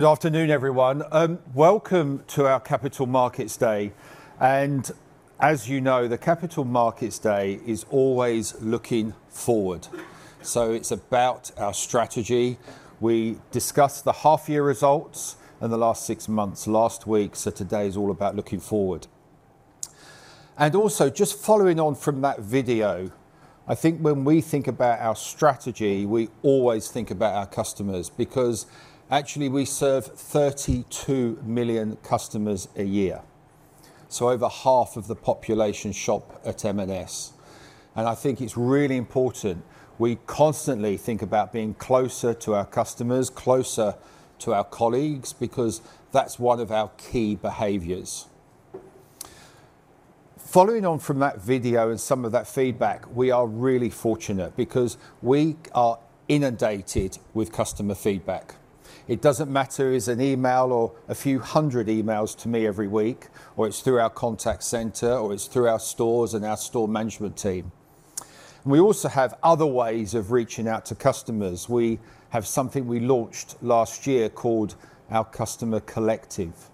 Good afternoon, everyone. Welcome to our Capital Markets Day. As you know, the Capital Markets Day is always looking forward. It is about our strategy. We discussed the half-year results and the last six months last week. Today is all about looking forward. Also, just following on from that video, I think when we think about our strategy, we always think about our customers because, actually, we serve 32 million customers a year. Over half of the population shop at M&S. I think it is really important we constantly think about being closer to our customers, closer to our colleagues, because that is one of our key behaviors. Following on from that video and some of that feedback, we are really fortunate because we are inundated with customer feedback. It doesn't matter if it's an email or a few hundred emails to me every week, or it's through our contact center, or it's through our stores and our store management team. We also have other ways of reaching out to customers. We have something we launched last year called our Customer Collective.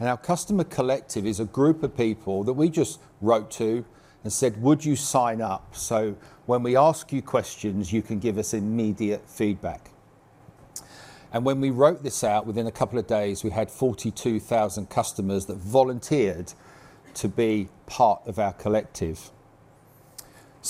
Our Customer Collective is a group of people that we just wrote to and said, "Would you sign up so when we ask you questions, you can give us immediate feedback?" When we wrote this out, within a couple of days, we had 42,000 customers that volunteered to be part of our collective.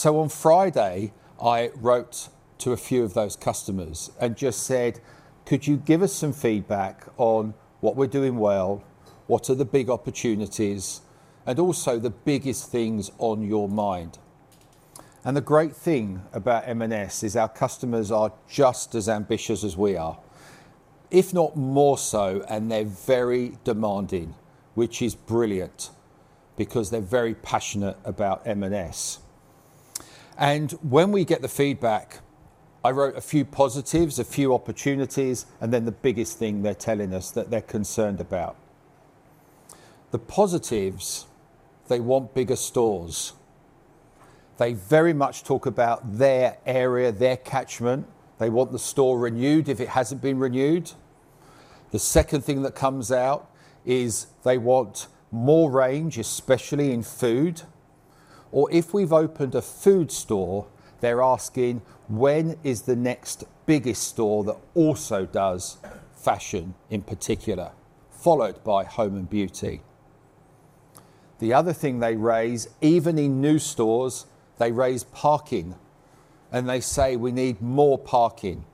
On Friday, I wrote to a few of those customers and just said, "Could you give us some feedback on what we're doing well, what are the big opportunities, and also the biggest things on your mind?" The great thing about M&S is our customers are just as ambitious as we are, if not more so, and they're very demanding, which is brilliant because they're very passionate about M&S. When we get the feedback, I wrote a few positives, a few opportunities, and then the biggest thing they're telling us that they're concerned about. The positives, they want bigger stores. They very much talk about their area, their catchment. They want the store renewed if it hasn't been renewed. The second thing that comes out is they want more range, especially in food. If we've opened a food store, they're asking, "When is the next biggest store that also does fashion in particular?" followed by home and beauty. The other thing they raise, even in new stores, they raise parking. They say, "We need more parking."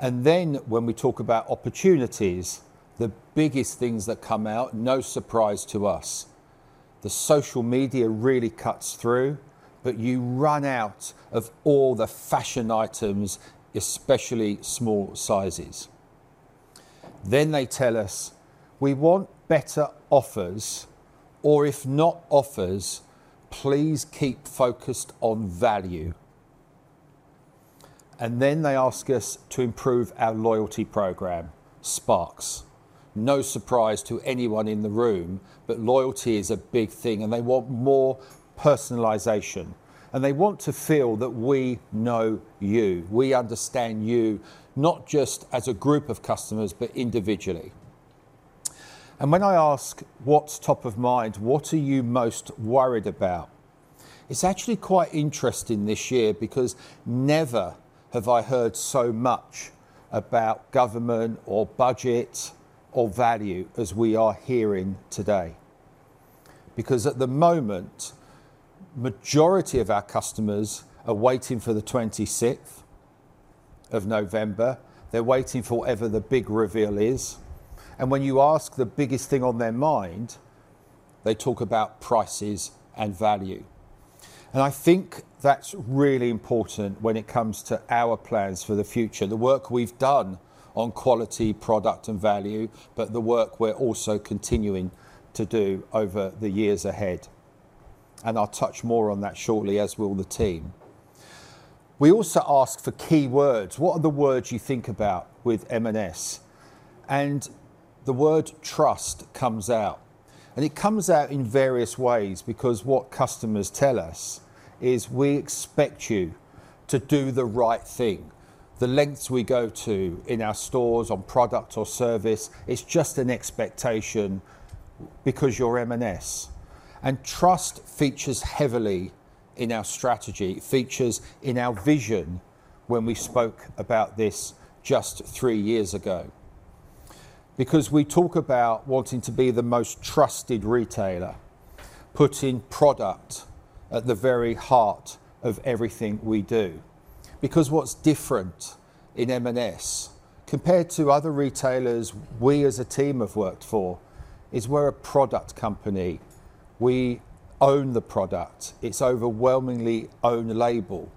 When we talk about opportunities, the biggest things that come out, no surprise to us, the social media really cuts through, but you run out of all the fashion items, especially small sizes. They tell us, "We want better offers, or if not offers, please keep focused on value." They ask us to improve our loyalty program, Sparks. No surprise to anyone in the room, but loyalty is a big thing, and they want more personalization. They want to feel that we know you. We understand you, not just as a group of customers, but individually. When I ask, "What's top of mind? What are you most worried about?" it's actually quite interesting this year because never have I heard so much about government or budget or value as we are hearing today. At the moment, the majority of our customers are waiting for the 26th of November. They're waiting for whatever the big reveal is. When you ask the biggest thing on their mind, they talk about prices and value. I think that's really important when it comes to our plans for the future, the work we've done on quality, product, and value, but the work we're also continuing to do over the years ahead. I'll touch more on that shortly, as will the team. We also ask for key words. What are the words you think about with M&S? The word trust comes out. It comes out in various ways because what customers tell us is, "We expect you to do the right thing." The lengths we go to in our stores on product or service is just an expectation because you're M&S. Trust features heavily in our strategy, features in our vision when we spoke about this just three years ago. We talk about wanting to be the most trusted retailer, putting product at the very heart of everything we do. What's different in M&S compared to other retailers we as a team have worked for is we're a product company. We own the product. It's overwhelmingly own label.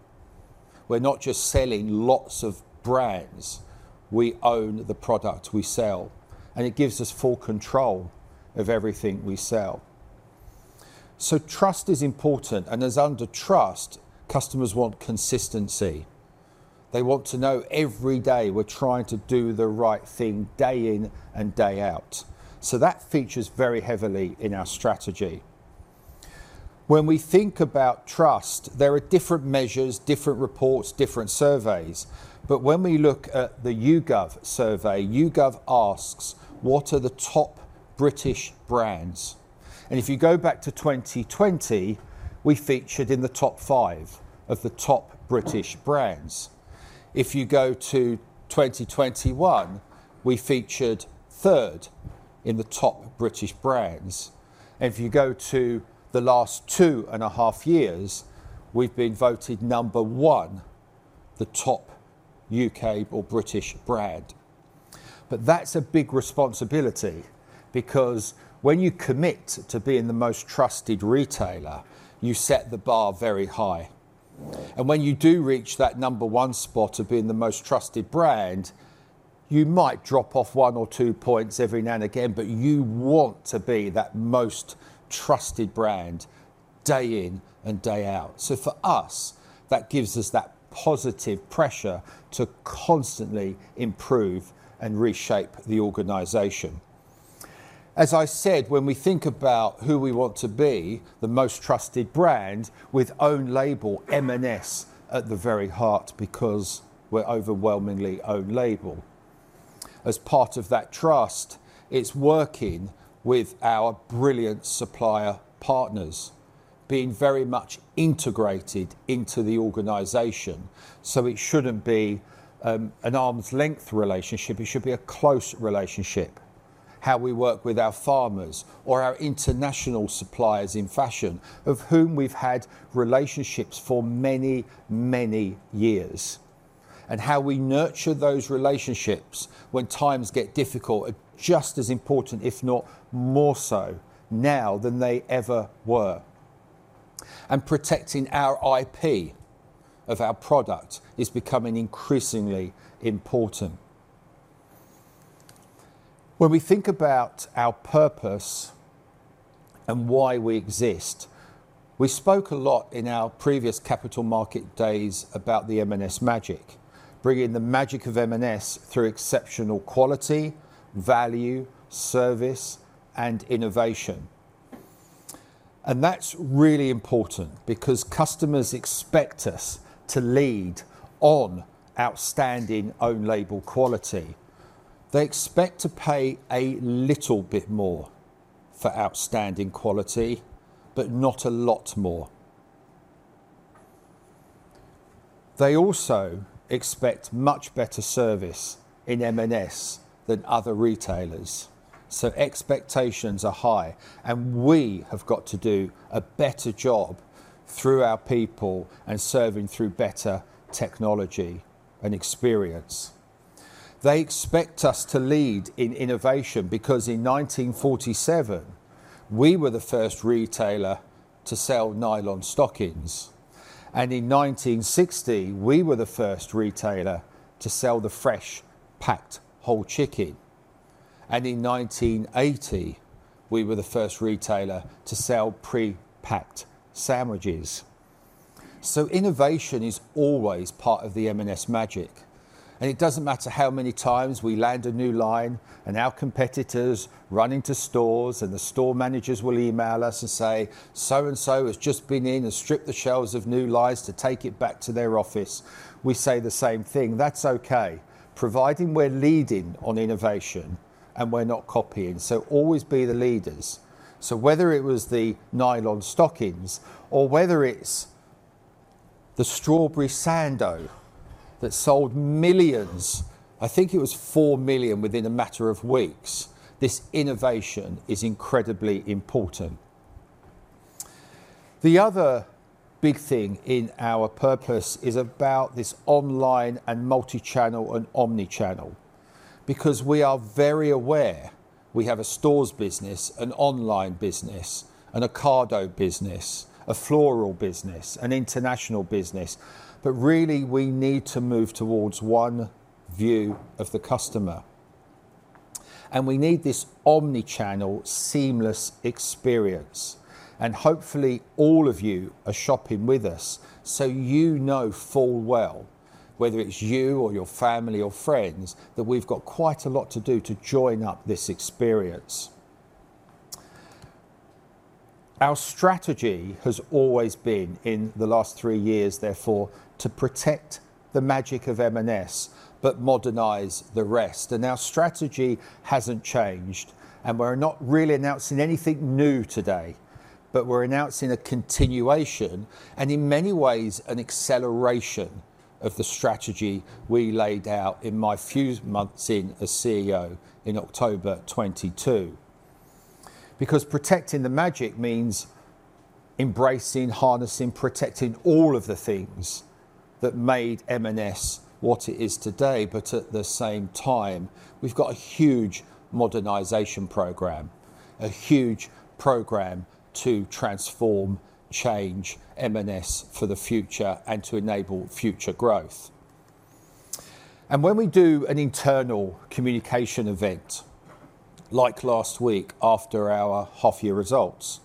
We're not just selling lots of brands. We own the product we sell. It gives us full control of everything we sell. Trust is important. Under trust, customers want consistency. They want to know every day we're trying to do the right thing day in and day out. That features very heavily in our strategy. When we think about trust, there are different measures, different reports, different surveys. When we look at the YouGov survey, YouGov asks, "What are the top British brands?" If you go back to 2020, we featured in the top five of the top British brands. If you go to 2021, we featured third in the top British brands. If you go to the last two and a half years, we've been voted number one, the top U.K or British brand. That is a big responsibility because when you commit to being the most trusted retailer, you set the bar very high. When you do reach that number one spot of being the most trusted brand, you might drop off one or two points every now and again, but you want to be that most trusted brand day in and day out. For us, that gives us that positive pressure to constantly improve and reshape the organization. As I said, when we think about who we want to be, the most trusted brand with own label, M&S at the very heart because we are overwhelmingly own label. As part of that trust, it is working with our brilliant supplier partners, being very much integrated into the organization. It should not be an arm's length relationship. It should be a close relationship. How we work with our farmers or our international suppliers in fashion, of whom we have had relationships for many, many years. How we nurture those relationships when times get difficult are just as important, if not more so now than they ever were. Protecting our IP of our product is becoming increasingly important. When we think about our purpose and why we exist, we spoke a lot in our previous capital market days about the M&S magic, bringing the magic of M&S through exceptional quality, value, service, and innovation. That is really important because customers expect us to lead on outstanding own label quality. They expect to pay a little bit more for outstanding quality, but not a lot more. They also expect much better service in M&S than other retailers. Expectations are high. We have got to do a better job through our people and serving through better technology and experience. They expect us to lead in innovation because in 1947, we were the first retailer to sell nylon stockings. In 1960, we were the first retailer to sell the fresh packed whole chicken. In 1980, we were the first retailer to sell pre-packed sandwiches. Innovation is always part of the M&S magic. It does not matter how many times we land a new line and our competitors run into stores and the store managers will email us and say, "So and so has just been in and stripped the shelves of new lines to take it back to their office." We say the same thing. That is okay. Providing we are leading on innovation and we are not copying. Always be the leaders. Whether it was the nylon stockings or whether it's the Strawberry Sando that sold millions, I think it was 4 million within a matter of weeks. This innovation is incredibly important. The other big thing in our purpose is about this online and multi-channel and omnichannel because we are very aware we have a stores business, an online business, a cargo business, a floral business, an international business. Really, we need to move towards one view of the customer. We need this omnichannel seamless experience. Hopefully, all of you are shopping with us. You know full well, whether it's you or your family or friends, that we've got quite a lot to do to join up this experience. Our strategy has always been in the last three years, therefore, to protect the magic of M&S, but modernize the rest. Our strategy hasn't changed. We're not really announcing anything new today, but we're announcing a continuation and in many ways an acceleration of the strategy we laid out in my few months in as CEO in October 2022. Protecting the magic means embracing, harnessing, protecting all of the things that made M&S what it is today. At the same time, we've got a huge modernization program, a huge program to transform, change M&S for the future and to enable future growth. When we do an internal communication event like last week after our half-year results,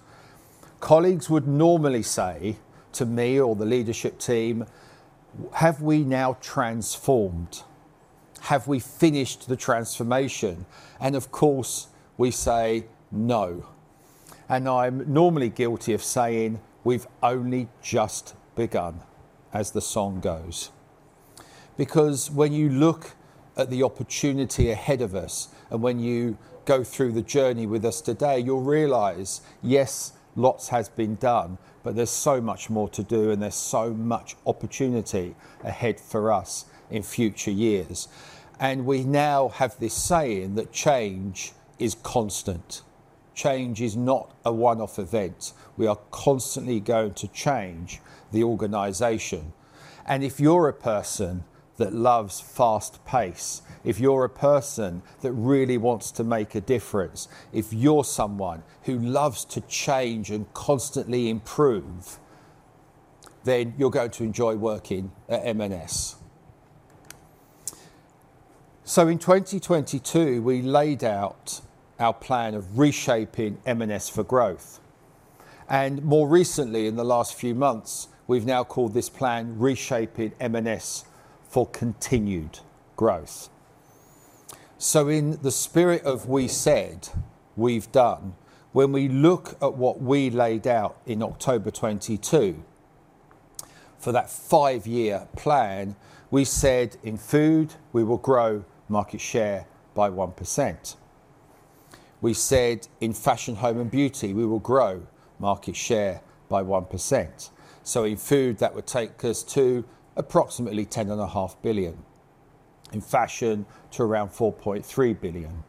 colleagues would normally say to me or the leadership team, "Have we now transformed? Have we finished the transformation?" Of course, we say, "No." I'm normally guilty of saying, "We've only just begun," as the song goes. Because when you look at the opportunity ahead of us and when you go through the journey with us today, you'll realize, yes, lots has been done, but there's so much more to do and there's so much opportunity ahead for us in future years. We now have this saying that change is constant. Change is not a one-off event. We are constantly going to change the organization. If you're a person that loves fast pace, if you're a person that really wants to make a difference, if you're someone who loves to change and constantly improve, then you're going to enjoy working at M&S. In 2022, we laid out our plan of reshaping M&S for growth. More recently, in the last few months, we've now called this plan Reshaping M&S for Continued Growth. In the spirit of we said, we've done, when we look at what we laid out in October 2022 for that five-year plan, we said in food, we will grow market share by 1%. We said in fashion, home and beauty, we will grow market share by 1%. In food, that would take us to approximately 10.5 billion. In fashion, to around 4.3 billion.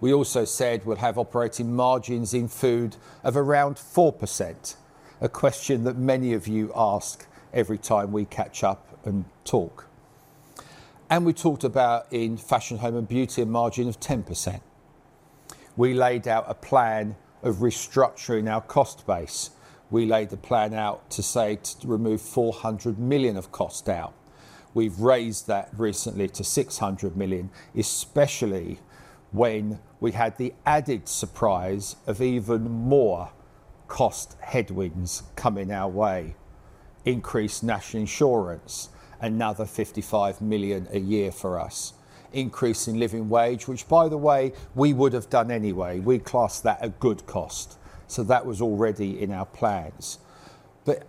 We also said we'll have operating margins in food of around 4%, a question that many of you ask every time we catch up and talk. We talked about in fashion, home and beauty, a margin of 10%. We laid out a plan of restructuring our cost base. We laid the plan out to say to remove 400 million of cost out. We've raised that recently to 600 million, especially when we had the added surprise of even more cost headwinds coming our way. Increased national insurance, another 55 million a year for us. Increasing living wage, which by the way, we would have done anyway. We class that a good cost. That was already in our plans.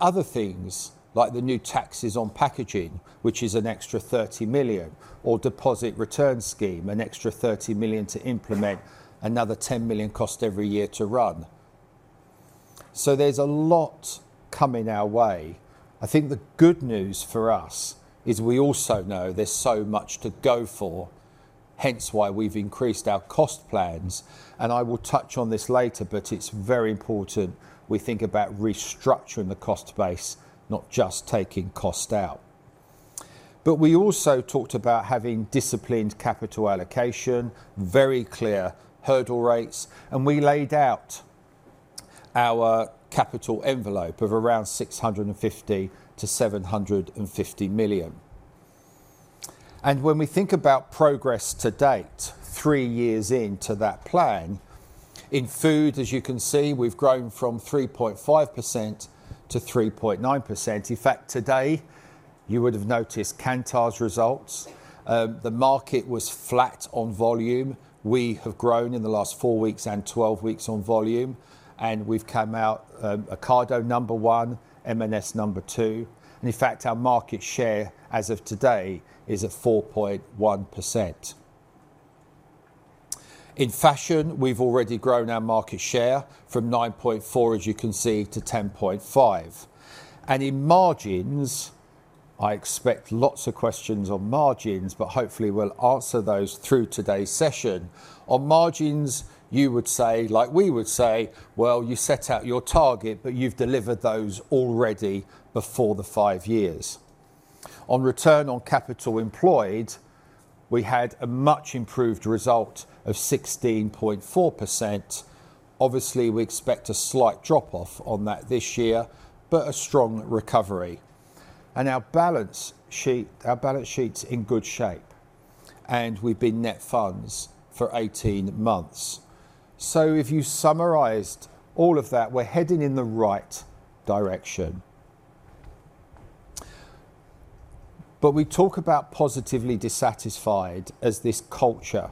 Other things like the new taxes on packaging, which is an extra 30 million, or deposit return scheme, an extra 30 million to implement, another 10 million cost every year to run. There is a lot coming our way. I think the good news for us is we also know there is so much to go for, hence why we've increased our cost plans. I will touch on this later, but it is very important we think about restructuring the cost base, not just taking cost out. We also talked about having disciplined capital allocation, very clear hurdle rates. We laid out our capital envelope of 650 million-750 million. When we think about progress to date, three years into that plan, in food, as you can see, we've grown from 3.5%-3.9%. In fact, today, you would have noticed Kantar's results. The market was flat on volume. We have grown in the last four weeks and twelve weeks on volume. We've come out Ocado number one, M&S number two. In fact, our market share as of today is at 4.1%. In fashion, we've already grown our market share from 9.4%, as you can see, to 10.5%. In margins, I expect lots of questions on margins, but hopefully, we'll answer those through today's session. On margins, you would say, like we would say, you set out your target, but you've delivered those already before the five years. On return on capital employed, we had a much improved result of 16.4%. Obviously, we expect a slight drop-off on that this year, but a strong recovery. Our balance sheet's in good shape. We've been net funds for 18 months. If you summarized all of that, we're heading in the right direction. We talk about positively dissatisfied as this culture.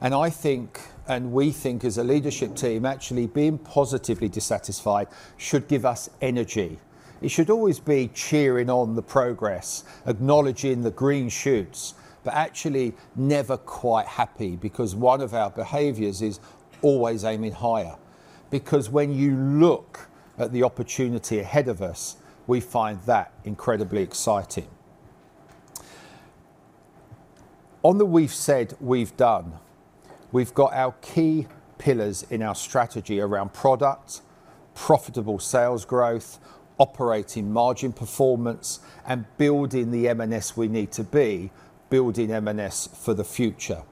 I think, and we think as a leadership team, actually being positively dissatisfied should give us energy. It should always be cheering on the progress, acknowledging the green shoots, but actually never quite happy because one of our behaviors is always aiming higher. When you look at the opportunity ahead of us, we find that incredibly exciting. On the we've said, we've done, we've got our key pillars in our strategy around product, profitable sales growth, operating margin performance, and building the M&S we need to be, building M&S for the future.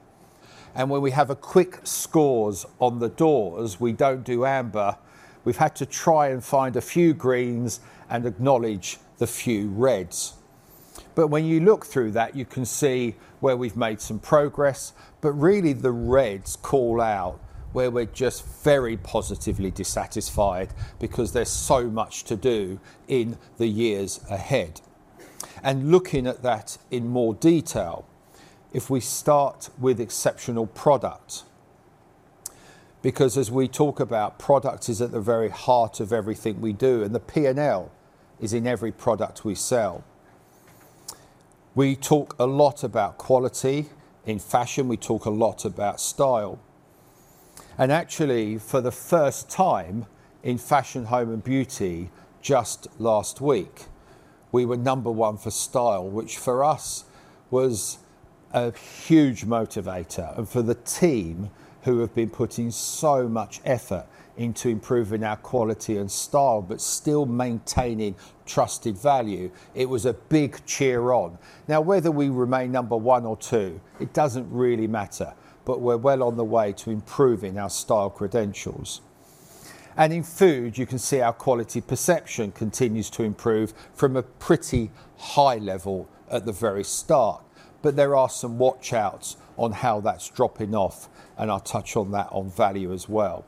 When we have a quick scores on the doors, we don't do amber. We've had to try and find a few greens and acknowledge the few reds. When you look through that, you can see where we've made some progress, but really the reds call out where we're just very positively dissatisfied because there's so much to do in the years ahead. Looking at that in more detail, if we start with exceptional product, because as we talk about product is at the very heart of everything we do, and the P&L is in every product we sell. We talk a lot about quality. In fashion, we talk a lot about style. Actually, for the first time in fashion, home and beauty, just last week, we were number one for style, which for us was a huge motivator. For the team who have been putting so much effort into improving our quality and style, but still maintaining trusted value, it was a big cheer on. Whether we remain number one or two, it does not really matter, but we are well on the way to improving our style credentials. In food, you can see our quality perception continues to improve from a pretty high level at the very start. There are some watch-outs on how that is dropping off, and I will touch on that on value as well.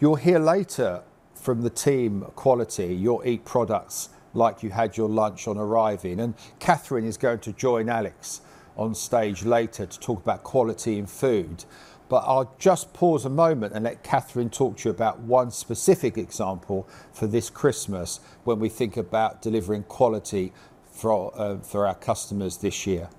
You will hear later from the team quality, your e-products like you had your lunch on arriving. Kathryn is going to join Alex on stage later to talk about quality in food. I'll just pause a moment and let Kathryn talk to you about one specific example for this Christmas when we think about delivering quality for our customers this year.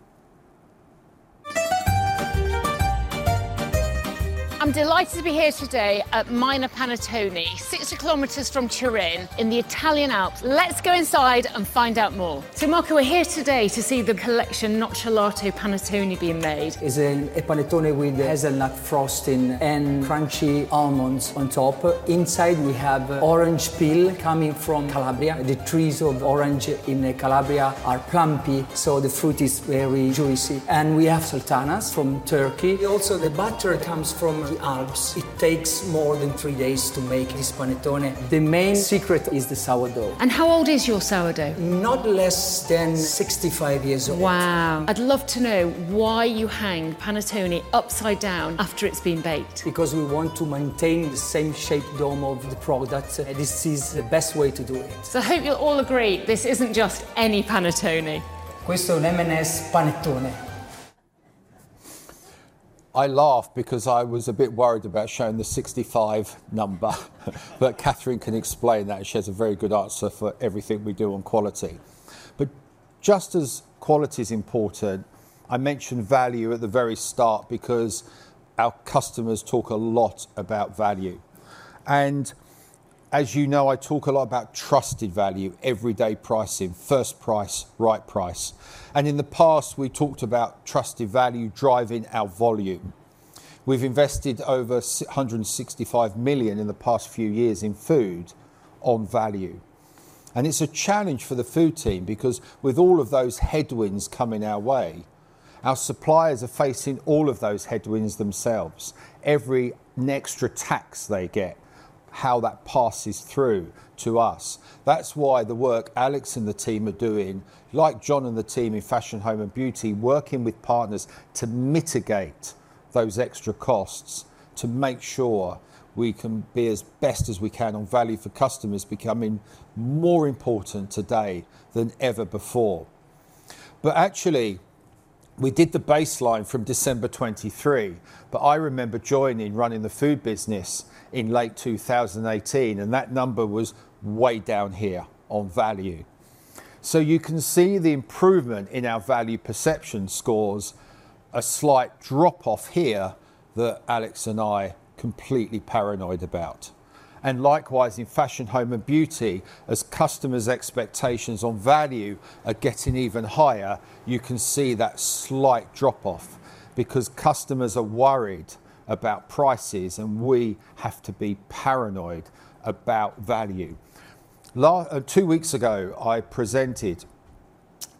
I'm delighted to be here today at Minor Panettone, 60 km from Turin in the Italian Alps. Let's go inside and find out more. Marco, we're here today to see the collection, Notchelato Panettone being made. It is an e-Panettone with hazelnut frosting and crunchy almonds on top. Inside, we have orange peel coming from Calabria. The trees of orange in Calabria are plumpy, so the fruit is very juicy. We have sultanas from Turkey. Also, the butter comes from the Alps. It takes more than three days to make this Panettone. The main secret is the sourdough. How old is your sourdough? Not less than 65 years old. Wow. I'd love to know why you hang Panettone upside down after it's been baked. Because we want to maintain the same shape dome of the product. This is the best way to do it. I hope you'll all agree this isn't just any Panettone. Questo M&S Panettone. I laughed because I was a bit worried about showing the 65 number. Kathryn can explain that. She has a very good answer for everything we do on quality. Just as quality is important, I mentioned value at the very start because our customers talk a lot about value. As you know, I talk a lot about trusted value, everyday pricing, first price, right price. In the past, we talked about trusted value driving our volume. We've invested over 165 million in the past few years in food on value. It is a challenge for the food team because with all of those headwinds coming our way, our suppliers are facing all of those headwinds themselves. Every extra tax they get, how that passes through to us. That is why the work Alex and the team are doing, like John and the team in fashion, home and beauty, working with partners to mitigate those extra costs to make sure we can be as best as we can on value for customers is becoming more important today than ever before. Actually, we did the baseline from December 2023, but I remember joining running the food business in late 2018, and that number was way down here on value. You can see the improvement in our value perception scores, a slight drop-off here that Alex and I are completely paranoid about. Likewise, in fashion, home and beauty, as customers' expectations on value are getting even higher, you can see that slight drop-off because customers are worried about prices, and we have to be paranoid about value. Two weeks ago, I presented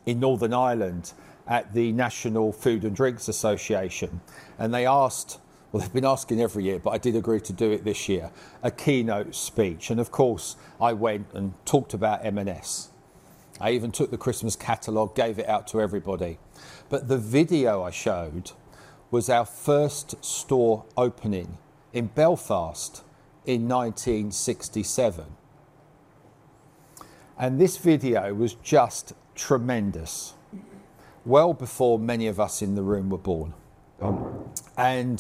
in Northern Ireland at the National Food and Drink Association, and they asked, well, they've been asking every year, but I did agree to do it this year, a keynote speech. Of course, I went and talked about M&S. I even took the Christmas catalog, gave it out to everybody. The video I showed was our first store opening in Belfast in 1967. This video was just tremendous, well before many of us in the room were born. In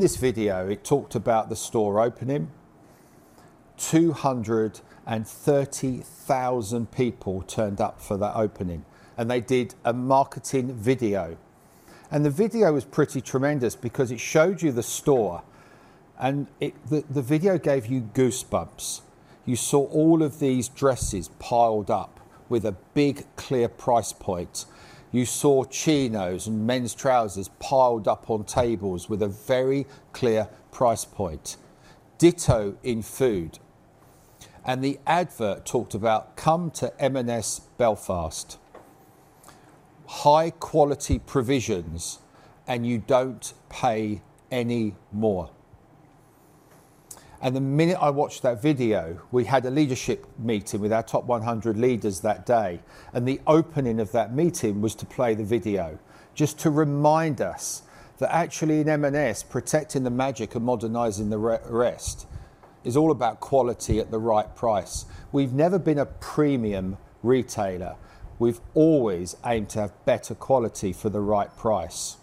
this video, it talked about the store opening. 230,000 people turned up for that opening, and they did a marketing video. The video was pretty tremendous because it showed you the store, and the video gave you goosebumps. You saw all of these dresses piled up with a big clear price point. You saw chinos and men's trousers piled up on tables with a very clear price point. Ditto in food. The advert talked about, "Come to M&S Belfast. High-quality provisions, and you do not pay any more." The minute I watched that video, we had a leadership meeting with our top 100 leaders that day. The opening of that meeting was to play the video, just to remind us that actually in M&S, protecting the magic and modernizing the rest is all about quality at the right price. We have never been a premium retailer. We have always aimed to have better quality for the right price.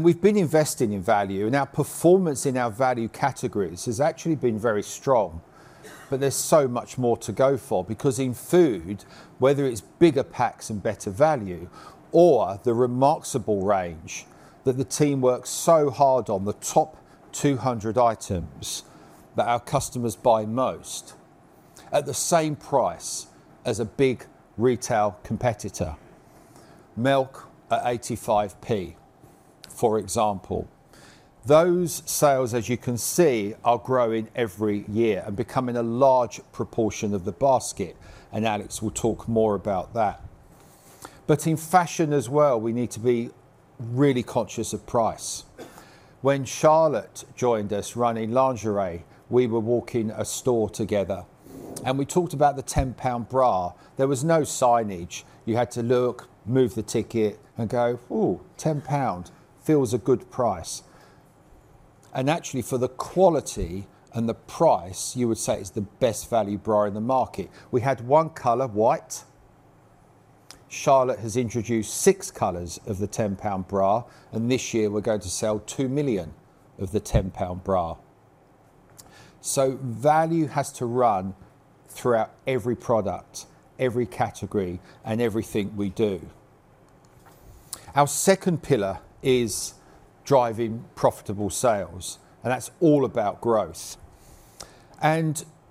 We have been investing in value, and our performance in our value categories has actually been very strong. There is so much more to go for because in food, whether it is bigger packs and better value or the Remarksable range that the team works so hard on, the top 200 items that our customers buy most at the same price as a big retail competitor, milk at 0.85, for example. Those sales, as you can see, are growing every year and becoming a large proportion of the basket. Alex will talk more about that. In fashion as well, we need to be really conscious of price. When Charlotte joined us running lingerie, we were walking a store together, and we talked about the 10 pound bra. There was no signage. You had to look, move the ticket, and go, "Oh, 10 pound feels a good price." Actually, for the quality and the price, you would say it's the best value bra in the market. We had one color, white. Charlotte has introduced six colors of the GBP 10 bra, and this year, we're going to sell 2 million of the GBP 10 bra. Value has to run throughout every product, every category, and everything we do. Our second pillar is driving profitable sales, and that's all about growth.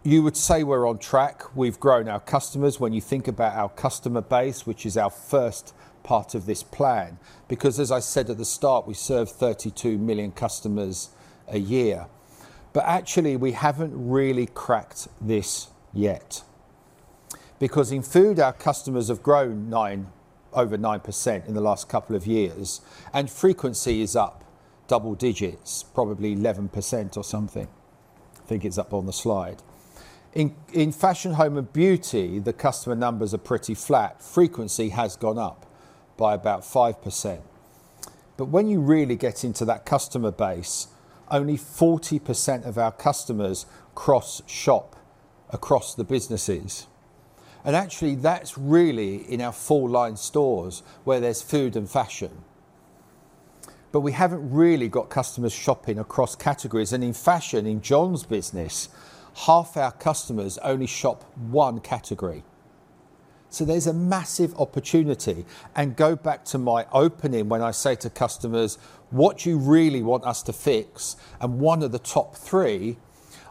You would say we're on track. We've grown our customers. When you think about our customer base, which is our first part of this plan, because as I said at the start, we serve 32 million customers a year. Actually, we haven't really cracked this yet. Because in food, our customers have grown over 9% in the last couple of years, and frequency is up double digits, probably 11% or something. I think it's up on the slide. In fashion, home and beauty, the customer numbers are pretty flat. Frequency has gone up by about 5%. When you really get into that customer base, only 40% of our customers cross-shop across the businesses. Actually, that's really in our four-line stores where there's food and fashion. We haven't really got customers shopping across categories. In fashion, in John's business, half our customers only shop one category. There is a massive opportunity. To go back to my opening when I say to customers, "What do you really want us to fix?" One of the top three,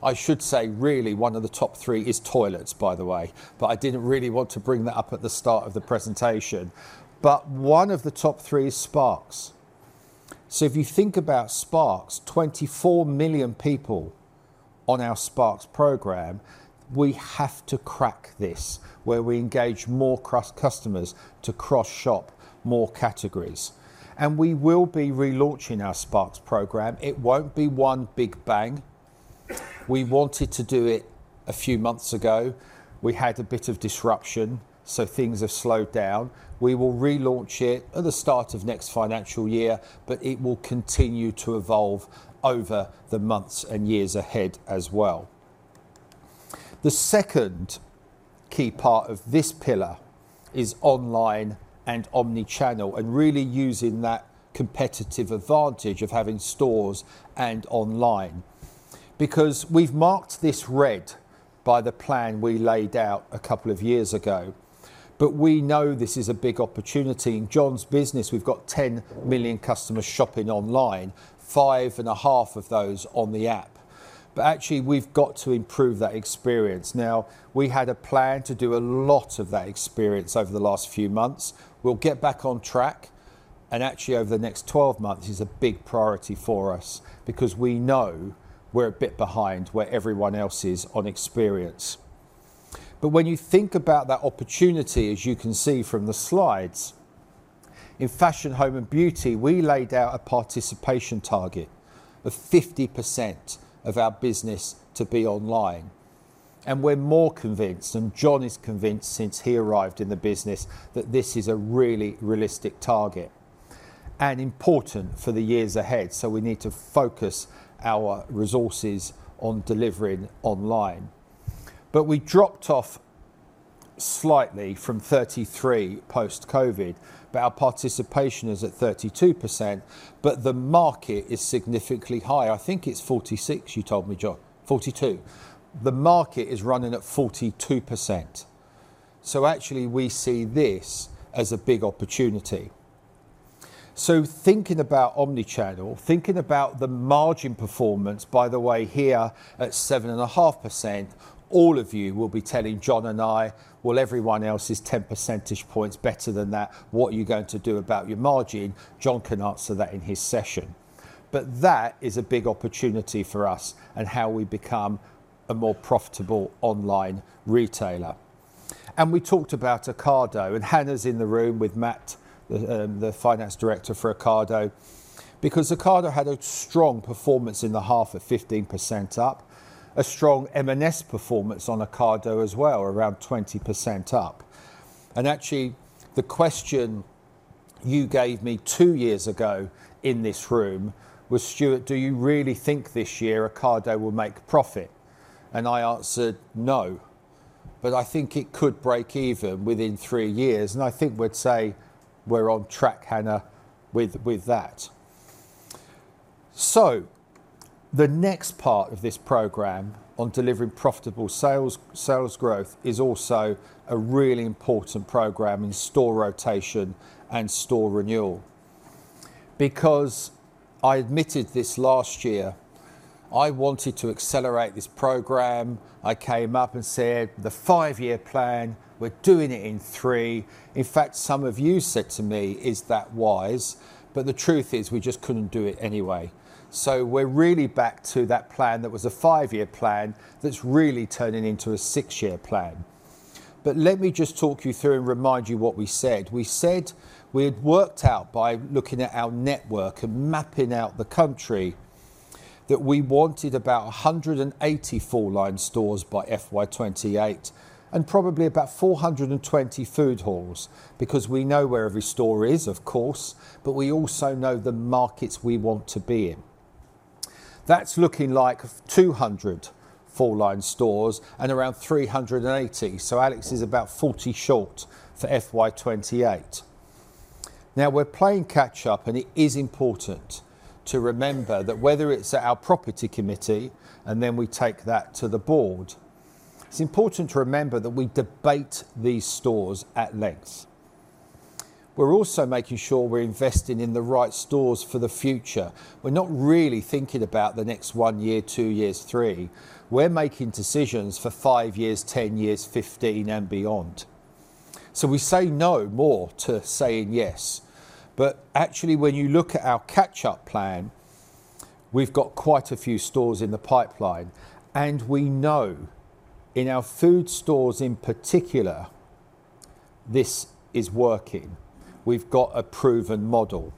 I should say really one of the top three, is toilets, by the way, but I did not really want to bring that up at the start of the presentation. One of the top three is Sparks. If you think about Sparks, 24 million people on our Sparks program, we have to crack this where we engage more customers to cross-shop more categories. We will be relaunching our Sparks program. It will not be one big bang. We wanted to do it a few months ago. We had a bit of disruption, so things have slowed down. We will relaunch it at the start of next financial year, but it will continue to evolve over the months and years ahead as well. The second key part of this pillar is online and omnichannel, and really using that competitive advantage of having stores and online. Because we have marked this red by the plan we laid out a couple of years ago, but we know this is a big opportunity. In John's business, we have 10 million customers shopping online, five and a half of those on the app. Actually, we have to improve that experience. We had a plan to do a lot of that experience over the last few months. We will get back on track. Actually, over the next 12 months is a big priority for us because we know we are a bit behind where everyone else is on experience. When you think about that opportunity, as you can see from the slides, in fashion, home and beauty, we laid out a participation target of 50% of our business to be online. We are more convinced, and John is convinced since he arrived in the business, that this is a really realistic target and important for the years ahead. We need to focus our resources on delivering online. We dropped off slightly from 33% post-COVID, but our participation is at 32%. The market is significantly higher. I think it is 46%, you told me, John, 42%. The market is running at 42%. We see this as a big opportunity. Thinking about omnichannel, thinking about the margin performance, by the way, here at 7.5%, all of you will be telling John and I, "Well, everyone else is 10 percentage points better than that. What are you going to do about your margin?" John can answer that in his session. That is a big opportunity for us and how we become a more profitable online retailer. We talked about Ocado, and Hannah's in the room with Matt, the finance director for Ocado, because Ocado had a strong performance in the half of 15% up, a strong M&S performance on Ocado as well, around 20% up. Actually, the question you gave me two years ago in this room was, "Stuart, do you really think this year Ocado will make profit?" I answered, "No, but I think it could break even within three years." I think we'd say we're on track, Hannah, with that. The next part of this program on delivering profitable sales growth is also a really important program in store rotation and store renewal. Because I admitted this last year, I wanted to accelerate this program. I came up and said, "The five-year plan, we're doing it in three." In fact, some of you said to me, "Is that wise?" The truth is we just couldn't do it anyway. We are really back to that plan that was a five-year plan that's really turning into a six-year plan. Let me just talk you through and remind you what we said. We said we had worked out by looking at our network and mapping out the country that we wanted about 180 four-line stores by FY 2028 and probably about 420 food halls because we know where every store is, of course, but we also know the markets we want to be in. That is looking like 200 four-line stores and around 380. Alex is about 40 short for FY 2028. Now, we're playing catch-up, and it is important to remember that whether it's at our property committee and then we take that to the board, it's important to remember that we debate these stores at length. We're also making sure we're investing in the right stores for the future. We're not really thinking about the next one year, two years, three. We're making decisions for five years, 10 years, 15, and beyond. We say no more to saying yes. Actually, when you look at our catch-up plan, we've got quite a few stores in the pipeline. We know in our food stores in particular, this is working. We've got a proven model.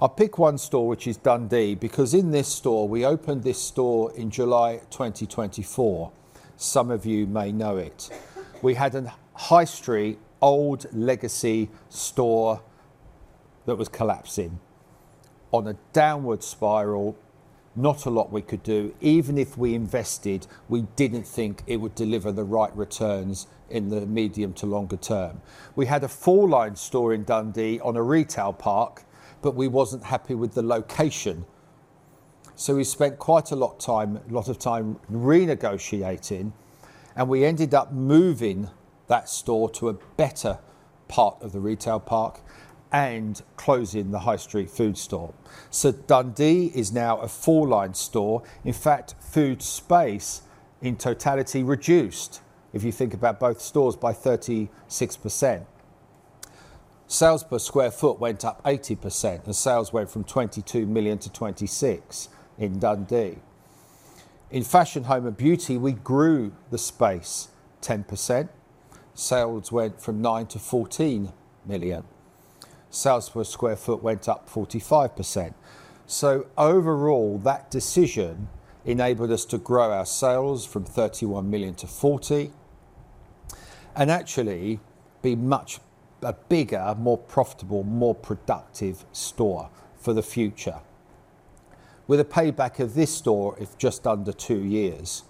I'll pick one store, which is Dundee, because in this store, we opened this store in July 2024. Some of you may know it. We had a high-street, old legacy store that was collapsing on a downward spiral. Not a lot we could do. Even if we invested, we did not think it would deliver the right returns in the medium to longer term. We had a four-line store in Dundee on a retail park, but we were not happy with the location. We spent quite a lot of time renegotiating, and we ended up moving that store to a better part of the retail park and closing the high-street food store. Dundee is now a four-line store. In fact, food space in totality reduced, if you think about both stores, by 36%. Sales per square foot went up 80%, and sales went from 22 million to 26 million in Dundee. In fashion, home and beauty, we grew the space 10%. Sales went from 9 million to 14 million. Sales per square foot went up 45%. Overall, that decision enabled us to grow our sales from 31 million to 40 million and actually be a much bigger, more profitable, more productive store for the future with a payback of this store of just under two years.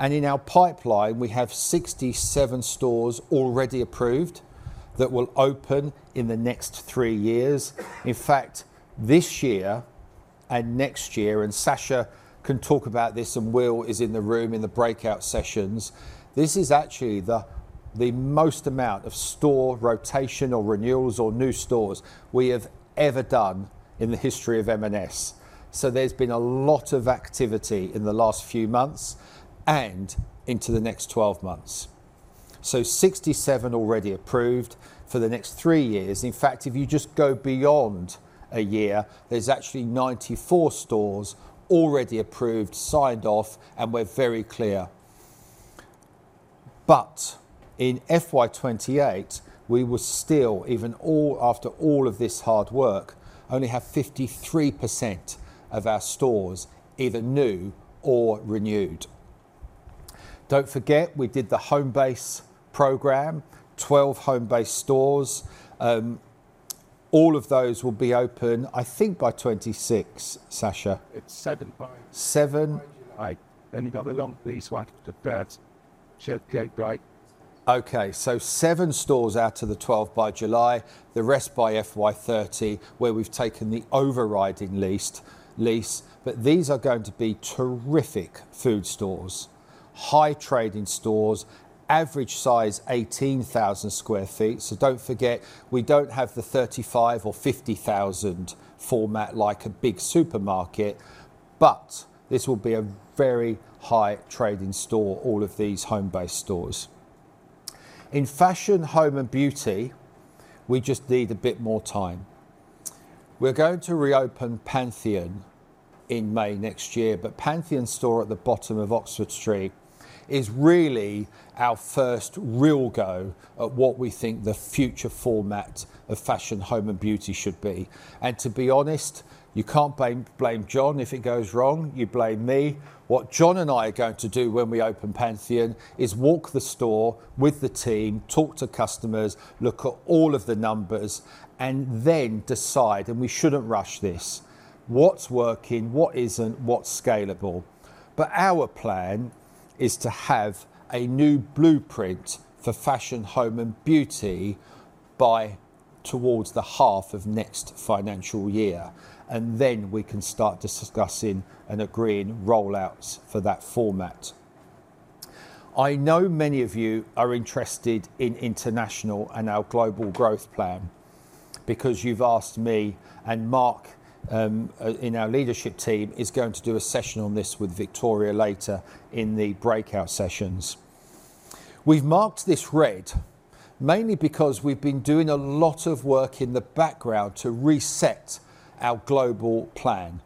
In our pipeline, we have 67 stores already approved that will open in the next three years. In fact, this year and next year, and Sacha can talk about this and Will is in the room in the breakout sessions, this is actually the most amount of store rotation or renewals or new stores we have ever done in the history of M&S. There has been a lot of activity in the last few months and into the next 12 months. 67 already approved for the next three years. In fact, if you just go beyond a year, there's actually 94 stores already approved, signed off, and we're very clear. In FY 2028, we will still, even after all of this hard work, only have 53% of our stores either new or renewed. Don't forget, we did the home-based program, 12 home-based stores. All of those will be open, I think, by 2026, Sacha. It's 7 by July. 7 by July. You have the long lease one after that. She has to get it right. Okay. 7 stores out of the 12 by July, the rest by FY 2030, where we've taken the overriding lease. These are going to be terrific food stores, high-trading stores, average size 18,000 sq ft. Do not forget, we do not have the 35,000 or 50,000 format like a big supermarket, but this will be a very high-trading store, all of these home-based stores. In fashion, home and beauty, we just need a bit more time. We are going to reopen Pantheon in May next year, but Pantheon store at the bottom of Oxford Street is really our first real go at what we think the future format of fashion, home, and beauty should be. To be honest, you cannot blame John. If it goes wrong, you blame me. What John and I are going to do when we open Pantheon is walk the store with the team, talk to customers, look at all of the numbers, and then decide. We should not rush this. What is working? What is not? What is scalable? Our plan is to have a new blueprint for fashion, home, and beauty by towards the half of next financial year. Then we can start discussing and agreeing rollouts for that format. I know many of you are interested in international and our global growth plan because you've asked me, and Mark in our leadership team is going to do a session on this with Victoria later in the breakout sessions. We've marked this red mainly because we've been doing a lot of work in the background to reset our global plan.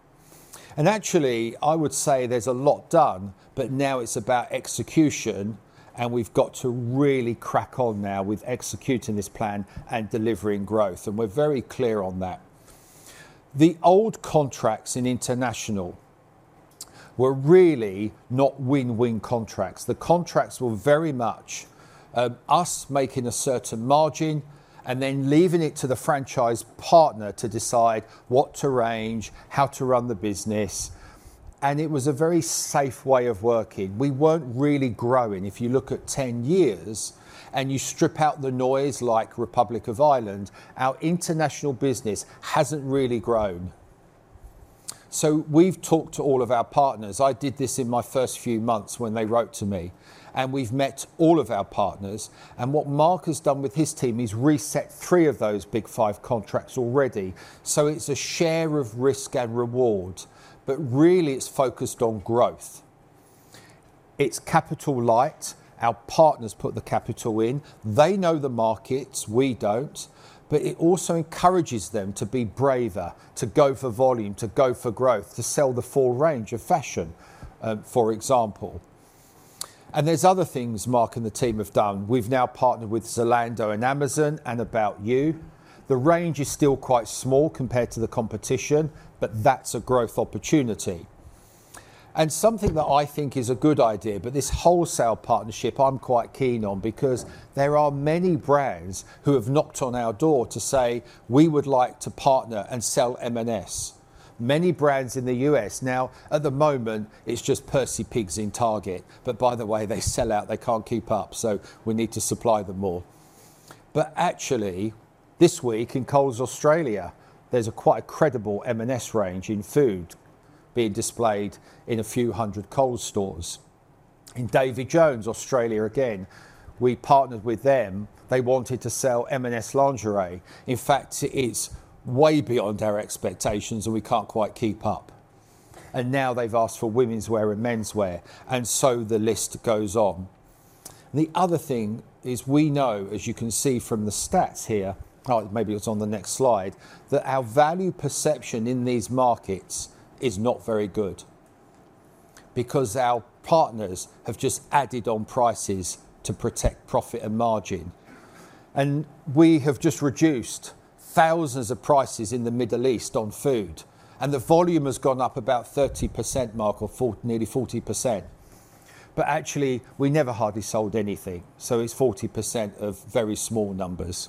Actually, I would say there's a lot done, but now it's about execution, and we've got to really crack on now with executing this plan and delivering growth. We're very clear on that. The old contracts in international were really not win-win contracts. The contracts were very much us making a certain margin and then leaving it to the franchise partner to decide what to range, how to run the business. It was a very safe way of working. We were not really growing. If you look at 10 years and you strip out the noise like Republic of Ireland, our international business has not really grown. We have talked to all of our partners. I did this in my first few months when they wrote to me, and we have met all of our partners. What Mark has done with his team is reset three of those big five contracts already. It is a share of risk and reward, but really it is focused on growth. It is capital light. Our partners put the capital in. They know the markets. We do not. It also encourages them to be braver, to go for volume, to go for growth, to sell the full range of fashion, for example. There are other things Mark and the team have done. We have now partnered with Zalando and Amazon and About You. The range is still quite small compared to the competition, but that is a growth opportunity. Something that I think is a good idea is this wholesale partnership I am quite keen on because there are many brands who have knocked on our door to say, "We would like to partner and sell M&S." Many brands in the US now, at the moment, it is just Percy Pigs in Target. By the way, they sell out. They cannot keep up. We need to supply them more. Actually, this week in Coles, Australia, there's quite a credible M&S range in food being displayed in a few hundred Coles stores. In David Jones, Australia again, we partnered with them. They wanted to sell M&S lingerie. In fact, it's way beyond our expectations, and we can't quite keep up. Now they've asked for women's wear and men's wear. The list goes on. The other thing is we know, as you can see from the stats here, maybe it's on the next slide, that our value perception in these markets is not very good because our partners have just added on prices to protect profit and margin. We have just reduced thousands of prices in the Middle East on food. The volume has gone up about 30%, Mark, or nearly 40%. Actually, we never hardly sold anything. It's 40% of very small numbers.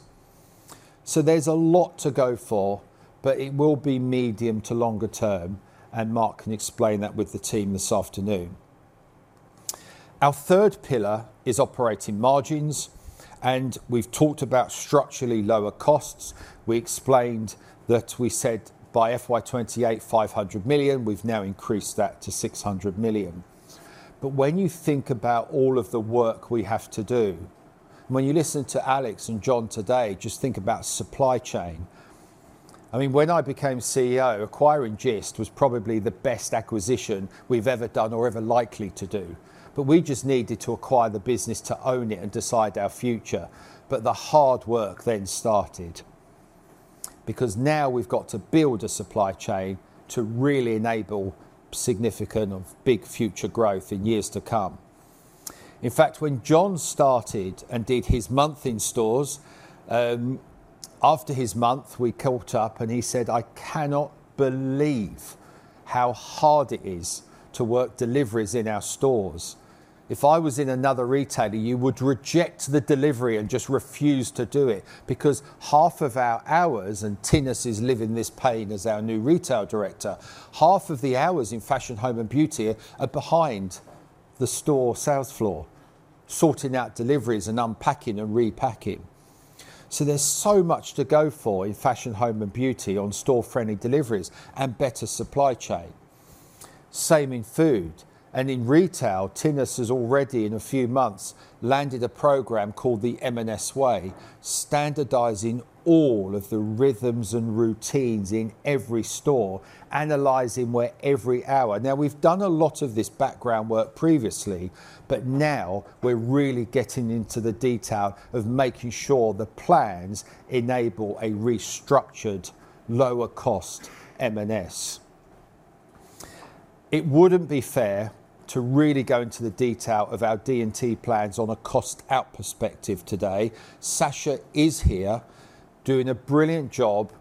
There's a lot to go for, but it will be medium to longer term. Mark can explain that with the team this afternoon. Our third pillar is operating margins. We've talked about structurally lower costs. We explained that we said by FY 2028, 500 million. We've now increased that to 600 million. When you think about all of the work we have to do, when you listen to Alex and John today, just think about supply chain. I mean, when I became CEO, acquiring GIST was probably the best acquisition we've ever done or ever likely to do. We just needed to acquire the business to own it and decide our future. The hard work then started because now we've got to build a supply chain to really enable significant and big future growth in years to come. In fact, when John started and did his month in stores, after his month, we caught up, and he said, "I cannot believe how hard it is to work deliveries in our stores. If I was in another retailer, you would reject the delivery and just refuse to do it because half of our hours—and Tinus is living this pain as our new Retail Director—half of the hours in fashion, home, and beauty are behind the store sales floor, sorting out deliveries and unpacking and repacking." There is so much to go for in fashion, home, and beauty on store-friendly deliveries and better supply chain. Same in food. In retail, Tinus has already, in a few months, landed a program called the M&S Way, standardizing all of the rhythms and routines in every store, analyzing where every hour. Now, we've done a lot of this background work previously, but now we're really getting into the detail of making sure the plans enable a restructured, lower-cost M&S. It wouldn't be fair to really go into the detail of our D&T plans on a cost-out perspective today. Sacha is here doing a brilliant job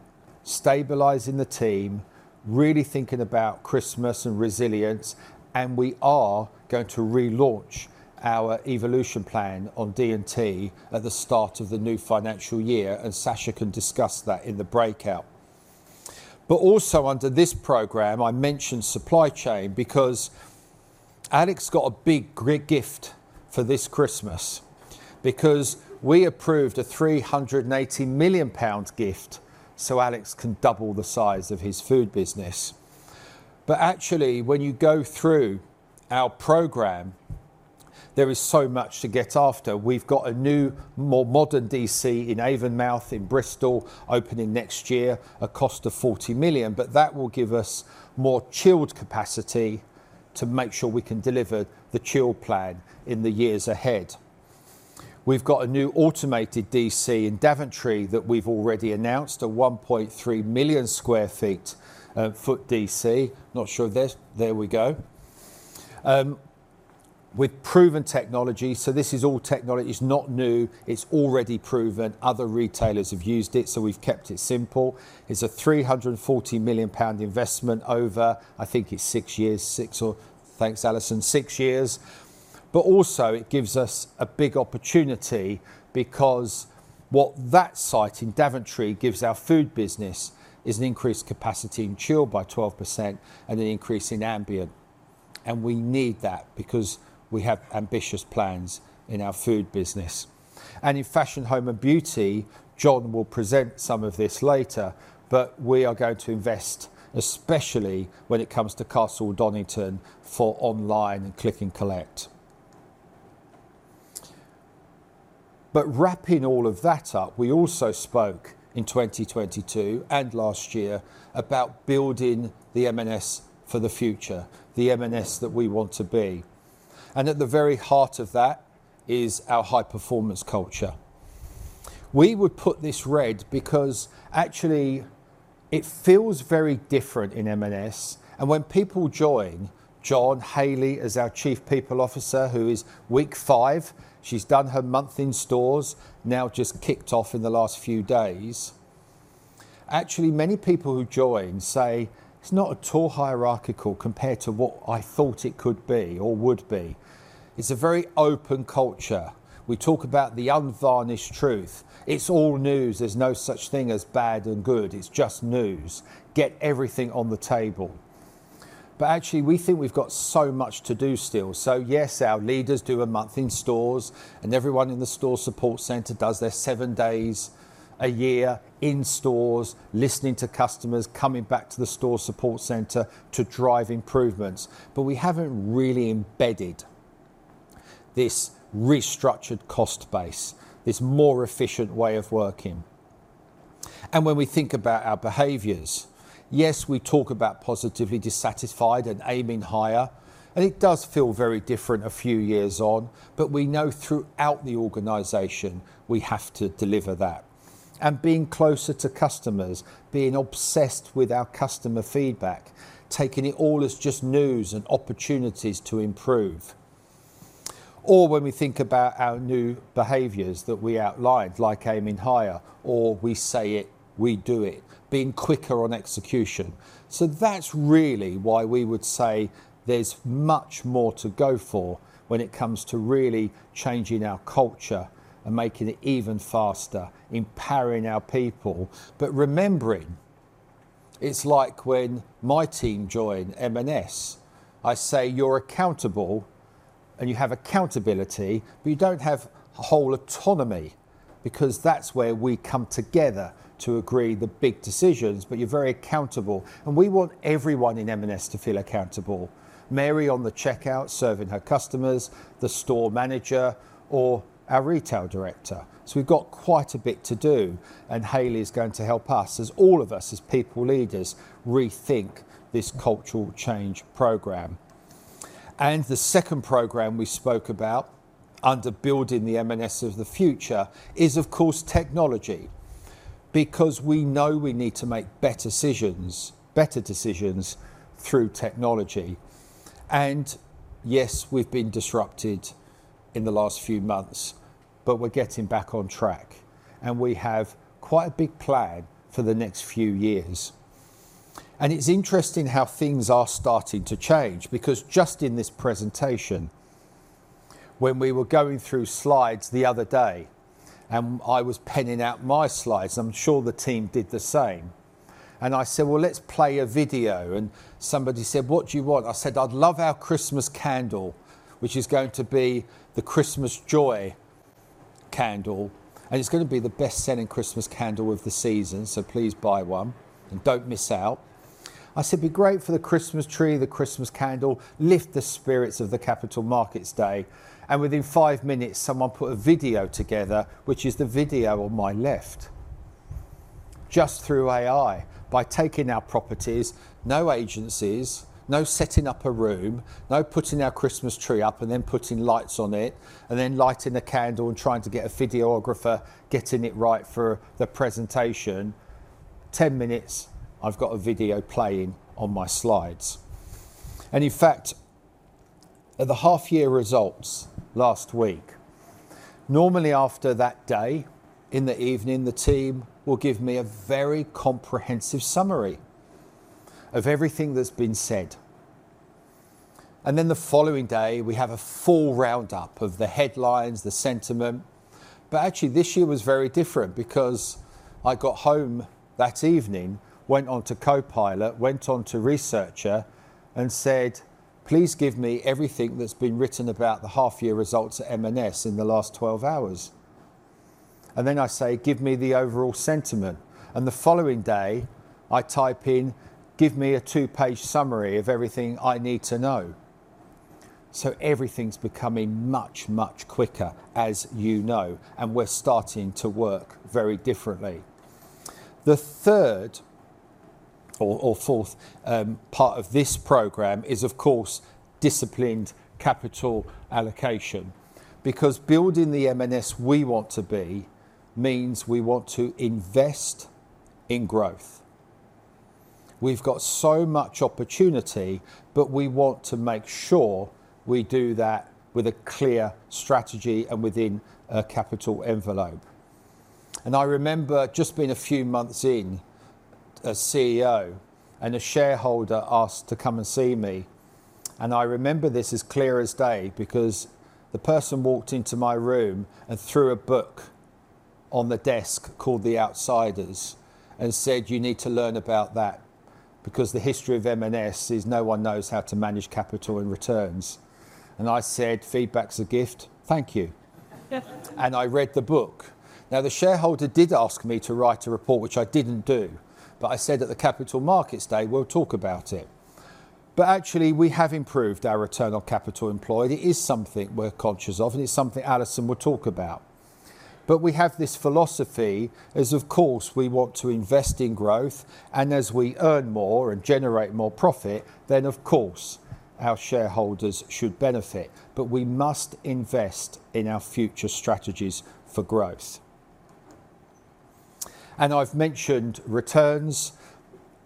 stabilizing the team, really thinking about Christmas and resilience. We are going to relaunch our evolution plan on D&T at the start of the new financial year. Sacha can discuss that in the breakout. Also under this program, I mentioned supply chain because Alex got a big gift for this Christmas because we approved a 380 million pounds gift so Alex can double the size of his food business. Actually, when you go through our program, there is so much to get after. We've got a new, more modern DC in Avonmouth in Bristol opening next year at a cost of 40 million, but that will give us more chilled capacity to make sure we can deliver the chill plan in the years ahead. We've got a new automated DC in Daventry that we've already announced, a 1.3 million sq ft DC. Not sure of this. There we go. With proven technology. This is all technology. It's not new. It's already proven. Other retailers have used it, so we've kept it simple. It's a 340 million pound investment over, I think it's six years, six or thanks, Alison, six years. It gives us a big opportunity because what that site in Daventry gives our food business is an increased capacity in chill by 12% and an increase in ambient. We need that because we have ambitious plans in our food business. In fashion, home, and beauty, John will present some of this later, but we are going to invest, especially when it comes to Castle Donington, for online and click and collect. Wrapping all of that up, we also spoke in 2022 and last year about building the M&S for the future, the M&S that we want to be. At the very heart of that is our high-performance culture. We would put this red because actually, it feels very different in M&S. When people join, John Haley is our Chief People Officer who is week five. She's done her month in stores, now just kicked off in the last few days. Actually, many people who join say, "It's not at all hierarchical compared to what I thought it could be or would be. It's a very open culture. We talk about the unvarnished truth. It's all news. There's no such thing as bad and good. It's just news. Get everything on the table. Actually, we think we've got so much to do still. Yes, our leaders do a month in stores, and everyone in the store support center does their seven days a year in stores, listening to customers, coming back to the store support center to drive improvements. We haven't really embedded this restructured cost base, this more efficient way of working. When we think about our behaviors, yes, we talk about positively dissatisfied and aiming higher. It does feel very different a few years on, but we know throughout the organization we have to deliver that. Being closer to customers, being obsessed with our customer feedback, taking it all as just news and opportunities to improve. When we think about our new behaviors that we outlined, like aiming higher, or we say it, we do it, being quicker on execution. That is really why we would say there is much more to go for when it comes to really changing our culture and making it even faster, empowering our people. Remembering, it is like when my team joined M&S, I say, "You are accountable, and you have accountability, but you do not have whole autonomy because that is where we come together to agree the big decisions, but you are very accountable." We want everyone in M&S to feel accountable: Mary on the checkout, serving her customers, the store manager, or our retail director. We have quite a bit to do, and Hannah is going to help us, as all of us, as people leaders, rethink this cultural change program. The second program we spoke about under Building the M&S of the Future is, of course, technology because we know we need to make better decisions through technology. Yes, we have been disrupted in the last few months, but we are getting back on track. We have quite a big plan for the next few years. It is interesting how things are starting to change because just in this presentation, when we were going through slides the other day, and I was penning out my slides, I am sure the team did the same. I said, "Let's play a video." Somebody said, "What do you want?" I said, "I'd love our Christmas candle, which is going to be the Christmas Joy candle. It's going to be the best-selling Christmas candle of the season, so please buy one and don't miss out." I said, "Be great for the Christmas tree, the Christmas candle, lift the spirits of the Capital Markets Day." Within five minutes, someone put a video together, which is the video on my left, just through AI, by taking our properties, no agencies, no setting up a room, no putting our Christmas tree up and then putting lights on it, and then lighting a candle and trying to get a videographer getting it right for the presentation. Ten minutes, I've got a video playing on my slides. In fact, at the half-year results last week, normally after that day in the evening, the team will give me a very comprehensive summary of everything that's been said. The following day, we have a full roundup of the headlines, the sentiment. Actually, this year was very different because I got home that evening, went on to Copilot, went on to Researcher, and said, "Please give me everything that's been written about the half-year results at M&S in the last 12 hours." I say, "Give me the overall sentiment." The following day, I type in, "Give me a two-page summary of everything I need to know." Everything's becoming much, much quicker, as you know, and we're starting to work very differently. The third or fourth part of this program is, of course, disciplined capital allocation because building the M&S we want to be means we want to invest in growth. We've got so much opportunity, but we want to make sure we do that with a clear strategy and within a capital envelope. I remember just being a few months in as CEO, and a shareholder asked to come and see me. I remember this as clear as day because the person walked into my room and threw a book on the desk called The Outsiders and said, "You need to learn about that because the history of M&S is no one knows how to manage capital and returns." I said, "Feedback's a gift. Thank you." I read the book. Now, the shareholder did ask me to write a report, which I did not do, but I said at the Capital Markets Day, "We'll talk about it." Actually, we have improved our return on capital employed. It is something we're conscious of, and it's something Alison will talk about. We have this philosophy as, of course, we want to invest in growth, and as we earn more and generate more profit, then, of course, our shareholders should benefit. We must invest in our future strategies for growth. I have mentioned returns.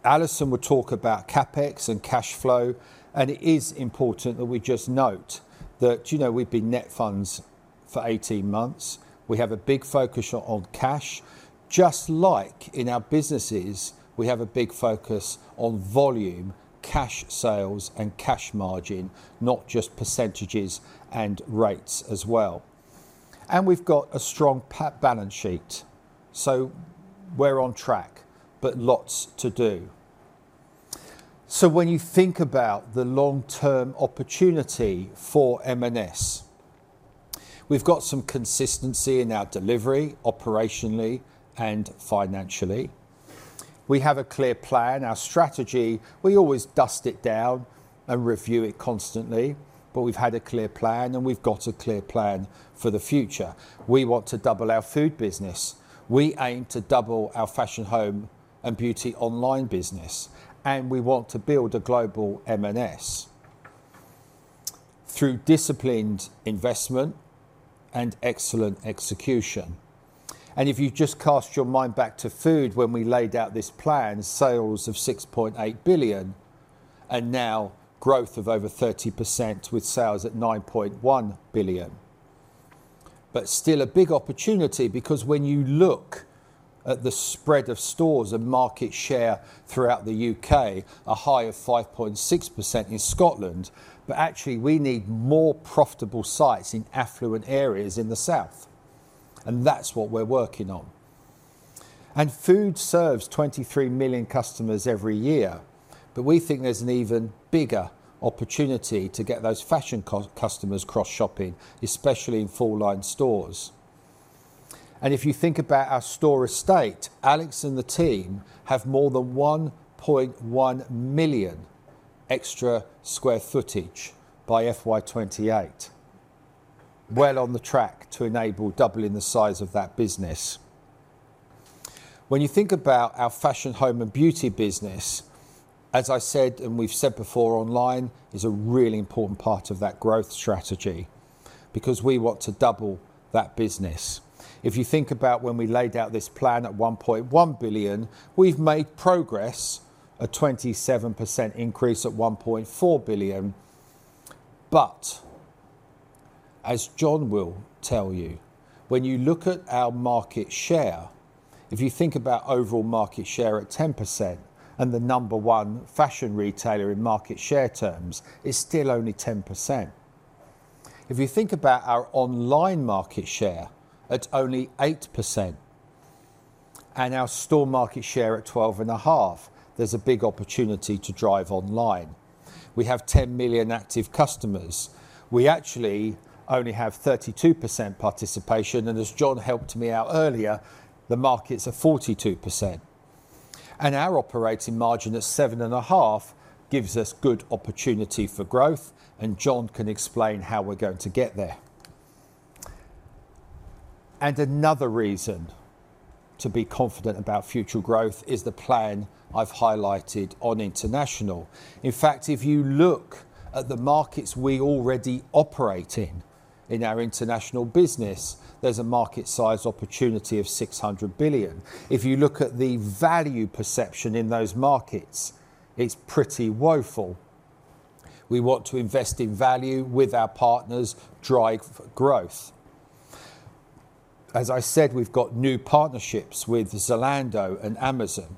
Alison will talk about CapEx and cash flow, and it is important that we just note that we've been net funds for 18 months. We have a big focus on cash. Just like in our businesses, we have a big focus on volume, cash sales, and cash margin, not just percentages and rates as well. We have got a strong balance sheet, so we are on track, but lots to do. When you think about the long-term opportunity for M&S, we have got some consistency in our delivery operationally and financially. We have a clear plan. Our strategy, we always dust it down and review it constantly, but we have had a clear plan, and we have got a clear plan for the future. We want to double our food business. We aim to double our fashion, home, and beauty online business, and we want to build a global M&S through disciplined investment and excellent execution. If you just cast your mind back to food, when we laid out this plan, sales of 6.8 billion and now growth of over 30% with sales at 9.1 billion. Still a big opportunity because when you look at the spread of stores and market share throughout the U.K., a high of 5.6% in Scotland, but actually, we need more profitable sites in affluent areas in the south. That is what we are working on. Food serves 23 million customers every year, but we think there is an even bigger opportunity to get those fashion customers cross-shopping, especially in full-line stores. If you think about our store estate, Alex and the team have more than 1.1 million extra sq ft by fiscal year 2028. On track to enable doubling the size of that business. When you think about our fashion, home, and beauty business, as I said, and we have said before, online is a really important part of that growth strategy because we want to double that business. If you think about when we laid out this plan at 1.1 billion, we've made progress, a 27% increase at 1.4 billion. As John will tell you, when you look at our market share, if you think about overall market share at 10% and the number one fashion retailer in market share terms, it's still only 10%. If you think about our online market share at only 8% and our store market share at 12.5%, there's a big opportunity to drive online. We have 10 million active customers. We actually only have 32% participation, and as John helped me out earlier, the market's at 42%. Our operating margin at 7.5% gives us good opportunity for growth, and John can explain how we're going to get there. Another reason to be confident about future growth is the plan I've highlighted on international. In fact, if you look at the markets we already operate in, in our international business, there's a market size opportunity of 600 billion. If you look at the value perception in those markets, it's pretty woeful. We want to invest in value with our partners, drive growth. As I said, we've got new partnerships with Zalando and Amazon,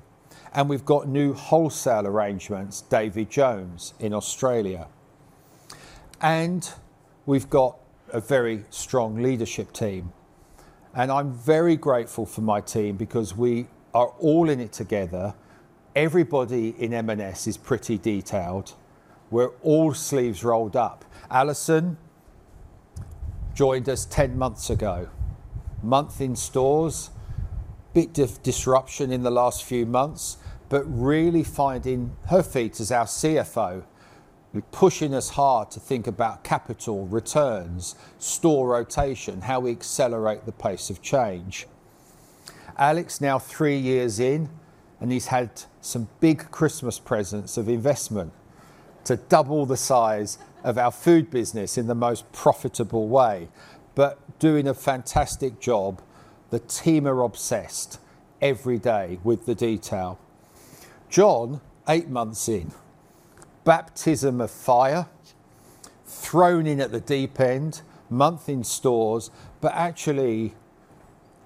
and we've got new wholesale arrangements, David Jones in Australia. We have a very strong leadership team. I am very grateful for my team because we are all in it together. Everybody in M&S is pretty detailed. We're all sleeves rolled up. Alison joined us 10 months ago. Month in stores, bit of disruption in the last few months, but really finding her feet as our CFO, pushing us hard to think about capital returns, store rotation, how we accelerate the pace of change. Alex, now three years in, and he's had some big Christmas presents of investment to double the size of our food business in the most profitable way, but doing a fantastic job. The team are obsessed every day with the detail. John, eight months in, baptism of fire, thrown in at the deep end, month in stores, but actually,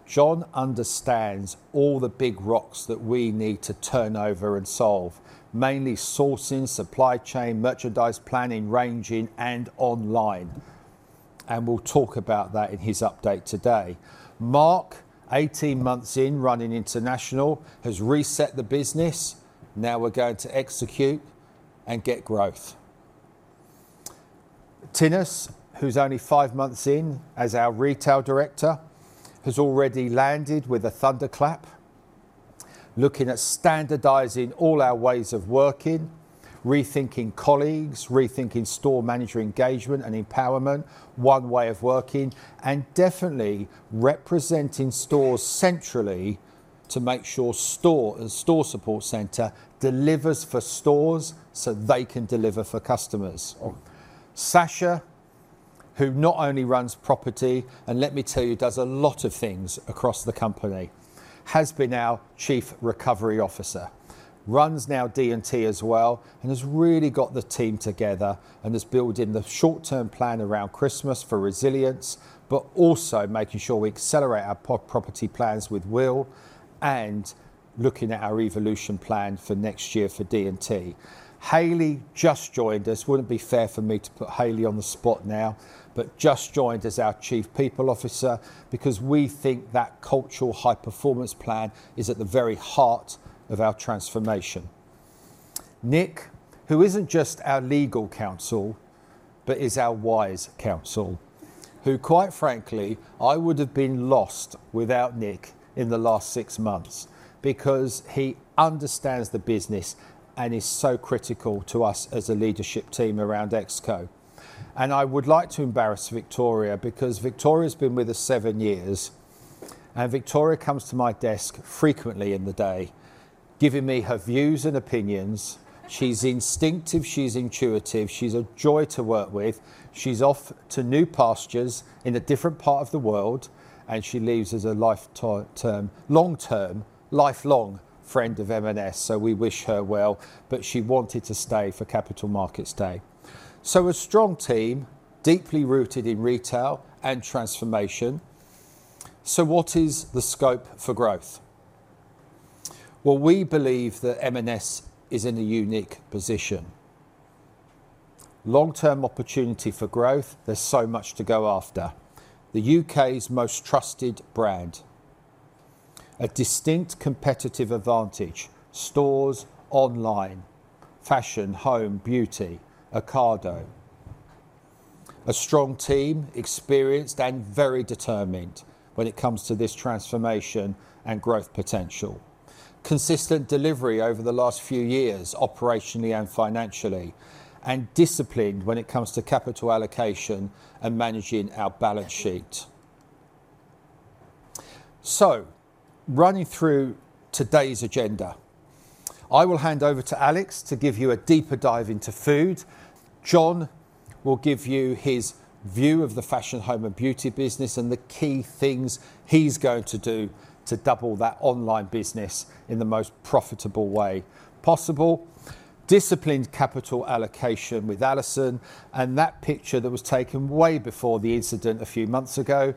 John understands all the big rocks that we need to turn over and solve, mainly sourcing, supply chain, merchandise planning, ranging, and online. We will talk about that in his update today. Mark, 18 months in, running international, has reset the business. Now we are going to execute and get growth. Tinus, who's only five months in as our Retail Director, has already landed with a thunderclap, looking at standardizing all our ways of working, rethinking colleagues, rethinking store manager engagement and empowerment, one way of working, and definitely representing stores centrally to make sure Store Support Center delivers for stores so they can deliver for customers. Sacha, who not only runs property, and let me tell you, does a lot of things across the company, has been our Chief Recovery Officer, runs now D&T as well, and has really got the team together and has built in the short-term plan around Christmas for resilience, but also making sure we accelerate our property plans with Will and looking at our evolution plan for next year for D&T. Haley just joined us. Wouldn't it be fair for me to put John Haley on the spot now, but just joined as our Chief People Officer because we think that cultural high-performance plan is at the very heart of our transformation. Nick, who isn't just our legal counsel, but is our wise counsel, who, quite frankly, I would have been lost without Nick in the last six months because he understands the business and is so critical to us as a leadership team around Exco. I would like to embarrass Victoria because Victoria's been with us seven years, and Victoria comes to my desk frequently in the day, giving me her views and opinions. She's instinctive. She's intuitive. She's a joy to work with. She's off to new pastures in a different part of the world, and she leaves as a long-term, lifelong friend of M&S, so we wish her well, but she wanted to stay for Capital Markets Day. A strong team, deeply rooted in retail and transformation. What is the scope for growth? We believe that M&S is in a unique position. Long-term opportunity for growth. There's so much to go after. The U.K.'s most trusted brand. A distinct competitive advantage. Stores online. Fashion, home, beauty, Ocado. A strong team, experienced and very determined when it comes to this transformation and growth potential. Consistent delivery over the last few years, operationally and financially, and disciplined when it comes to capital allocation and managing our balance sheet. Running through today's agenda, I will hand over to Alex to give you a deeper dive into food. John will give you his view of the fashion, home, and beauty business and the key things he's going to do to double that online business in the most profitable way possible. Disciplined capital allocation with Alison and that picture that was taken way before the incident a few months ago.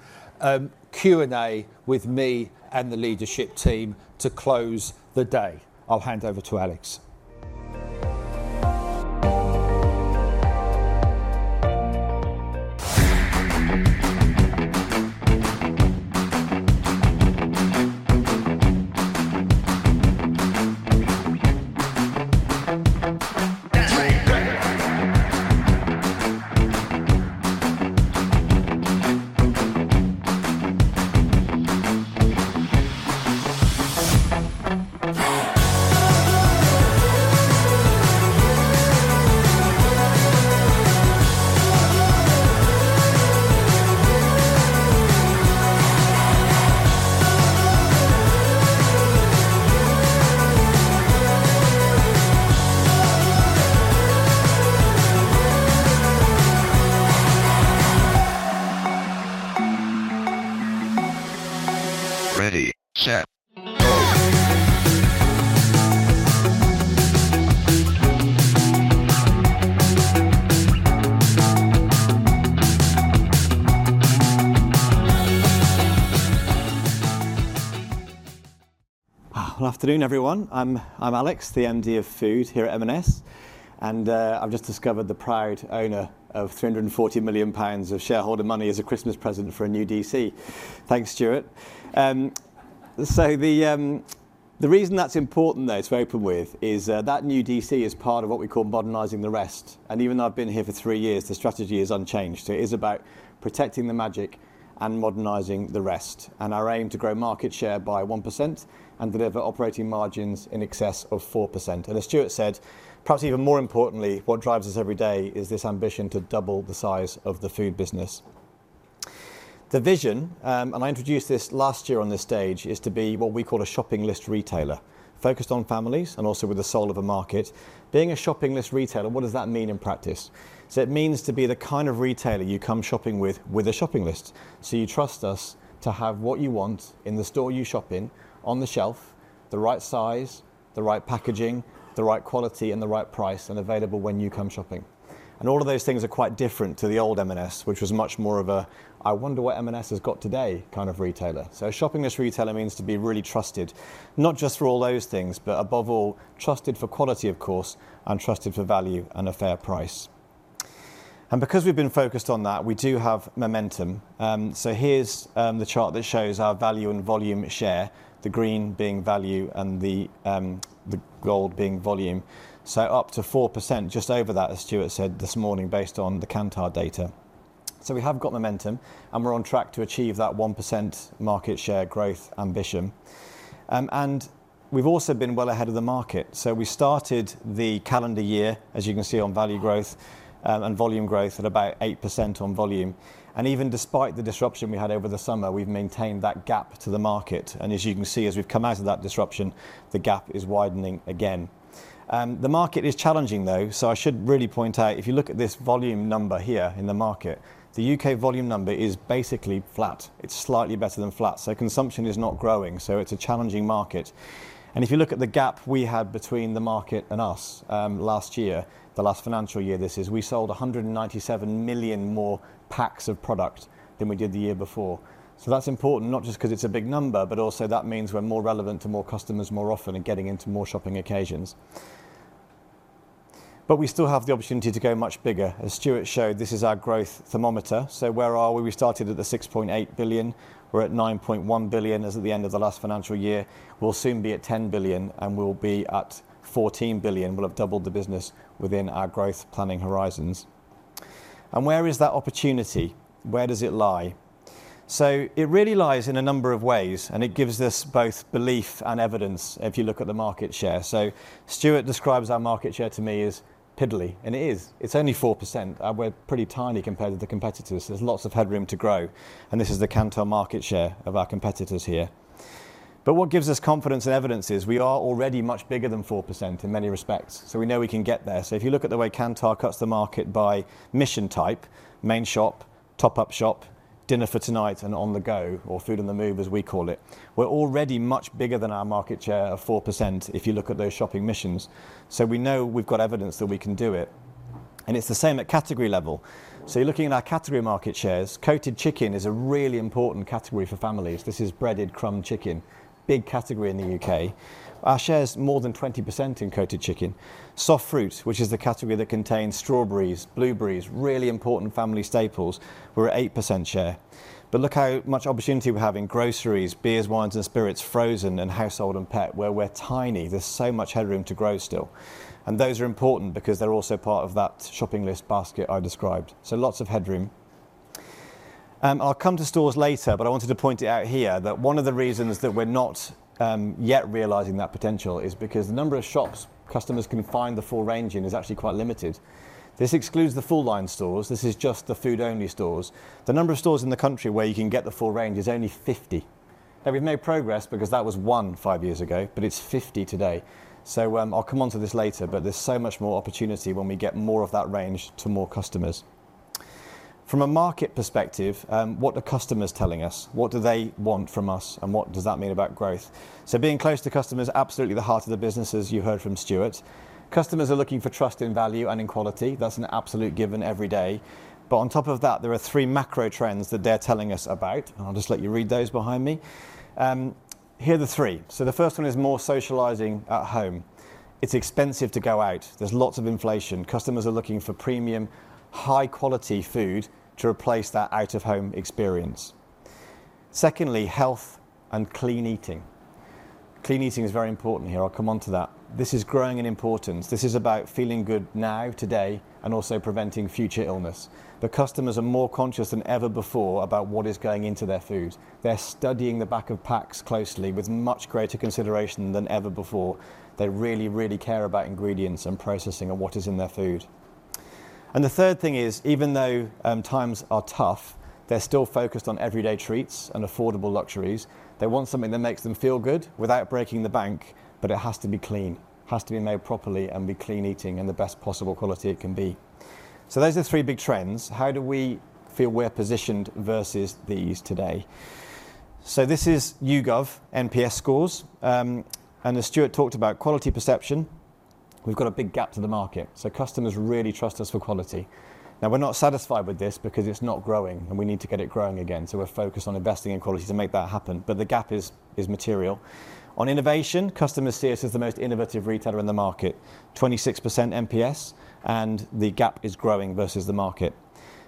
Q&A with me and the leadership team to close the day. I'll hand over to Alex. Afternoon, everyone. I'm Alex, the MD of Food here at M&S, and I've just discovered the proud owner of 340 million pounds of shareholder money as a Christmas present for a new DC. Thanks, Stuart. The reason that's important that I spoke with is that new DC is part of what we call modernizing the rest. Even though I've been here for three years, the strategy is unchanged. It is about protecting the magic and modernizing the rest, and our aim to grow market share by 1% and deliver operating margins in excess of 4%. As Stuart said, perhaps even more importantly, what drives us every day is this ambition to double the size of the food business. The vision, and I introduced this last year on this stage, is to be what we call a shopping list retailer, focused on families and also with the soul of a market. Being a shopping list retailer, what does that mean in practice? It means to be the kind of retailer you come shopping with with a shopping list. You trust us to have what you want in the store you shop in, on the shelf, the right size, the right packaging, the right quality, and the right price and available when you come shopping. All of those things are quite different to the old M&S, which was much more of a, "I wonder what M&S has got today" kind of retailer. A shopping list retailer means to be really trusted, not just for all those things, but above all, trusted for quality, of course, and trusted for value and a fair price. Because we've been focused on that, we do have momentum. Here's the chart that shows our value and volume share, the green being value and the gold being volume. Up to 4%, just over that, as Stuart said this morning, based on the Kantar data. We have got momentum, and we're on track to achieve that 1% market share growth ambition. We've also been well ahead of the market. We started the calendar year, as you can see, on value growth and volume growth at about 8% on volume. Even despite the disruption we had over the summer, we've maintained that gap to the market. As you can see, as we've come out of that disruption, the gap is widening again. The market is challenging, though, so I should really point out, if you look at this volume number here in the market, the U.K. volume number is basically flat. It's slightly better than flat. Consumption is not growing, so it's a challenging market. If you look at the gap we had between the market and us last year, the last financial year this is, we sold 197 million more packs of product than we did the year before. That is important, not just because it is a big number, but also that means we are more relevant to more customers more often and getting into more shopping occasions. We still have the opportunity to go much bigger. As Stuart showed, this is our growth thermometer. Where are we? We started at 6.8 billion. We are at 9.1 billion as at the end of the last financial year. We will soon be at 10 billion, and we will be at 14 billion. We will have doubled the business within our growth planning horizons. Where is that opportunity? Where does it lie? It really lies in a number of ways, and it gives us both belief and evidence if you look at the market share. Stuart describes our market share to me as piddly, and it is. It is only 4%. We are pretty tiny compared to the competitors. There's lots of headroom to grow, and this is the Kantar market share of our competitors here. What gives us confidence and evidence is we are already much bigger than 4% in many respects. We know we can get there. If you look at the way Kantar cuts the market by mission type: main shop, top-up shop, dinner for tonight, and on the go, or food on the move, as we call it, we're already much bigger than our market share of 4% if you look at those shopping missions. We know we've got evidence that we can do it. It's the same at category level. You're looking at our category market shares. Coated chicken is a really important category for families. This is breaded crumb chicken, big category in the U.K. Our share is more than 20% in coated chicken. Soft fruit, which is the category that contains strawberries, blueberries, really important family staples, we're at 8% share. Look how much opportunity we have in groceries, beers, wines, and spirits, frozen, and household and pet, where we're tiny. There's so much headroom to grow still. Those are important because they're also part of that shopping list basket I described. Lots of headroom. I'll come to stores later, but I wanted to point it out here that one of the reasons that we're not yet realizing that potential is because the number of shops customers can find the full range in is actually quite limited. This excludes the full-line stores. This is just the food-only stores. The number of stores in the country where you can get the full range is only 50. We've made progress because that was one five years ago, but it's 50 today. I'll come on to this later, but there's so much more opportunity when we get more of that range to more customers. From a market perspective, what are customers telling us? What do they want from us, and what does that mean about growth? Being close to customers, absolutely the heart of the business, as you heard from Stuart. Customers are looking for trust in value and in quality. That's an absolute given every day. On top of that, there are three macro trends that they're telling us about, and I'll just let you read those behind me. Here are the three. The first one is more socializing at home. It's expensive to go out. There's lots of inflation. Customers are looking for premium, high-quality food to replace that out-of-home experience. Secondly, health and clean eating. Clean eating is very important here. I'll come on to that. This is growing in importance. This is about feeling good now, today, and also preventing future illness. The customers are more conscious than ever before about what is going into their food. They're studying the back of packs closely with much greater consideration than ever before. They really, really care about ingredients and processing and what is in their food. The third thing is, even though times are tough, they're still focused on everyday treats and affordable luxuries. They want something that makes them feel good without breaking the bank, but it has to be clean, has to be made properly, and be clean eating and the best possible quality it can be. Those are the three big trends. How do we feel we're positioned versus these today? This is YouGov NPS scores. As Stuart talked about, quality perception, we have a big gap to the market. Customers really trust us for quality. We are not satisfied with this because it is not growing, and we need to get it growing again. We are focused on investing in quality to make that happen. The gap is material. On innovation, customers see us as the most innovative retailer in the market, 26% NPS, and the gap is growing versus the market.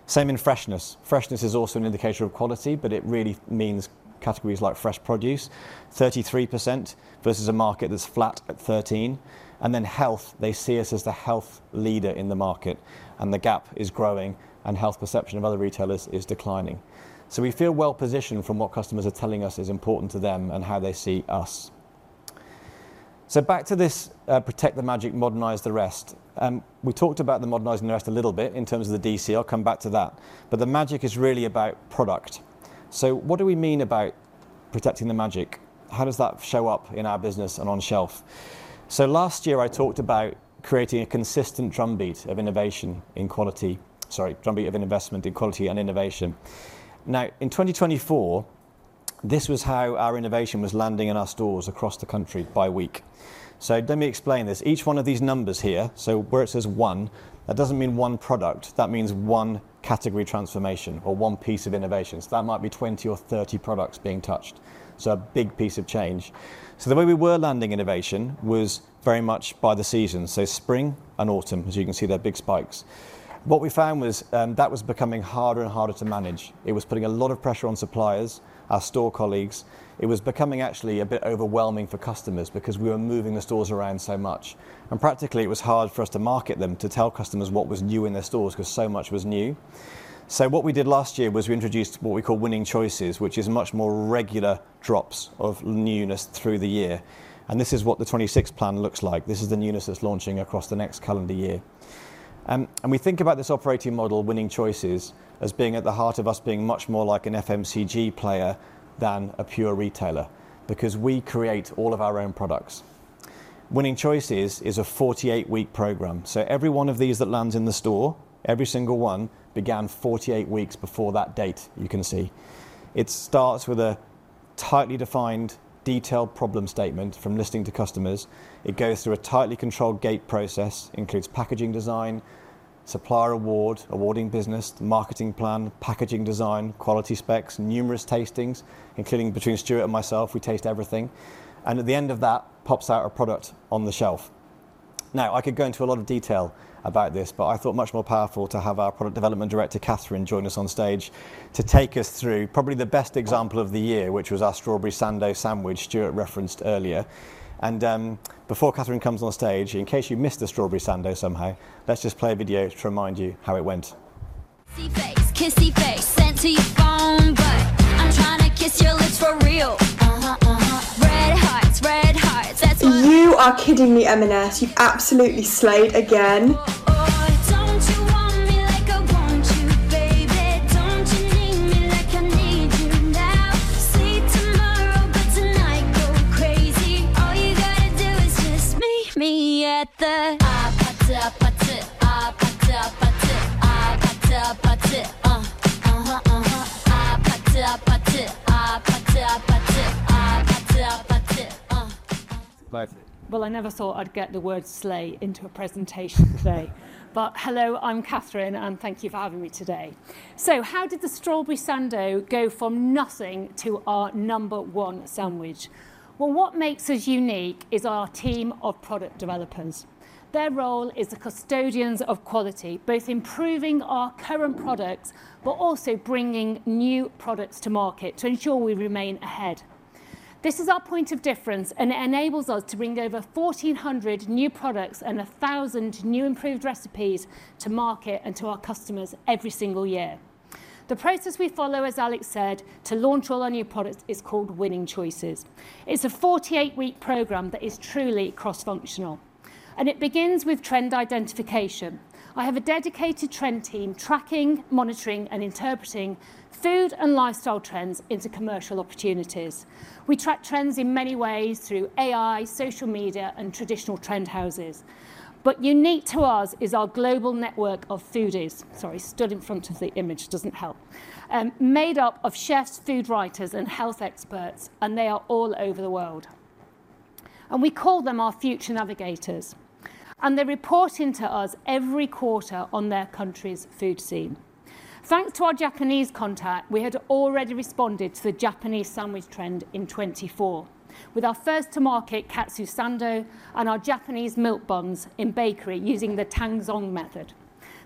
Same in freshness. Freshness is also an indicator of quality, but it really means categories like fresh produce, 33% versus a market that is flat at 13%. In health, they see us as the health leader in the market, and the gap is growing, and health perception of other retailers is declining. We feel well-positioned from what customers are telling us is important to them and how they see us. Back to this protect the magic, modernize the rest. We talked about the modernizing the rest a little bit in terms of the DC. I'll come back to that. The magic is really about product. What do we mean about protecting the magic? How does that show up in our business and on shelf? Last year, I talked about creating a consistent drumbeat of investment in quality and innovation. Now, in 2024, this was how our innovation was landing in our stores across the country by week. Let me explain this. Each one of these numbers here, where it says one, that does not mean one product. That means one category transformation or one piece of innovation. That might be 20 or 30 products being touched. A big piece of change. The way we were landing innovation was very much by the seasons, so spring and autumn, as you can see there are big spikes. What we found was that was becoming harder and harder to manage. It was putting a lot of pressure on suppliers, our store colleagues. It was becoming actually a bit overwhelming for customers because we were moving the stores around so much. Practically, it was hard for us to market them to tell customers what was new in their stores because so much was new. What we did last year was we introduced what we call winning choices, which is much more regular drops of newness through the year. This is what the 2026 plan looks like. This is the newness that is launching across the next calendar year. We think about this operating model, winning choices, as being at the heart of us being much more like an FMCG player than a pure retailer because we create all of our own products. Winning choices is a 48-week program. Every one of these that lands in the store, every single one began 48 weeks before that date, you can see. It starts with a tightly defined, detailed problem statement from listing to customers. It goes through a tightly controlled gate process, includes packaging design, supplier award, awarding business, marketing plan, packaging design, quality specs, numerous tastings, including between Stuart and myself, we taste everything. At the end of that, pops out a product on the shelf. Now, I could go into a lot of detail about this, but I thought it was much more powerful to have our Product Development Director, Kathryn, join us on stage to take us through probably the best example of the year, which was our Strawberry Sando sandwich Stuart referenced earlier. Before Kathryn comes on stage, in case you missed the Strawberry Sando somehow, let's just play a video to remind you how it went. Kissy face, kissy face, sent to your phone, but I'm trying to kiss your lips for real. Uh-huh, uh-huh. Red hearts, red hearts, that's why. You are kidding me, M&S. You've absolutely slayed again. Oh, don't you want me like I want you, baby? Don't you need me like I need you now? See tomorrow, but tonight go crazy. All you gotta do is just meet me at the I'll put you up, put you up, put you up, put you up, put you up, put you. Uh-huh, uh-huh. I'll put you up, put you up, put you up, put you up, put you. I'll put you up, put you. I never thought I'd get the word "slay" into a presentation today. But hello, I'm Kathryn, and thank you for having me today. How did the strawberry sando go from nothing to our number one sandwich? What makes us unique is our team of product developers. Their role is the custodians of quality, both improving our current products but also bringing new products to market to ensure we remain ahead. This is our point of difference, and it enables us to bring over 1,400 new products and 1,000 new improved recipes to market and to our customers every single year. The process we follow, as Alex said, to launch all our new products is called winning choices. It is a 48-week program that is truly cross-functional. It begins with trend identification. I have a dedicated trend team tracking, monitoring, and interpreting food and lifestyle trends into commercial opportunities. We track trends in many ways through AI, social media, and traditional trend houses. Unique to us is our global network of foodies. Sorry, stood in front of the image, does not help. Made up of chefs, food writers, and health experts, and they are all over the world. We call them our future navigators. They are reporting to us every quarter on their country's food scene. Thanks to our Japanese contact, we had already responded to the Japanese sandwich trend in 2024 with our first-to-market katsu sando and our Japanese milk buns in bakery using the Tangzong method.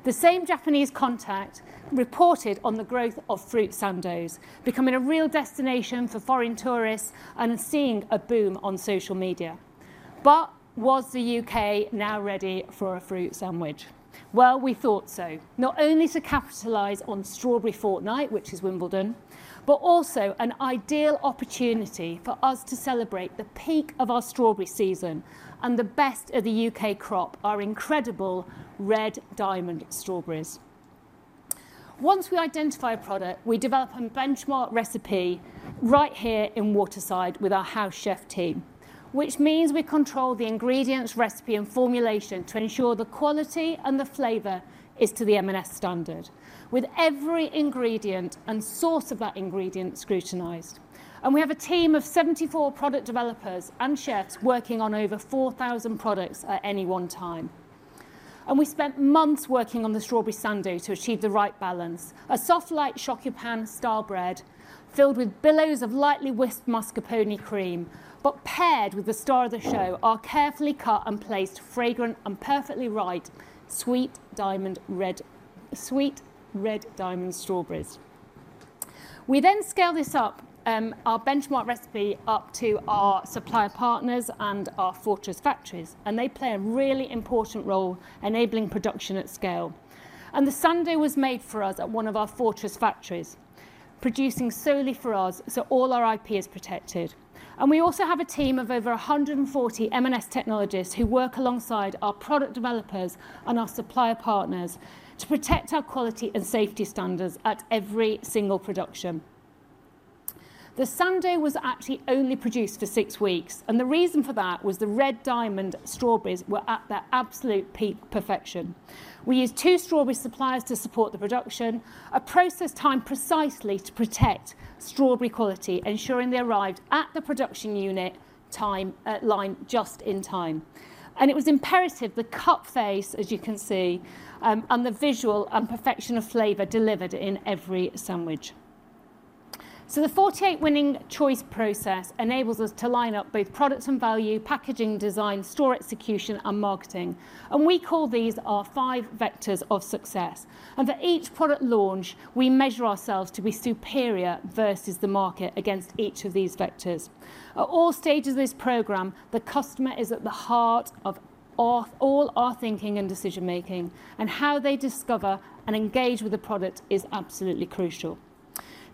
The same Japanese contact reported on the growth of fruit sandos, becoming a real destination for foreign tourists and seeing a boom on social media. Was the U.K. now ready for a fruit sandwich? We thought so. Not only to capitalize on Strawberry Fortnite, which is Wimbledon, but also an ideal opportunity for us to celebrate the peak of our strawberry season and the best of the U.K. crop, our incredible Red Diamond Strawberries. Once we identify a product, we develop a benchmark recipe right here in Waterside with our house chef team, which means we control the ingredients, recipe, and formulation to ensure the quality and the flavor is to the M&S standard, with every ingredient and source of that ingredient scrutinized. We have a team of 74 product developers and chefs working on over 4,000 products at any one time. We spent months working on the Strawberry Sando to achieve the right balance. A soft light shokupan-style bread filled with billows of lightly whisked mascarpone cream, paired with the star of the show, our carefully cut and placed fragrant and perfectly ripe sweet Red Diamond Strawberries. We then scale this up, our benchmark recipe up to our supplier partners and our fortress factories, and they play a really important role enabling production at scale. The sando was made for us at one of our fortress factories, producing solely for us, so all our IP is protected. We also have a team of over 140 M&S technologists who work alongside our product developers and our supplier partners to protect our quality and safety standards at every single production. The sando was actually only produced for six weeks, and the reason for that was the Red Diamond Strawberries were at their absolute peak perfection. We used two strawberry suppliers to support the production, a process timed precisely to protect strawberry quality, ensuring they arrived at the production unit line just in time. It was imperative the cut face, as you can see, and the visual and perfection of flavor delivered in every sandwich. The 48 winning choice process enables us to line up both products and value, packaging design, store execution, and marketing. We call these our five vectors of success. For each product launch, we measure ourselves to be superior versus the market against each of these vectors. At all stages of this program, the customer is at the heart of all our thinking and decision-making, and how they discover and engage with the product is absolutely crucial.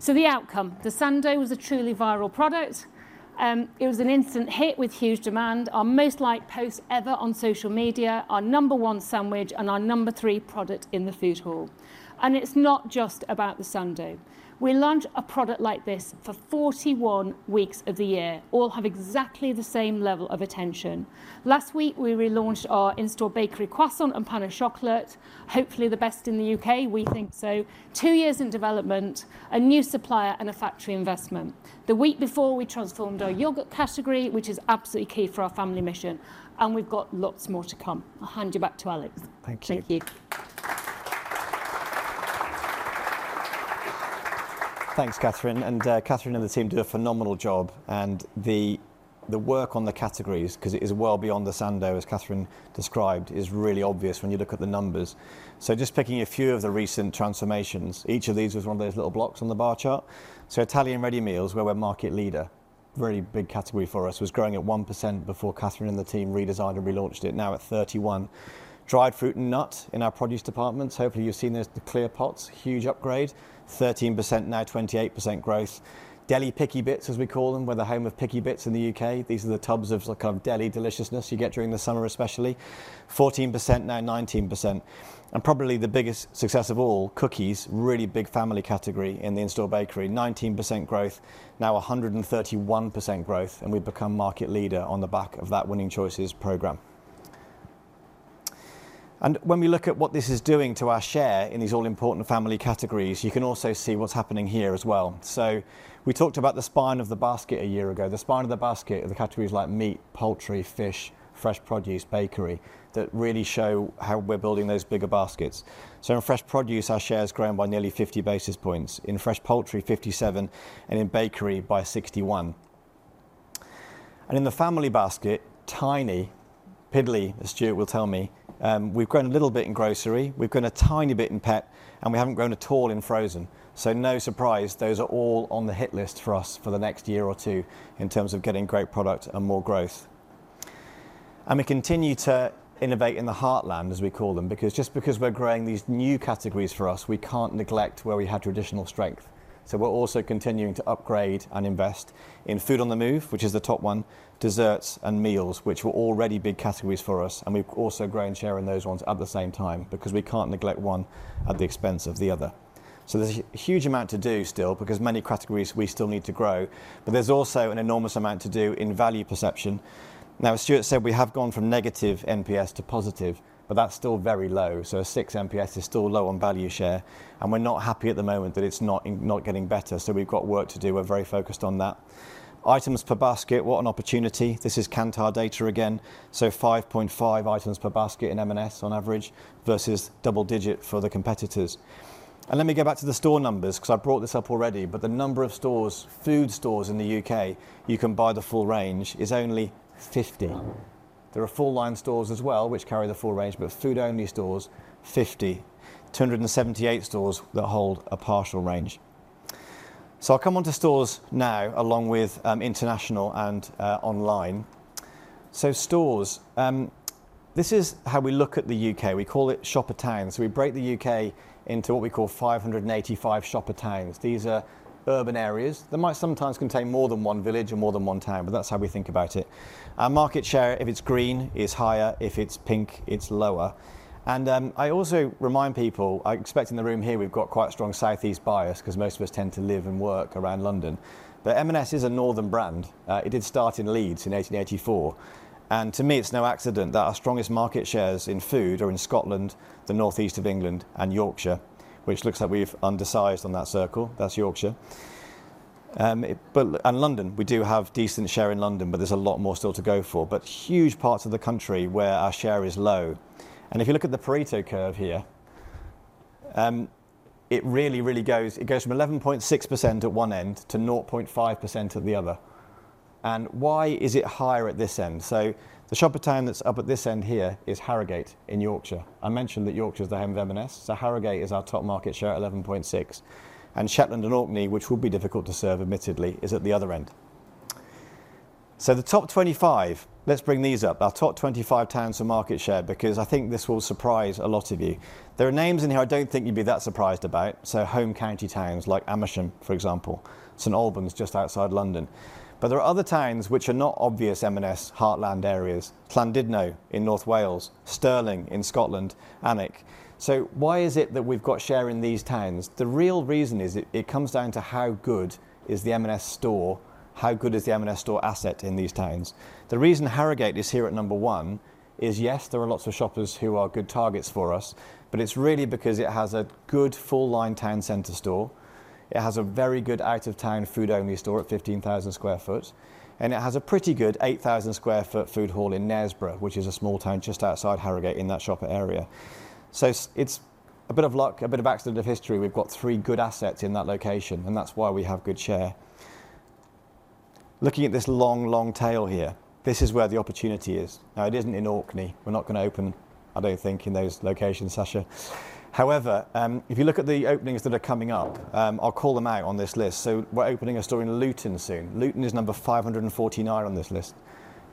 The outcome, the sando was a truly viral product. It was an instant hit with huge demand, our most liked post ever on social media, our number one sandwich, and our number three product in the food hall. It's not just about the sando. We launch a product like this for 41 weeks of the year. All have exactly the same level of attention. Last week, we relaunched our in-store bakery croissant and pain au chocolat, hopefully the best in the U.K., we think so. Two years in development, a new supplier, and a factory investment. The week before, we transformed our yogurt category, which is absolutely key for our family mission. And we've got lots more to come. I'll hand you back to Alex. Thank you. Thank you. Thanks, Kathryn. And Kathryn and the team do a phenomenal job. And the work on the categories, because it is well beyond the Sando, as Kathryn described, is really obvious when you look at the numbers. Just picking a few of the recent transformations, each of these wa one of those little blocks on the bar chart. Italian ready meals were our market leader. Really big category for us was growing at 1% beforeKathryn and the team redesigned and relaunched it, now at 31%. Dried fruit and nut in our produce departments. Hopefully, you've seen those clear pots. Huge upgrade. 13% now, 28% growth. Deli picky bits, as we call them, were the home of picky bits in the U.K. These are the tubs of kind of deli deliciousness you get during the summer, especially. 14% now, 19%. Probably the biggest success of all, cookies, really big family category in the in-store bakery. 19% growth, now 131% growth, and we've become market leader on the back of that Winning Choices program. When we look at what this is doing to our share in these all-important family categories, you can also see what's happening here as well. We talked about the spine of the basket a year ago. The spine of the basket, the categories like meat, poultry, fish, fresh produce, bakery, that really show how we're building those bigger baskets. In fresh produce, our share has grown by nearly 50 basis points. In fresh poultry, 57, and in bakery, by 61. In the family basket, tiny, piddly, as Stuart will tell me, we've grown a little bit in grocery. We've grown a tiny bit in pet, and we have not grown at all in frozen. No surprise, those are all on the hit list for us for the next year or two in terms of getting great product and more growth. We continue to innovate in the heartland, as we call them, because just because we're growing these new categories for us, we cannot neglect where we had traditional strength. We're also continuing to upgrade and invest in food on the move, which is the top one, desserts and meals, which were already big categories for us. We've also grown share in those ones at the same time because we can't neglect one at the expense of the other. There's a huge amount to do still because many categories we still need to grow. There's also an enormous amount to do in value perception. Now, as Stuart said, we have gone from negative NPS to positive, but that's still very low. A 6 NPS is still low on value share. We're not happy at the moment that it's not getting better. We've got work to do. We're very focused on that. Items per basket, what an opportunity. This is Kantar data again. 5.5 items per basket in M&S on average versus double digit for the competitors. Let me go back to the store numbers because I brought this up already. The number of food stores in the U.K. where you can buy the full range is only 50. There are full-line stores as well, which carry the full range, but food-only stores, 50. 278 stores that hold a partial range. I'll come on to stores now along with international and online. Stores, this is how we look at the U.K. We call it shopper towns. We break the U.K. into what we call 585 shopper towns. These are urban areas. They might sometimes contain more than one village or more than one town, but that's how we think about it. Our market share, if it's green, is higher. If it's pink, it's lower. I also remind people, I expect in the room here, we've got quite a strong Southeast bias because most of us tend to live and work around London. M&S is a northern brand. It did start in Leeds in 1884. To me, it's no accident that our strongest market shares in food are in Scotland, the Northeast of England, and Yorkshire, which looks like we've undersized on that circle. That's Yorkshire. London, we do have decent share in London, but there's a lot more still to go for. There are huge parts of the country where our share is low. If you look at the Pareto curve here, it really, really goes from 11.6% at one end to 0.5% at the other. Why is it higher at this end? The shopper town that's up at this end here is Harrogate in Yorkshire. I mentioned that Yorkshire is the home of M&S. Harrogate is our top market share, 11.6%. Shetland and Orkney, which will be difficult to serve, admittedly, is at the other end. The top 25, let's bring these up. Our top 25 towns for market share because I think this will surprise a lot of you. There are names in here I do not think you'd be that surprised about. Home county towns like Amersham, for example. St. Albans just outside London. There are other towns which are not obvious M&S heartland areas. Llandudno in North Wales, Stirling in Scotland, Alnwick. Why is it that we've got share in these towns? The real reason is it comes down to how good is the M&S store? How good is the M&S store asset in these towns? The reason Harrogate is here at number one is, yes, there are lots of shoppers who are good targets for us, but it's really because it has a good full-line town centre store. It has a very good out-of-town food-only store at 15,000 sq ft. It has a pretty good 8,000 sq ft food hall in Knaresborough, which is a small town just outside Harrogate in that shopper area. It's a bit of luck, a bit of accident of history. We've got three good assets in that location, and that's why we have good share. Looking at this long, long tail here, this is where the opportunity is. Now, it isn't in Orkney. We're not going to open, I don't think, in those locations, Sacha. However, if you look at the openings that are coming up, I'll call them out on this list. We're opening a store in Luton soon. Luton is number 549 on this list.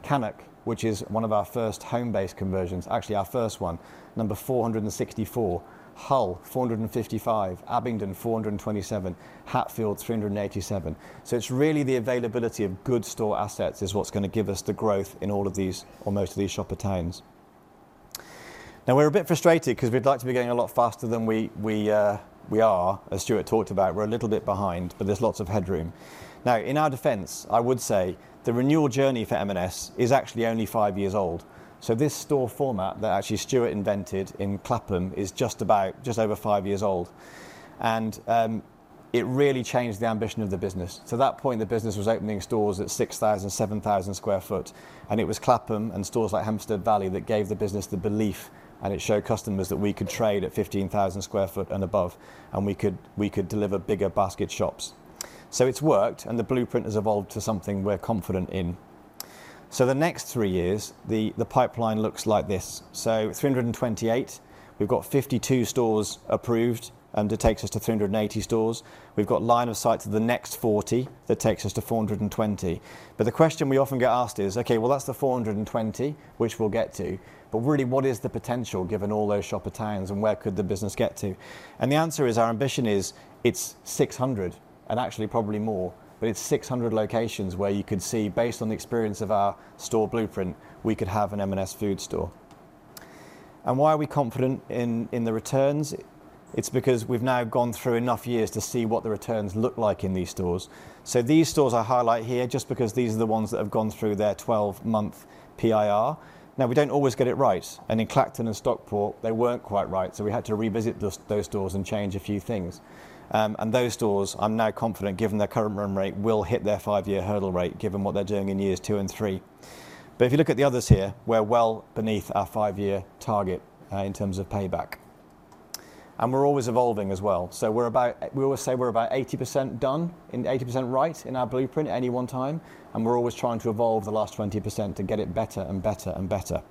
Cannock, which is one of our first home-based conversions, actually our first one, number 464. Hull, 455. Abingdon, 427. Hatfield, 387. It's really the availability of good store assets that is going to give us the growth in all of these or most of these shopper towns. Now, we're a bit frustrated because we'd like to be getting a lot faster than we are. As Stuart talked about, we're a little bit behind, but there's lots of headroom. In our defense, I would say the renewal journey for M&S is actually only five years old. This store format that Stuart invented in Clapham is just about just over five years old. It really changed the ambition of the business. To that point, the business was opening stores at 6,000, 7,000 sq ft. It was Clapham and stores like Hempstead Valley that gave the business the belief, and it showed customers that we could trade at 15,000 sq ft and above, and we could deliver bigger basket shops. It has worked, and the blueprint has evolved to something we are confident in. For the next three years, the pipeline looks like this. At 328, we have 52 stores approved, and it takes us to 380 stores. We have line of sight to the next 40 that takes us to 420. The question we often get asked is, okay, that is the 420, which we will get to. Really, what is the potential given all those shopper towns, and where could the business get to? Our ambition is it's 600, and actually probably more, but it's 600 locations where you could see, based on the experience of our store blueprint, we could have an M&S food store. Why are we confident in the returns? It's because we've now gone through enough years to see what the returns look like in these stores. These stores I highlight here just because these are the ones that have gone through their 12-month PIR. We do not always get it right. In Clacton and Stockport, they were not quite right. We had to revisit those stores and change a few things. Those stores, I am now confident given their current run rate, will hit their five-year hurdle rate given what they are doing in years two and three. If you look at the others here, we're well beneath our five-year target in terms of payback. We're always evolving as well. We always say we're about 80% done, 80% right in our blueprint at any one time. We're always trying to evolve the last 20% to get it better and better and better.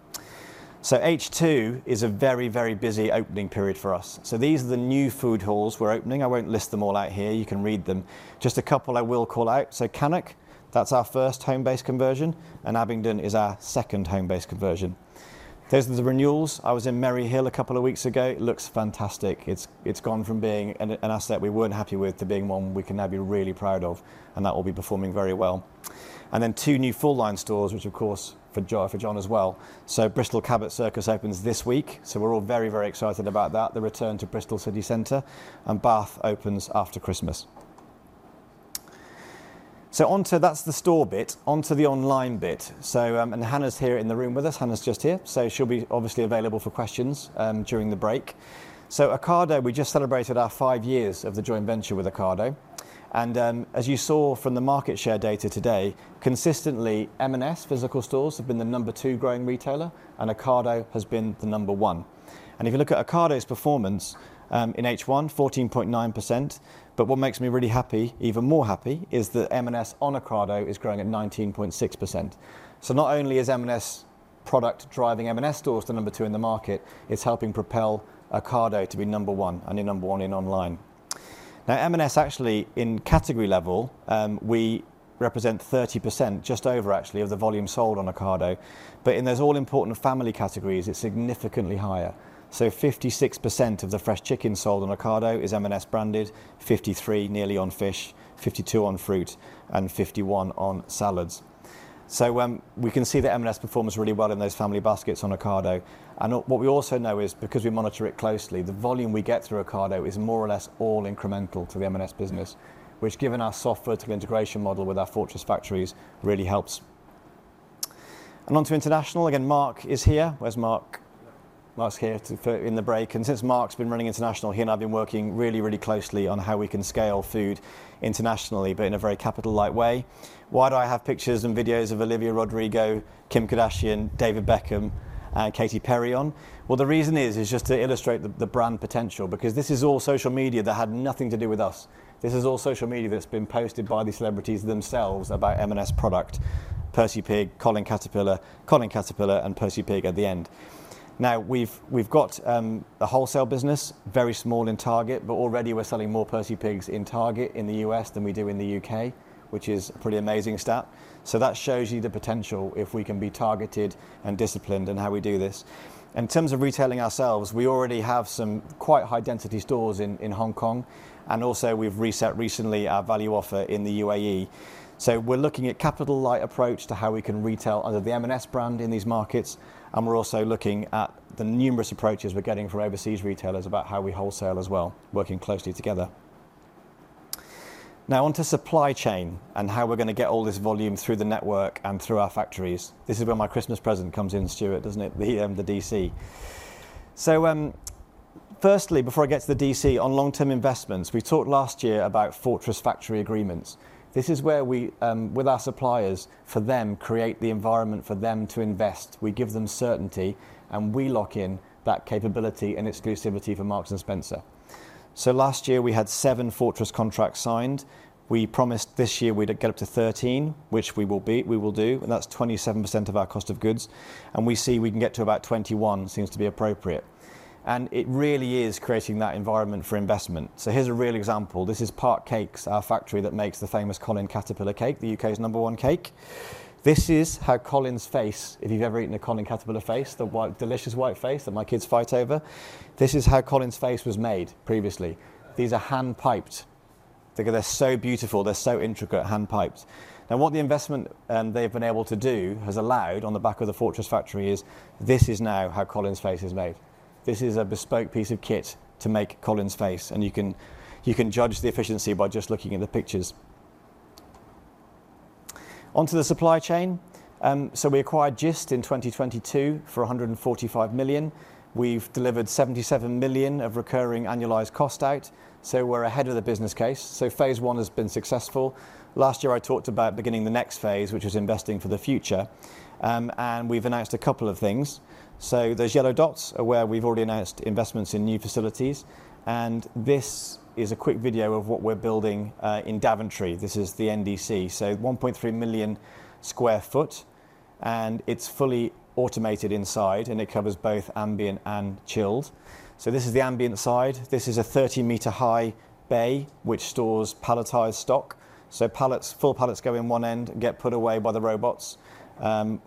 H2 is a very, very busy opening period for us. These are the new food halls we're opening. I won't list them all out here. You can read them. Just a couple I will call out. Cannock, that's our first home-based conversion. Abingdon is our second home-based conversion. Those are the renewals. I was in Merry Hill a couple of weeks ago. It looks fantastic. It's gone from being an asset we weren't happy with to being one we can now be really proud of. That will be performing very well. Then two new full-line stores, which of course for John as well. Bristol Cabot Circus opens this week. We are all very, very excited about that, the return to Bristol City Centre. Bath opens after Christmas. That is the store bit. Onto the online bit. Hannah is here in the room with us. Hannah is just here. She will be obviously available for questions during the break. Ocado, we just celebrated our five years of the joint venture with Ocado. As you saw from the market share data today, consistently, M&S physical stores have been the number two growing retailer, and Ocado has been the number one. If you look at Ocado's performance in H1, 14.9%. What makes me really happy, even more happy, is that M&S on Ocado is growing at 19.6%. Not only is M&S product driving M&S stores to number two in the market, it's helping propel Ocado to be number one and number one in online. Now, M&S actually, in category level, we represent 30%, just over actually, of the volume sold on Ocado. In those all-important family categories, it's significantly higher. 56% of the fresh chicken sold on Ocado is M&S branded, 53% nearly on fish, 52% on fruit, and 51% on salads. We can see that M&S performs really well in those family baskets on Ocado. What we also know is, because we monitor it closely, the volume we get through Ocado is more or less all incremental to the M&S business, which, given our soft vertical integration model with our fortress factories, really helps. On to international. Again, Mark is here. Where's Mark? Mark's here in the break. Since Mark's been running international, he and I have been working really, really closely on how we can scale food internationally, but in a very capital-light way. Why do I have pictures and videos of Olivia Rodrigo, Kim Kardashian, David Beckham, and Katy Perry on? The reason is just to illustrate the brand potential, because this is all social media that had nothing to do with us. This is all social media that's been posted by the celebrities themselves about M&S product, Percy Pig, Colin the Caterpillar, Colin the Caterpillar, and Percy Pig at the end. Now, we've got a wholesale business, very small in Target, but already we're selling more Percy Pigs in Target in the US than we do in the UK, which is a pretty amazing stat. That shows you the potential if we can be targeted and disciplined in how we do this. In terms of retailing ourselves, we already have some quite high-density stores in Hong Kong. Also, we've reset recently our value offer in the UAE. We're looking at a capital-light approach to how we can retail under the M&S brand in these markets. We're also looking at the numerous approaches we're getting from overseas retailers about how we wholesale as well, working closely together. Now, on to supply chain and how we're going to get all this volume through the network and through our factories. This is where my Christmas present comes in, Stuart, doesn't it? The DC. Firstly, before I get to the DC, on long-term investments, we talked last year about fortress factory agreements. This is where we, with our suppliers, for them create the environment for them to invest. We give them certainty, and we lock in that capability and exclusivity for Marks & Spencer. Last year, we had seven fortress contracts signed. We promised this year we'd get up to 13, which we will do. That's 27% of our cost of goods. We see we can get to about 21% seems to be appropriate. It really is creating that environment for investment. Here's a real example. This is Park Cakes, our factory that makes the famous Colin the Caterpillar cake, the U.K.'s number one cake. This is how Colin's face, if you've ever eaten a Colin the Caterpillar face, the delicious white face that my kids fight over, this is how Colin's face was made previously. These are hand-piped. They're so beautiful. They're so intricate, hand-piped. Now, what the investment they've been able to do has allowed on the back of the fortress factory is this is now how Colin's face is made. This is a bespoke piece of kit to make Colin's face. And you can judge the efficiency by just looking at the pictures. Onto the supply chain. We acquired GIST in 2022 for 145 million. We've delivered 77 million of recurring annualized cost out. We're ahead of the business case. Phase one has been successful. Last year, I talked about beginning the next phase, which is investing for the future. We've announced a couple of things. Those yellow dots are where we've already announced investments in new facilities. This is a quick video of what we're building in Daventry. This is the NDC. 1.3 million sq ft. It's fully automated inside, and it covers both ambient and chilled. This is the ambient side. This is a 30-meter high bay, which stores palletized stock. Full pallets go in one end, get put away by the robots until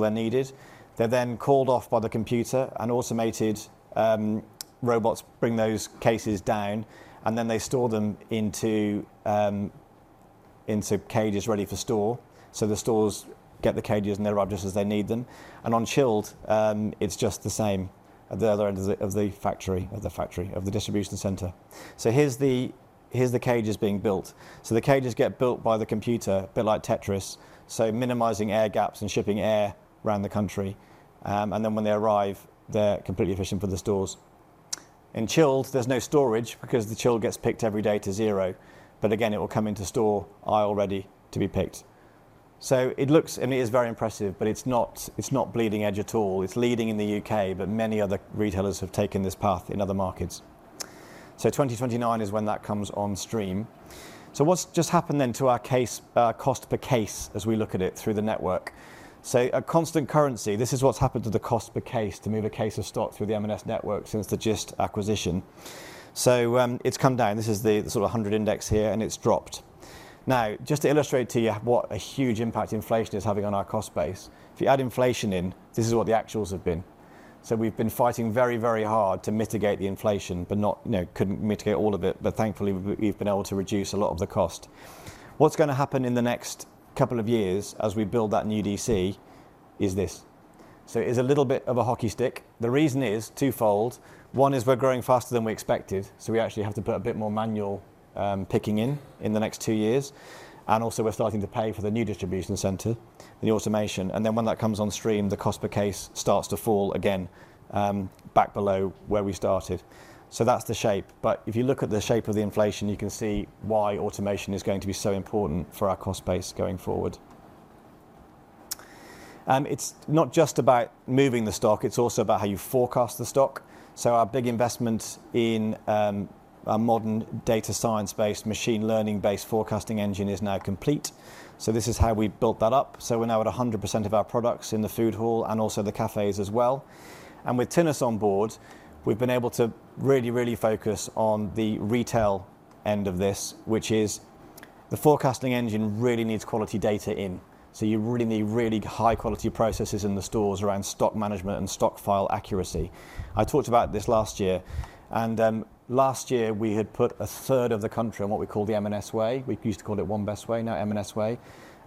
they're needed. They're then called off by the computer, and automated robots bring those cases down. They store them into cages ready for store. The stores get the cages and they're up just as they need them. On chilled, it's just the same at the other end of the factory, of the distribution center. Here's the cages being built. The cages get built by the computer, a bit like Tetris, minimizing air gaps and shipping air around the country. When they arrive, they're completely efficient for the stores. In chilled, there's no storage because the chilled gets picked every day to zero. Again, it will come into store aisle ready to be picked. It looks and it is very impressive, but it's not bleeding edge at all. It's leading in the U.K., but many other retailers have taken this path in other markets. 2029 is when that comes on stream. What's just happened then to our cost per case as we look at it through the network? At constant currency, this is what's happened to the cost per case to move a case of stock through the M&S network since the GIST acquisition. It's come down. This is the sort of 100 index here, and it's dropped. Now, just to illustrate to you what a huge impact inflation is having on our cost base, if you add inflation in, this is what the actuals have been. We have been fighting very, very hard to mitigate the inflation, but could not mitigate all of it. Thankfully, we have been able to reduce a lot of the cost. What is going to happen in the next couple of years as we build that new DC is this. It is a little bit of a hockey stick. The reason is twofold. One is we are growing faster than we expected. We actually have to put a bit more manual picking in in the next two years. Also, we are starting to pay for the new distribution center and the automation. When that comes on stream, the cost per case starts to fall again back below where we started. That's the shape. If you look at the shape of the inflation, you can see why automation is going to be so important for our cost base going forward. It's not just about moving the stock. It's also about how you forecast the stock. Our big investment in our modern data science-based, machine learning-based forecasting engine is now complete. This is how we built that up. We're now at 100% of our products in the food hall and also the cafes as well. With Tinus on board, we've been able to really, really focus on the retail end of this, which is the forecasting engine really needs quality data in. You really need really high-quality processes in the stores around stock management and stock file accuracy. I talked about this last year. Last year, we had put a third of the country on what we call the M&S way. We used to call it One Best Way, now M&S way.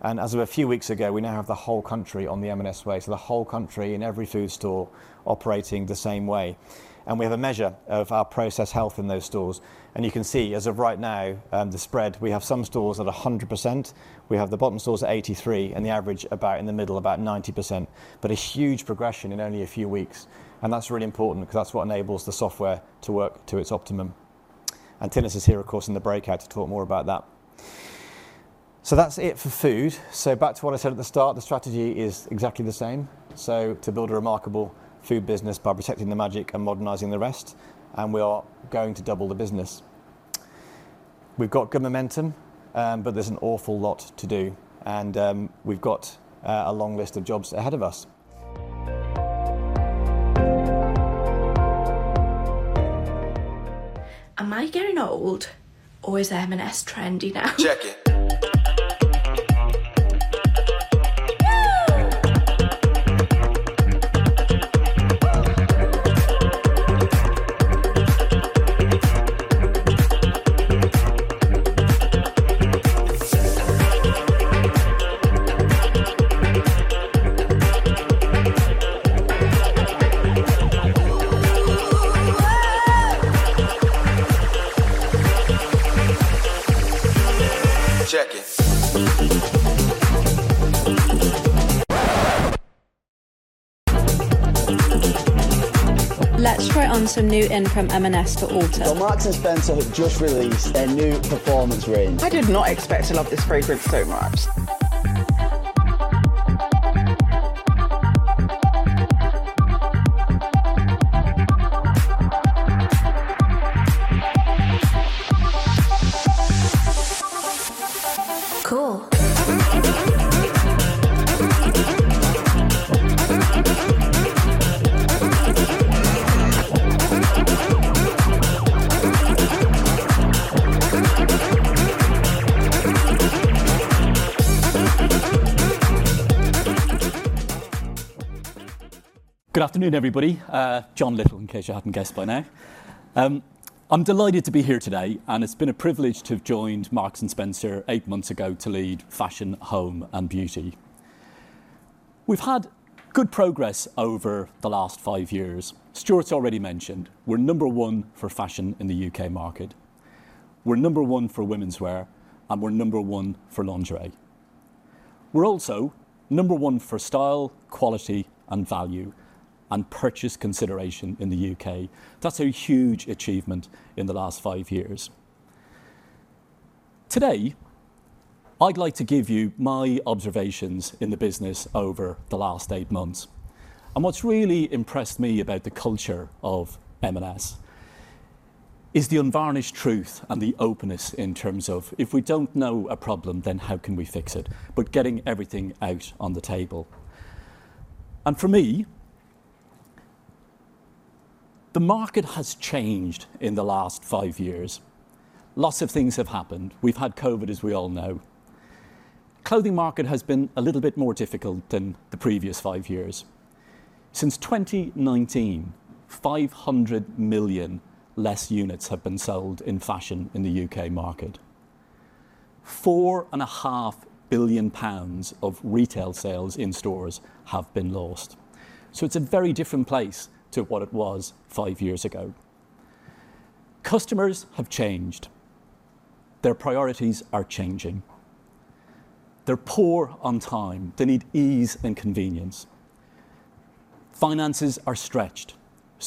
As of a few weeks ago, we now have the whole country on the M&S way. The whole country in every food store is operating the same way. We have a measure of our process health in those stores. You can see, as of right now, the spread: we have some stores at 100%. We have the bottom stores at 83% and the average about in the middle, about 90%. A huge progression in only a few weeks. That is really important because that is what enables the software to work to its optimum. Tinnus is here, of course, in the breakout to talk more about that. That is it for food. Back to what I said at the start, the strategy is exactly the same. To build a remarkable food business by protecting the magic and modernizing the rest. We are going to double the business. We've got good momentum, but there's an awful lot to do. We've got a long list of jobs ahead of us. Am I getting old? Or is M&S trendy now? Check it. Check it. Let's try on some new in from M&S for autumn. Marks and Spencer have just released their new performance range. I did not expect to love this fragrance so much. Cool. Good afternoon, everybody. John Lyttle, in case you hadn't guessed by now. I'm delighted to be here today. It's been a privilege to have joined Marks and Spencer eight months ago to lead fashion, home, and beauty. We've had good progress over the last five years. Stuart's already mentioned, we're number one for fashion in the U.K. market. We're number one for women's wear, and we're number one for lingerie. We're also number one for style, quality, and value, and purchase consideration in the U.K. That's a huge achievement in the last five years. Today, I'd like to give you my observations in the business over the last eight months. What's really impressed me about the culture of M&S is the unvarnished truth and the openness in terms of, if we don't know a problem, then how can we fix it? Getting everything out on the table. For me, the market has changed in the last five years. Lots of things have happened. We've had COVID, as we all know. The clothing market has been a little bit more difficult than the previous five years. Since 2019, 500 million less units have been sold in fashion in the U.K. market. 4.5 billion pounds of retail sales in stores have been lost. It is a very different place to what it was five years ago. Customers have changed. Their priorities are changing. They are poor on time. They need ease and convenience. Finances are stretched.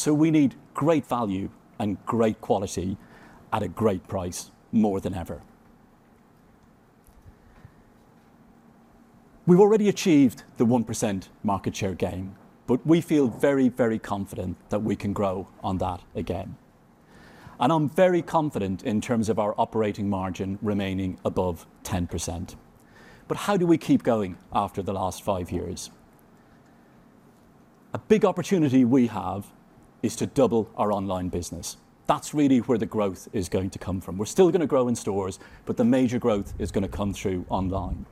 We need great value and great quality at a great price more than ever. We have already achieved the 1% market share gain, but we feel very, very confident that we can grow on that again. I am very confident in terms of our operating margin remaining above 10%. How do we keep going after the last five years? A big opportunity we have is to double our online business. That's really where the growth is going to come from. We're still going to grow in stores, but the major growth is going to come through online.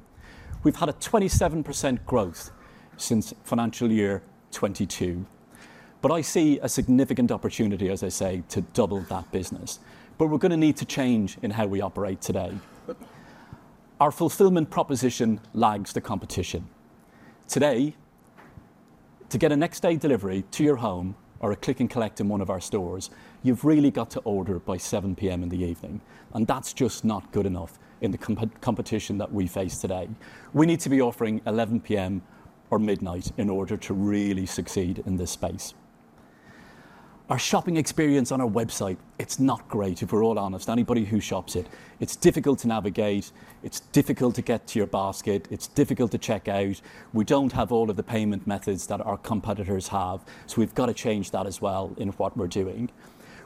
We've had a 27% growth since financial year 2022. I see a significant opportunity, as I say, to double that business. We're going to need to change in how we operate today. Our fulfillment proposition lags the competition. Today, to get a next-day delivery to your home or a click and collect in one of our stores, you've really got to order by 7:00 P.M. in the evening. That's just not good enough in the competition that we face today. We need to be offering 11:00 P.M. or midnight in order to really succeed in this space. Our shopping experience on our website, it's not great, if we're all honest. Anybody who shops it, it's difficult to navigate. It's difficult to get to your basket. It's difficult to check out. We don't have all of the payment methods that our competitors have. We have to change that as well in what we're doing.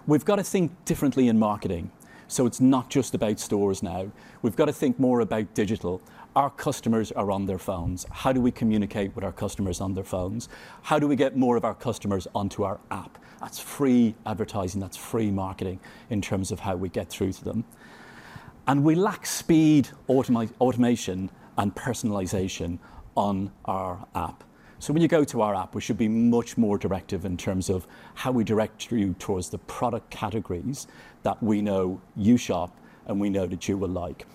We have to think differently in marketing. It's not just about stores now. We have to think more about digital. Our customers are on their phones. How do we communicate with our customers on their phones? How do we get more of our customers onto our app? That's free advertising. That's free marketing in terms of how we get through to them. We lack speed, automation, and personalization on our app. When you go to our app, we should be much more directive in terms of how we direct you towards the product categories that we know you shop and we know that you will like.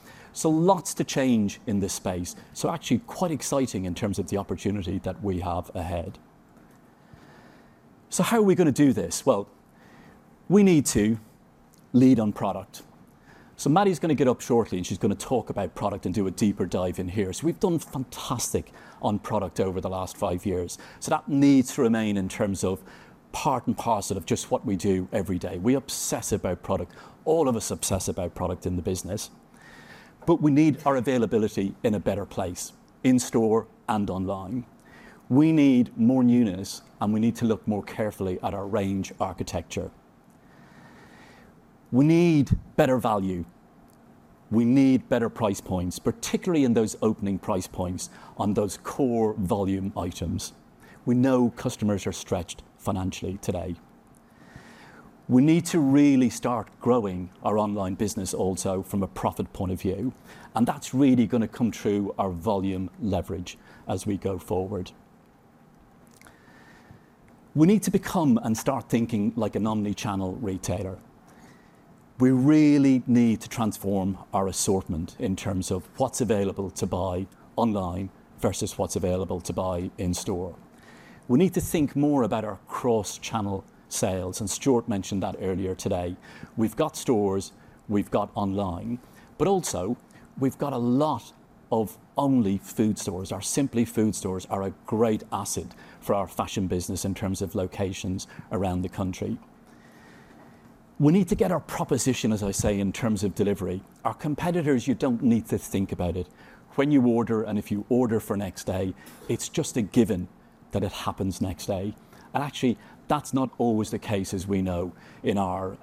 Lots to change in this space. Actually, quite exciting in terms of the opportunity that we have ahead. How are we going to do this? We need to lead on product. Maddie's going to get up shortly, and she's going to talk about product and do a deeper dive in here. We've done fantastic on product over the last five years. That needs to remain in terms of part and parcel of just what we do every day. We obsess about product. All of us obsess about product in the business. We need our availability in a better place in store and online. We need more newness, and we need to look more carefully at our range architecture. We need better value. We need better price points, particularly in those opening price points on those core volume items. We know customers are stretched financially today. We need to really start growing our online business also from a profit point of view. That is really going to come through our volume leverage as we go forward. We need to become and start thinking like an omnichannel retailer. We really need to transform our assortment in terms of what is available to buy online versus what is available to buy in store. We need to think more about our cross-channel sales. Stuart mentioned that earlier today. We have got stores. We have got online. Also, we have got a lot of only food stores. Our Simply Food stores are a great asset for our fashion business in terms of locations around the country. We need to get our proposition, as I say, in terms of delivery. Our competitors, you do not need to think about it. When you order and if you order for next day, it's just a given that it happens next day. Actually, that's not always the case, as we know, in our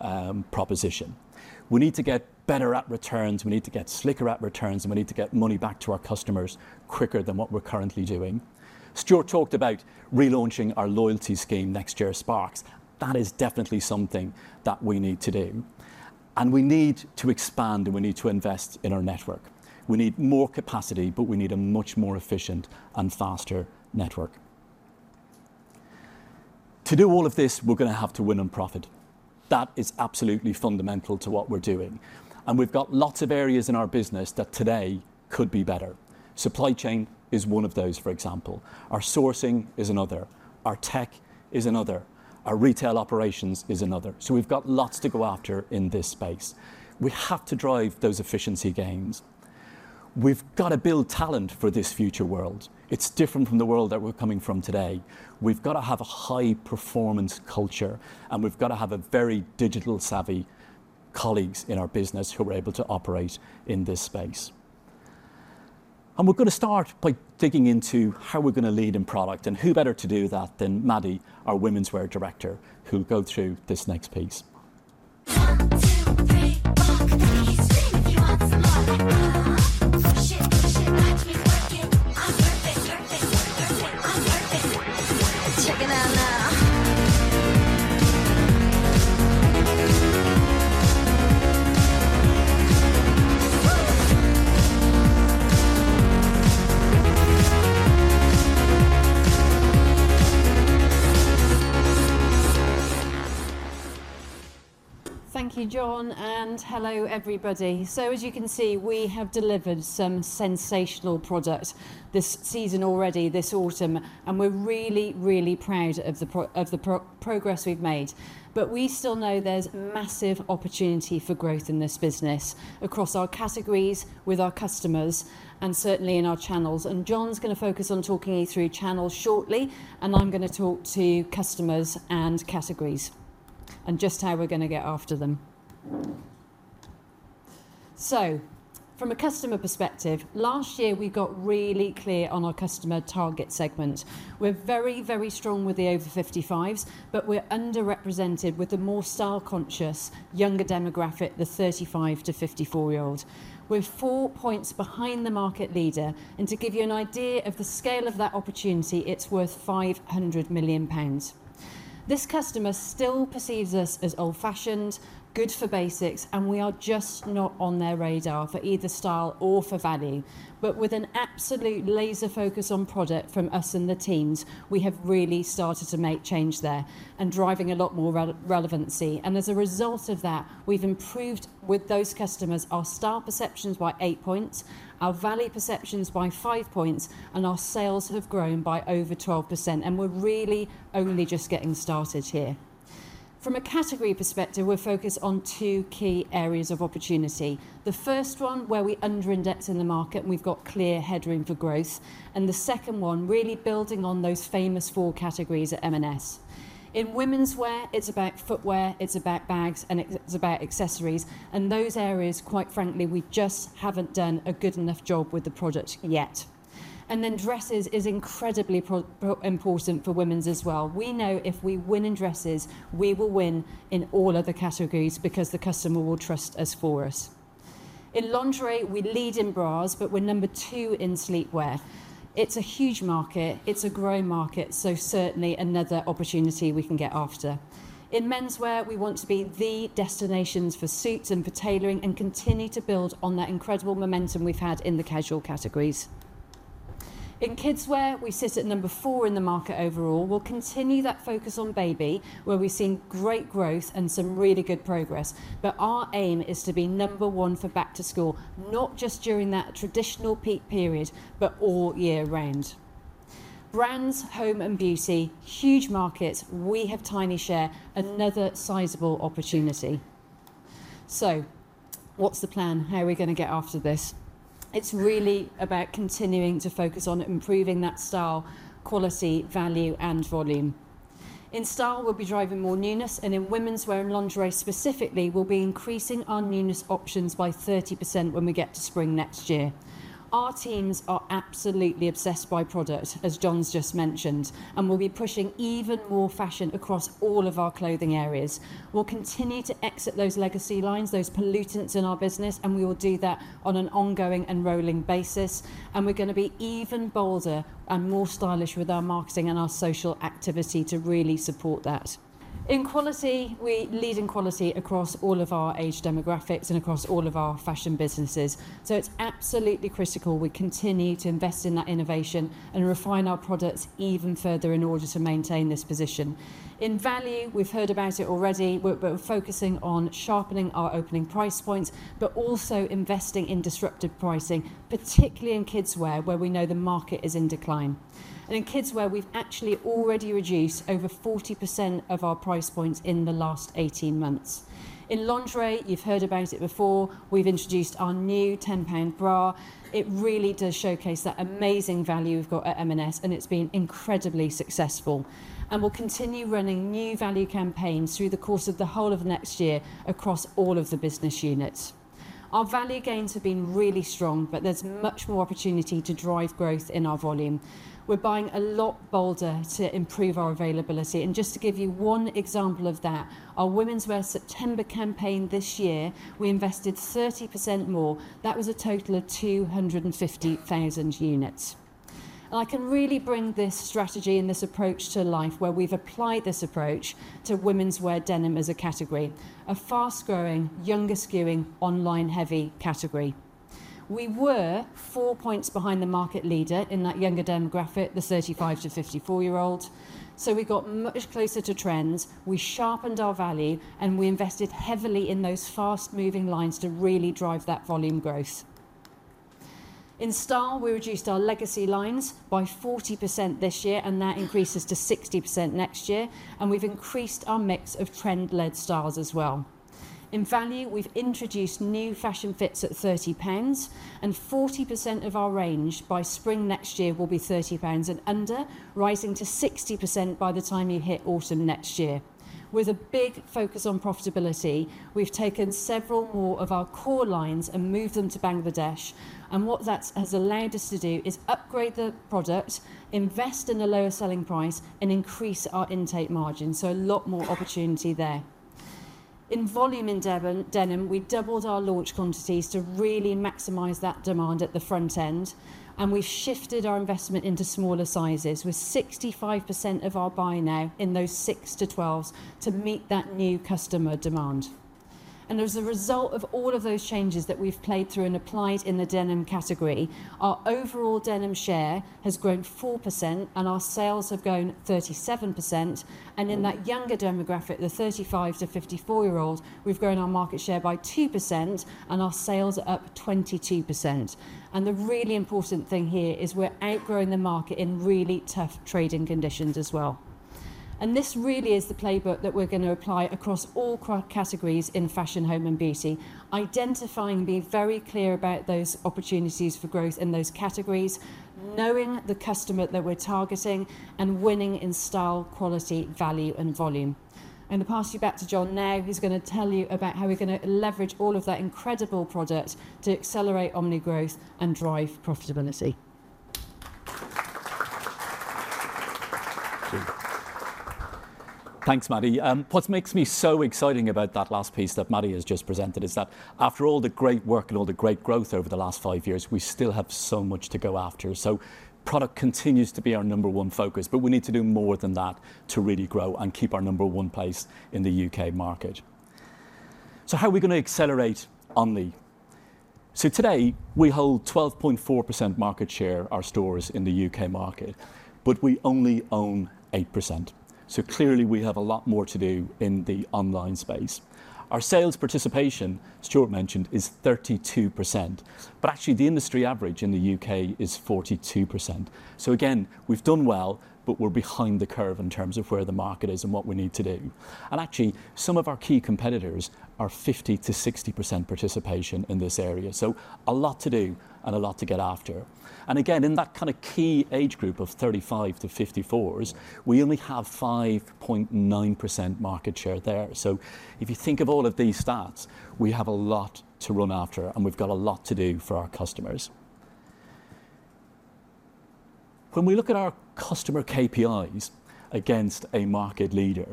proposition. We need to get better at returns. We need to get slicker at returns, and we need to get money back to our customers quicker than what we're currently doing. Stuart talked about relaunching our loyalty scheme next year, Sparks. That is definitely something that we need to do. We need to expand, and we need to invest in our network. We need more capacity, but we need a much more efficient and faster network. To do all of this, we're going to have to win on profit. That is absolutely fundamental to what we're doing. We've got lots of areas in our business that today could be better. Supply chain is one of those, for example. Our sourcing is another. Our tech is another. Our retail operations is another. We have lots to go after in this space. We have to drive those efficiency gains. We have to build talent for this future world. It is different from the world that we are coming from today. We have to have a high-performance culture, and we have to have very digital-savvy colleagues in our business who are able to operate in this space. We are going to start by digging into how we are going to lead in product. Who better to do that than Maddie, our Women's Wear Director, who will go through this next piece? One, two, three, rock, please. Swing if you want some more. Push it, push it. Watch me work it. I am perfect, perfect, perfect. I am perfect. Check it out now. Thank you, John. Hello, everybody. As you can see, we have delivered some sensational product this season already, this autumn. We are really, really proud of the progress we have made. We still know there is massive opportunity for growth in this business across our categories, with our customers, and certainly in our channels. John's going to focus on talking you through channels shortly. I am going to talk to customers and categories and just how we are going to get after them. From a customer perspective, last year, we got really clear on our customer target segment. We are very, very strong with the over-55s, but we are underrepresented with the more style-conscious, younger demographic, the 35-54-year-olds. We are four percentage points behind the market leader. To give you an idea of the scale of that opportunity, it is worth 500 million pounds. This customer still perceives us as old-fashioned, good for basics, and we are just not on their radar for either style or for value. With an absolute laser focus on product from us and the teams, we have really started to make change there and driving a lot more relevancy. As a result of that, we have improved with those customers our style perceptions by eight points, our value perceptions by five points, and our sales have grown by over 12%. We are really only just getting started here. From a category perspective, we are focused on two key areas of opportunity. The first one, where we underindex in the market, and we have got clear headroom for growth. The second one, really building on those famous four categories at M&S. In women's wear, it is about footwear. It is about bags, and it is about accessories. Those areas, quite frankly, we just haven't done a good enough job with the product yet. Dresses is incredibly important for women's as well. We know if we win in dresses, we will win in all other categories because the customer will trust us for us. In lingerie, we lead in bras, but we're number two in sleepwear. It's a huge market. It's a growing market. Certainly another opportunity we can get after. In men's wear, we want to be the destinations for suits and for tailoring and continue to build on that incredible momentum we've had in the casual categories. In kids' wear, we sit at number four in the market overall. We'll continue that focus on baby, where we've seen great growth and some really good progress. Our aim is to be number one for back to school, not just during that traditional peak period, but all year round. Brands, home, and beauty, huge markets. We have tiny share, another sizable opportunity. What's the plan? How are we going to get after this? It's really about continuing to focus on improving that style, quality, value, and volume. In style, we'll be driving more newness. In women's wear and lingerie specifically, we'll be increasing our newness options by 30% when we get to spring next year. Our teams are absolutely obsessed by product, as John just mentioned, and we'll be pushing even more fashion across all of our clothing areas. We'll continue to exit those legacy lines, those pollutants in our business, and we will do that on an ongoing and rolling basis. We're going to be even bolder and more stylish with our marketing and our social activity to really support that. In quality, we lead in quality across all of our age demographics and across all of our fashion businesses. It is absolutely critical we continue to invest in that innovation and refine our products even further in order to maintain this position. In value, we've heard about it already, but we're focusing on sharpening our opening price points, but also investing in disruptive pricing, particularly in kids' wear, where we know the market is in decline. In kids' wear, we've actually already reduced over 40% of our price points in the last 18 months. In lingerie, you've heard about it before. We've introduced our new 10 pound bra. It really does showcase that amazing value we've got at M&S, and it's been incredibly successful. We will continue running new value campaigns through the course of the whole of next year across all of the business units. Our value gains have been really strong, but there is much more opportunity to drive growth in our volume. We are buying a lot bolder to improve our availability. Just to give you one example of that, our women's wear September campaign this year, we invested 30% more. That was a total of 250,000 units. I can really bring this strategy and this approach to life where we have applied this approach to women's wear denim as a category, a fast-growing, younger-skewing, online-heavy category. We were four percentage points behind the market leader in that younger demographic, the 35 to 54-year-old. We got much closer to trends. We sharpened our value, and we invested heavily in those fast-moving lines to really drive that volume growth. In style, we reduced our legacy lines by 40% this year, and that increases to 60% next year. We have increased our mix of trend-led styles as well. In value, we have introduced new fashion fits at 30 pounds, and 40% of our range by spring next year will be 30 pounds and under, rising to 60% by the time you hit autumn next year. With a big focus on profitability, we have taken several more of our core lines and moved them to Bangladesh. What that has allowed us to do is upgrade the product, invest in the lower selling price, and increase our intake margin. A lot more opportunity there. In volume in denim, we doubled our launch quantities to really maximize that demand at the front end. We have shifted our investment into smaller sizes with 65% of our buy now in those 6 to 12s to meet that new customer demand. As a result of all of those changes that we have played through and applied in the denim category, our overall denim share has grown 4%, and our sales have grown 37%. In that younger demographic, the 35 to 54-year-old, we have grown our market share by 2%, and our sales are up 22%. The really important thing here is we are outgrowing the market in really tough trading conditions as well. This really is the playbook that we are going to apply across all categories in fashion, home, and beauty, identifying and being very clear about those opportunities for growth in those categories, knowing the customer that we are targeting, and winning in style, quality, value, and volume. I'll pass you back to John now. He's going to tell you about how we're going to leverage all of that incredible product to accelerate omni-growth and drive profitability. Thanks, Maddie. What makes me so excited about that last piece that Maddie has just presented is that after all the great work and all the great growth over the last five years, we still have so much to go after. Product continues to be our number one focus, but we need to do more than that to really grow and keep our number one place in the U.K. market. How are we going to accelerate omni? Today, we hold 12.4% market share, our stores in the U.K. market, but we only own 8%. Clearly, we have a lot more to do in the online space. Our sales participation, Stuart mentioned, is 32%. Actually, the industry average in the U.K. is 42%. Again, we've done well, but we're behind the curve in terms of where the market is and what we need to do. Actually, some of our key competitors are at 50%-60% participation in this area. A lot to do and a lot to get after. Again, in that kind of key age group of 35 to 54s, we only have 5.9% market share there. If you think of all of these stats, we have a lot to run after, and we've got a lot to do for our customers. When we look at our customer KPIs against a market leader,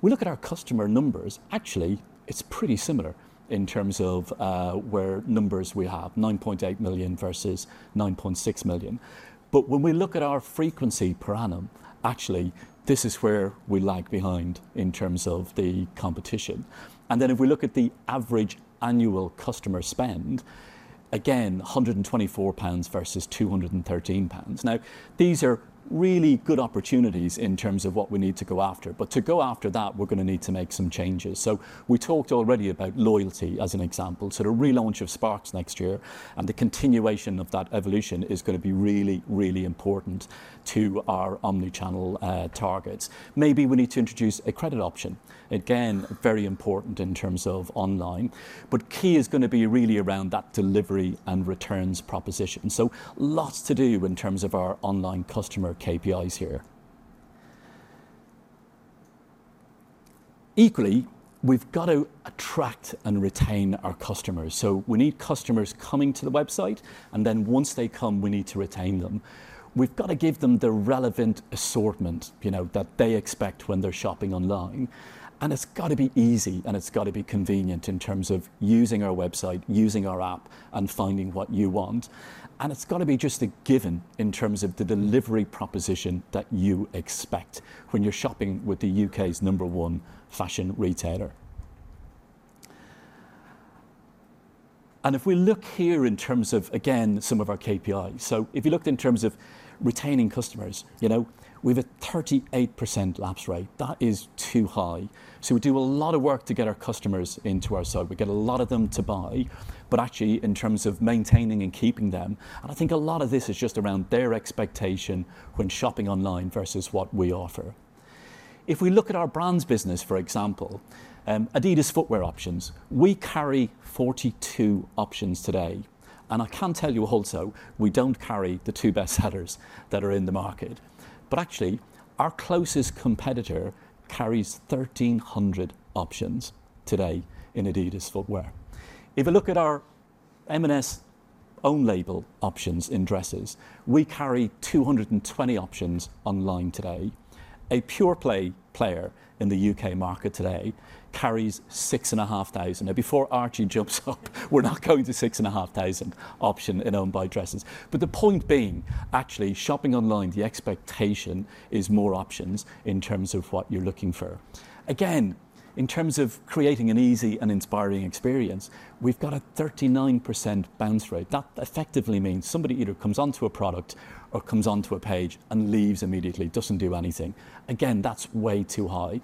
we look at our customer numbers. Actually, it's pretty similar in terms of where numbers we have, 9.8 million versus 9.6 million. When we look at our frequency per annum, actually, this is where we lag behind in terms of the competition. If we look at the average annual customer spend, again, 124 pounds versus 213 pounds. These are really good opportunities in terms of what we need to go after. To go after that, we're going to need to make some changes. We talked already about loyalty as an example. The relaunch of Sparks next year and the continuation of that evolution is going to be really, really important to our omnichannel targets. Maybe we need to introduce a credit option. Again, very important in terms of online. Key is going to be really around that delivery and returns proposition. Lots to do in terms of our online customer KPIs here. Equally, we've got to attract and retain our customers. We need customers coming to the website, and then once they come, we need to retain them. We've got to give them the relevant assortment that they expect when they're shopping online. It's got to be easy, and it's got to be convenient in terms of using our website, using our app, and finding what you want. It's got to be just a given in terms of the delivery proposition that you expect when you're shopping with the U.K.'s number one fashion retailer. If we look here in terms of, again, some of our KPIs, if you looked in terms of retaining customers, we have a 38% lapse rate. That is too high. We do a lot of work to get our customers into our site. We get a lot of them to buy. Actually, in terms of maintaining and keeping them, I think a lot of this is just around their expectation when shopping online versus what we offer. If we look at our brand's business, for example, Adidas Footwear options, we carry 42 options today. I can tell you also we do not carry the two best sellers that are in the market. Actually, our closest competitor carries 1,300 options today in Adidas Footwear. If we look at our M&S own-label options in dresses, we carry 220 options online today. A pureplay player in the U.K. market today carries 6,500. Now, before Archie jumps up, we are not going to 6,500 options in own-label dresses. The point being, actually, shopping online, the expectation is more options in terms of what you are looking for. Again, in terms of creating an easy and inspiring experience, we've got a 39% bounce rate. That effectively means somebody either comes onto a product or comes onto a page and leaves immediately, does not do anything. Again, that's way too high.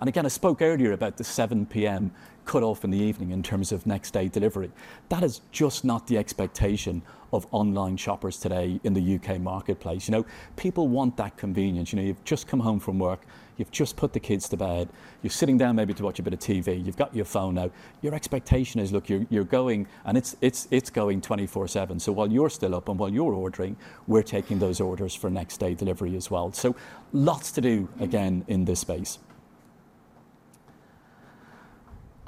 I spoke earlier about the 7:00 P.M. cutoff in the evening in terms of next-day delivery. That is just not the expectation of online shoppers today in the U.K. marketplace. People want that convenience. You've just come home from work. You've just put the kids to bed. You're sitting down maybe to watch a bit of TV. You've got your phone out. Your expectation is, look, you're going, and it's going 24/7. While you're still up and while you're ordering, we're taking those orders for next-day delivery as well. Lots to do, again, in this space.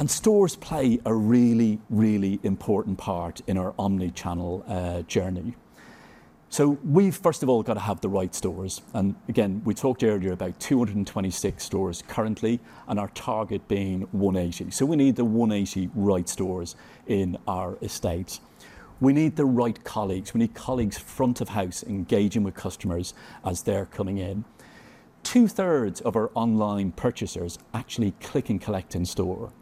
Stores play a really, really important part in our omnichannel journey. We have, first of all, got to have the right stores. We talked earlier about 226 stores currently and our target being 180. We need the 180 right stores in our estate. We need the right colleagues. We need colleagues front of house engaging with customers as they're coming in. Two-thirds of our online purchasers actually click and collect in store,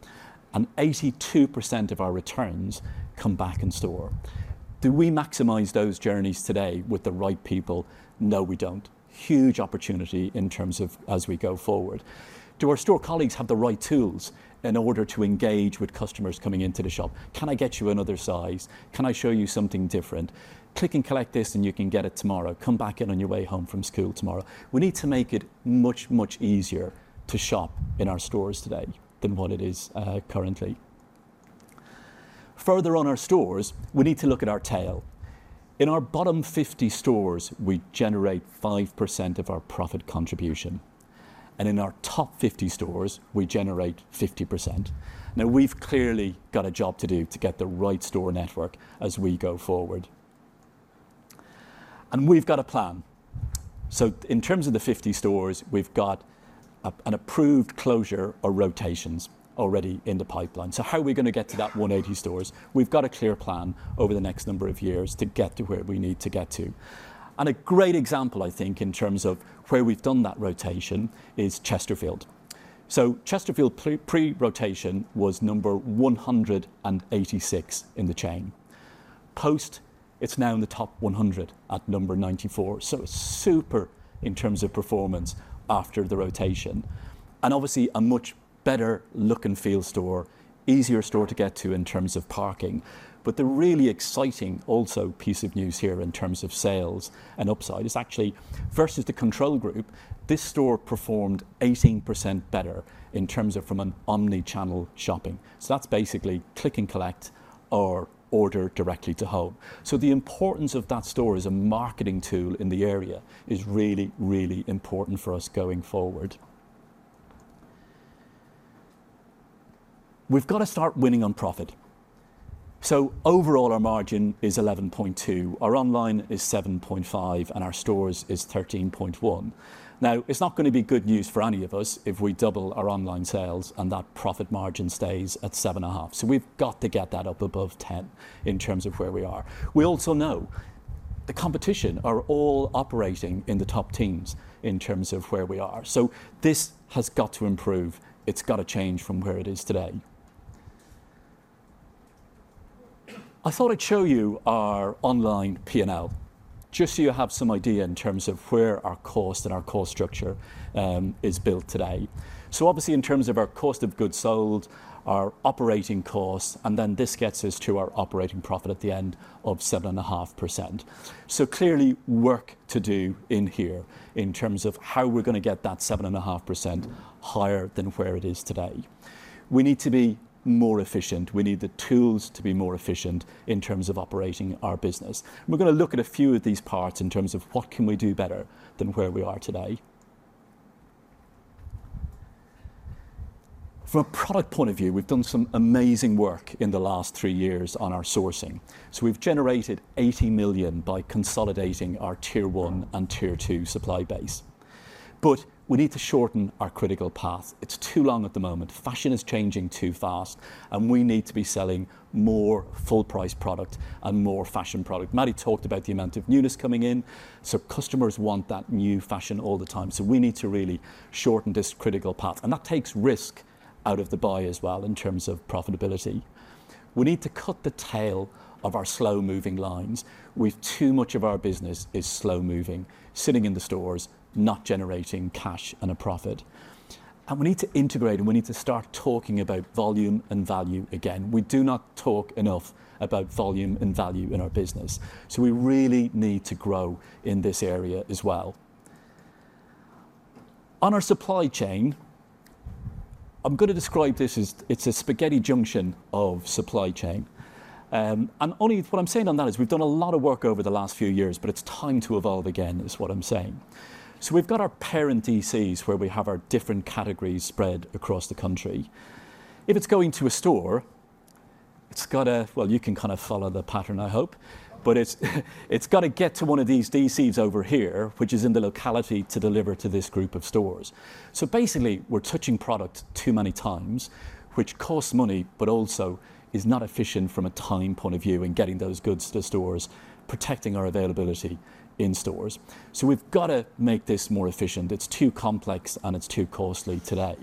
and 82% of our returns come back in store. Do we maximize those journeys today with the right people? No, we do not. Huge opportunity in terms of as we go forward. Do our store colleagues have the right tools in order to engage with customers coming into the shop? Can I get you another size? Can I show you something different? Click and collect this, and you can get it tomorrow. Come back in on your way home from school tomorrow. We need to make it much, much easier to shop in our stores today than what it is currently. Further on our stores, we need to look at our tail. In our bottom 50 stores, we generate 5% of our profit contribution. In our top 50 stores, we generate 50%. We have clearly got a job to do to get the right store network as we go forward. We have got a plan. In terms of the 50 stores, we have got an approved closure or rotations already in the pipeline. How are we going to get to that 180 stores? We have got a clear plan over the next number of years to get to where we need to get to. A great example, I think, in terms of where we have done that rotation is Chesterfield. Chesterfield pre-rotation was number 186 in the chain. Post, it's now in the top 100 at number 94. It's super in terms of performance after the rotation. Obviously, a much better look and feel store, easier store to get to in terms of parking. The really exciting also piece of news here in terms of sales and upside is actually, versus the control group, this store performed 18% better in terms of from an omnichannel shopping. That's basically click and collect or order directly to home. The importance of that store as a marketing tool in the area is really, really important for us going forward. We've got to start winning on profit. Overall, our margin is 11.2%. Our online is 7.5%, and our stores is 13.1%. Now, it's not going to be good news for any of us if we double our online sales and that profit margin stays at 7.5%. We have to get that up above 10% in terms of where we are. We also know the competition are all operating in the top teams in terms of where we are. This has to improve. It has to change from where it is today. I thought I'd show you our online P&L just so you have some idea in terms of where our cost and our cost structure is built today. Obviously, in terms of our cost of goods sold, our operating cost, and then this gets us to our operating profit at the end of 7.5%. Clearly, work to do in here in terms of how we're going to get that 7.5% higher than where it is today. We need to be more efficient. We need the tools to be more efficient in terms of operating our business. We're going to look at a few of these parts in terms of what can we do better than where we are today. From a product point of view, we've done some amazing work in the last three years on our sourcing. So we've generated 80 million by consolidating our tier one and tier two supply base. We need to shorten our critical path. It's too long at the moment. Fashion is changing too fast, and we need to be selling more full-price product and more fashion product. Maddie talked about the amount of newness coming in. Customers want that new fashion all the time. We need to really shorten this critical path. That takes risk out of the buy as well in terms of profitability. We need to cut the tail of our slow-moving lines. Too much of our business is slow-moving, sitting in the stores, not generating cash and a profit. We need to integrate, and we need to start talking about volume and value again. We do not talk enough about volume and value in our business. We really need to grow in this area as well. On our supply chain, I'm going to describe this as it's a spaghetti junction of supply chain. Only what I'm saying on that is we've done a lot of work over the last few years, but it's time to evolve again is what I'm saying. We've got our parent DCs where we have our different categories spread across the country. If it's going to a store, it's got to, well, you can kind of follow the pattern, I hope. But it has got to get to one of these DCs over here, which is in the locality to deliver to this group of stores. Basically, we are touching product too many times, which costs money, but also is not efficient from a time point of view in getting those goods to stores, protecting our availability in stores. We have got to make this more efficient. It is too complex, and it is too costly today.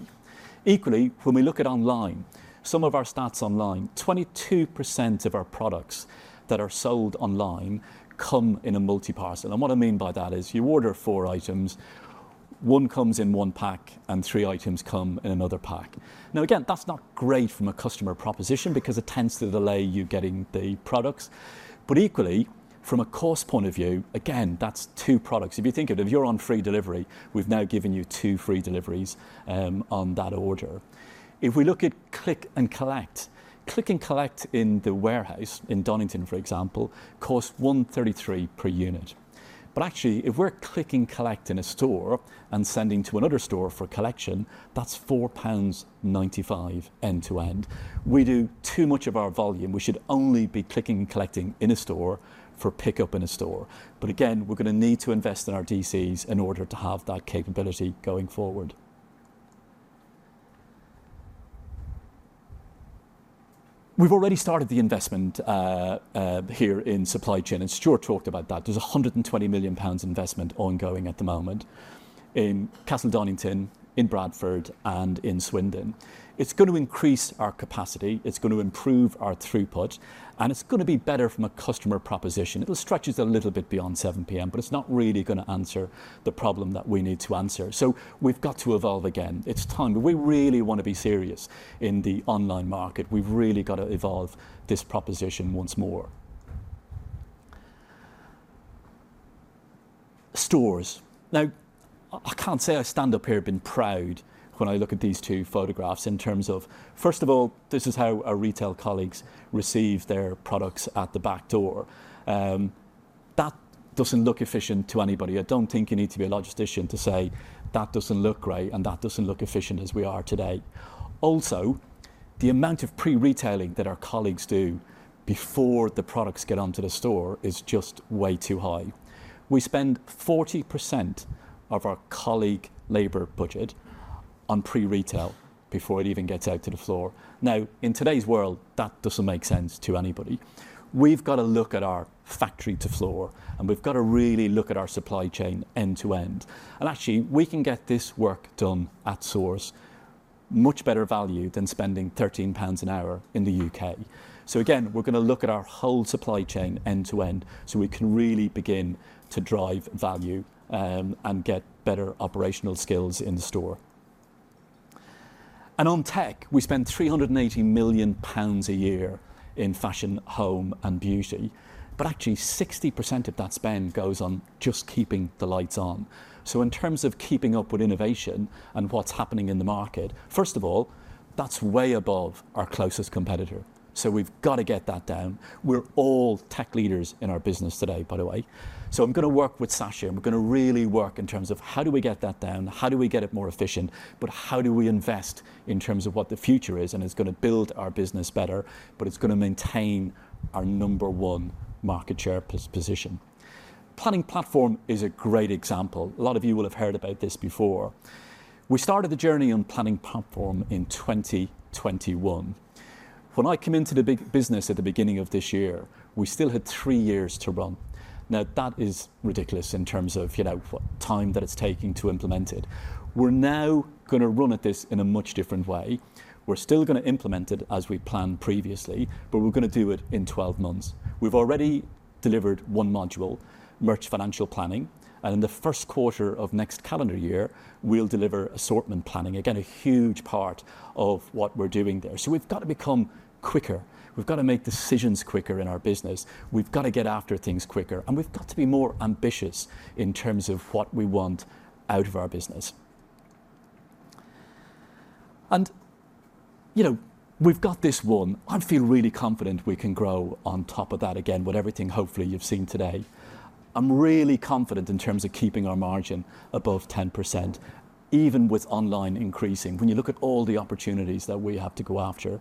Equally, when we look at online, some of our stats online, 22% of our products that are sold online come in a multi-parcel. What I mean by that is you order four items. One comes in one pack, and three items come in another pack. Again, that is not great from a customer proposition because it tends to delay you getting the products. Equally, from a cost point of view, again, that is two products. If you think of it, if you're on free delivery, we've now given you two free deliveries on that order. If we look at click and collect, click and collect in the warehouse in Castle Donington, for example, costs 1.33 per unit. Actually, if we're clicking collect in a store and sending to another store for collection, that's 4.95 pounds end-to-end. We do too much of our volume. We should only be clicking and collecting in a store for pickup in a store. Again, we're going to need to invest in our DCs in order to have that capability going forward. We've already started the investment here in supply chain, and Stuart talked about that. There's a 120 million pounds investment ongoing at the moment in Castle Donington, in Bradford, and in Swindon. It's going to increase our capacity. It's going to improve our throughput, and it's going to be better from a customer proposition. It'll stretch us a little bit beyond 7:00 P.M., but it's not really going to answer the problem that we need to answer. We have to evolve again. It's time. We really want to be serious in the online market. We've really got to evolve this proposition once more. Stores. Now, I can't say I stand up here being proud when I look at these two photographs in terms of, first of all, this is how our retail colleagues receive their products at the back door. That doesn't look efficient to anybody. I don't think you need to be a logistician to say that doesn't look great and that doesn't look efficient as we are today. Also, the amount of pre-retailing that our colleagues do before the products get onto the store is just way too high. We spend 40% of our colleague labor budget on pre-retail before it even gets out to the floor. Now, in today's world, that does not make sense to anybody. We have got to look at our factory to floor, and we have got to really look at our supply chain end-to-end. Actually, we can get this work done at source, much better value than spending 13 pounds an hour in the U.K. Again, we are going to look at our whole supply chain end-to-end so we can really begin to drive value and get better operational skills in the store. On tech, we spend 380 million pounds a year in fashion, home, and beauty. Actually, 60% of that spend goes on just keeping the lights on. In terms of keeping up with innovation and what's happening in the market, first of all, that's way above our closest competitor. We've got to get that down. We're all tech leaders in our business today, by the way. I'm going to work with Sacha, and we're going to really work in terms of how do we get that down, how do we get it more efficient, but how do we invest in terms of what the future is and is going to build our business better, but it's going to maintain our number one market share position. Planning Platform is a great example. A lot of you will have heard about this before. We started the journey on Planning Platform in 2021. When I came into the business at the beginning of this year, we still had three years to run. Now, that is ridiculous in terms of time that it's taking to implement it. We're now going to run at this in a much different way. We're still going to implement it as we planned previously, but we're going to do it in 12 months. We've already delivered one module, merch financial planning. In the first quarter of next calendar year, we'll deliver assortment planning, again, a huge part of what we're doing there. We've got to become quicker. We've got to make decisions quicker in our business. We've got to get after things quicker. We've got to be more ambitious in terms of what we want out of our business. We've got this one. I feel really confident we can grow on top of that again, with everything hopefully you've seen today. I'm really confident in terms of keeping our margin above 10%, even with online increasing. When you look at all the opportunities that we have to go after,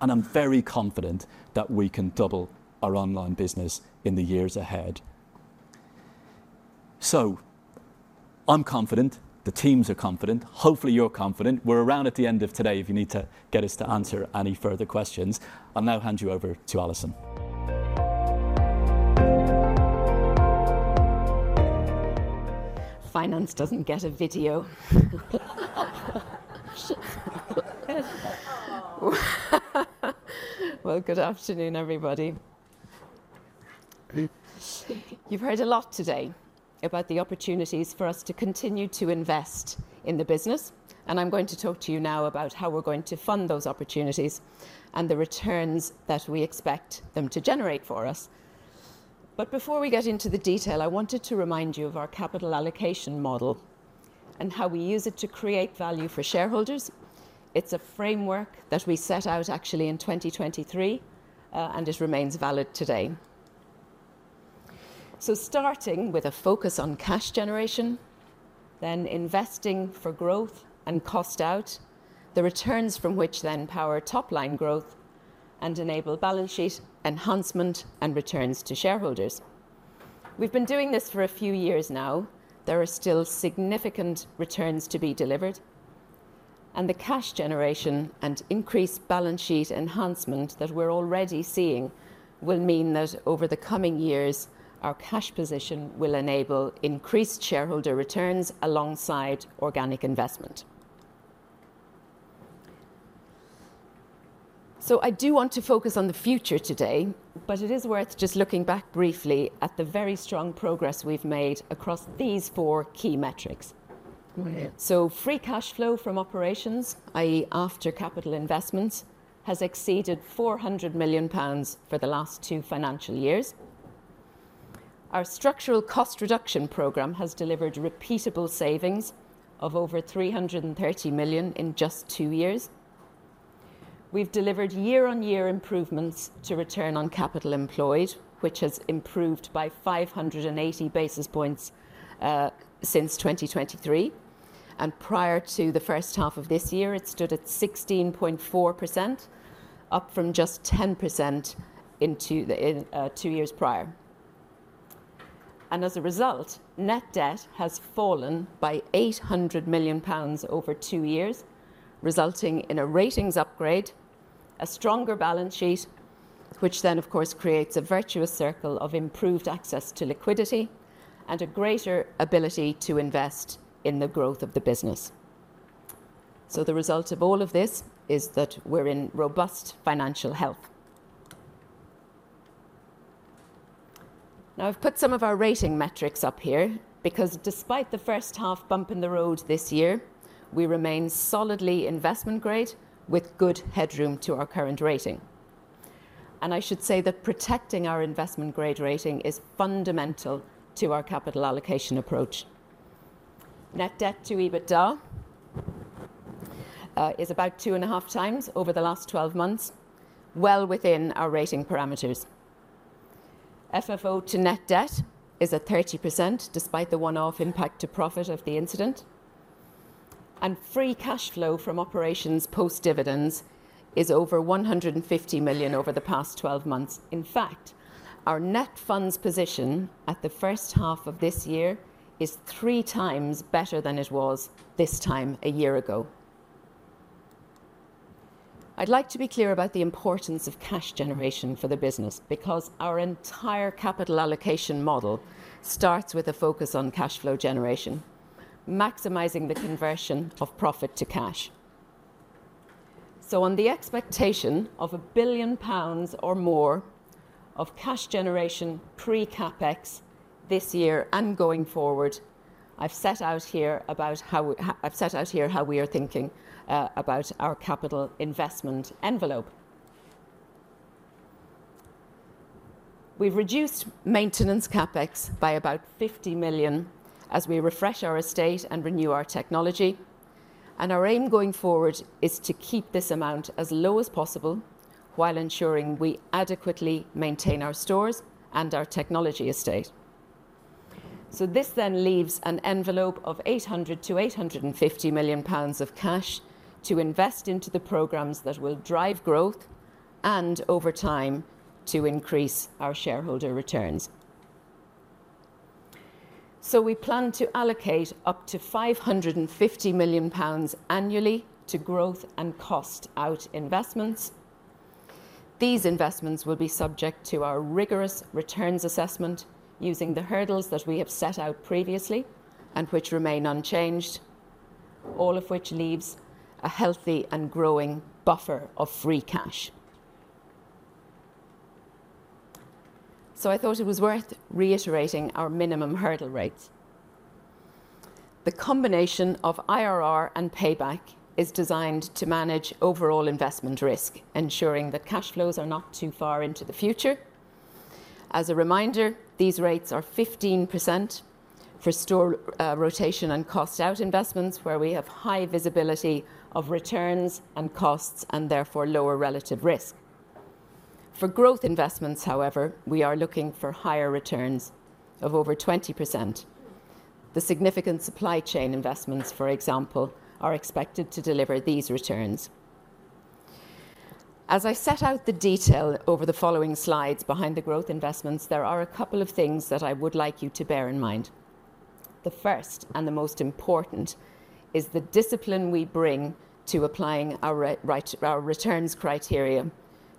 and I'm very confident that we can double our online business in the years ahead. I'm confident. The teams are confident. Hopefully, you're confident. We're around at the end of today if you need to get us to answer any further questions. I'll now hand you over to Alison. Finance doesn't get a video. Good afternoon, everybody. You've heard a lot today about the opportunities for us to continue to invest in the business. I'm going to talk to you now about how we're going to fund those opportunities and the returns that we expect them to generate for us. Before we get into the detail, I wanted to remind you of our capital allocation model and how we use it to create value for shareholders. It's a framework that we set out actually in 2023, and it remains valid today. Starting with a focus on cash generation, then investing for growth and cost out, the returns from which then power top-line growth and enable balance sheet enhancement and returns to shareholders. We've been doing this for a few years now. There are still significant returns to be delivered. The cash generation and increased balance sheet enhancement that we're already seeing will mean that over the coming years, our cash position will enable increased shareholder returns alongside organic investment. I do want to focus on the future today, but it is worth just looking back briefly at the very strong progress we've made across these four key metrics. Free cash flow from operations, i.e., after capital investments, has exceeded 400 million pounds for the last two financial years. Our structural cost reduction program has delivered repeatable savings of over 330 million in just two years. We've delivered year-on-year improvements to return on capital employed, which has improved by 580 basis points since 2023. Prior to the first half of this year, it stood at 16.4%, up from just 10% two years prior. As a result, net debt has fallen by 800 million pounds over two years, resulting in a ratings upgrade, a stronger balance sheet, which then, of course, creates a virtuous circle of improved access to liquidity and a greater ability to invest in the growth of the business. The result of all of this is that we're in robust financial health. Now, I've put some of our rating metrics up here because despite the first half bump in the road this year, we remain solidly investment-grade with good headroom to our current rating. I should say that protecting our investment-grade rating is fundamental to our capital allocation approach. Net debt to EBITDA is about two and a half times over the last 12 months, well within our rating parameters. FFO to net debt is at 30% despite the one-off impact to profit of the incident. Free cash flow from operations post-dividends is over 150 million over the past 12 months. In fact, our net funds position at the first half of this year is three times better than it was this time a year ago. I'd like to be clear about the importance of cash generation for the business because our entire capital allocation model starts with a focus on cash flow generation, maximizing the conversion of profit to cash. On the expectation of 1 billion pounds or more of cash generation pre-CapEx this year and going forward, I've set out here how we are thinking about our capital investment envelope. We've reduced maintenance CapEx by about 50 million as we refresh our estate and renew our technology. Our aim going forward is to keep this amount as low as possible while ensuring we adequately maintain our stores and our technology estate. This then leaves an envelope of 800 million-850 million pounds of cash to invest into the programs that will drive growth and, over time, to increase our shareholder returns. We plan to allocate up to 550 million pounds annually to growth and cost-out investments. These investments will be subject to our rigorous returns assessment using the hurdles that we have set out previously and which remain unchanged, all of which leaves a healthy and growing buffer of free cash. I thought it was worth reiterating our minimum hurdle rates. The combination of IRR and payback is designed to manage overall investment risk, ensuring that cash flows are not too far into the future. As a reminder, these rates are 15% for store rotation and cost-out investments, where we have high visibility of returns and costs and therefore lower relative risk. For growth investments, however, we are looking for higher returns of over 20%. The significant supply chain investments, for example, are expected to deliver these returns. As I set out the detail over the following slides behind the growth investments, there are a couple of things that I would like you to bear in mind. The first and the most important is the discipline we bring to applying our returns criteria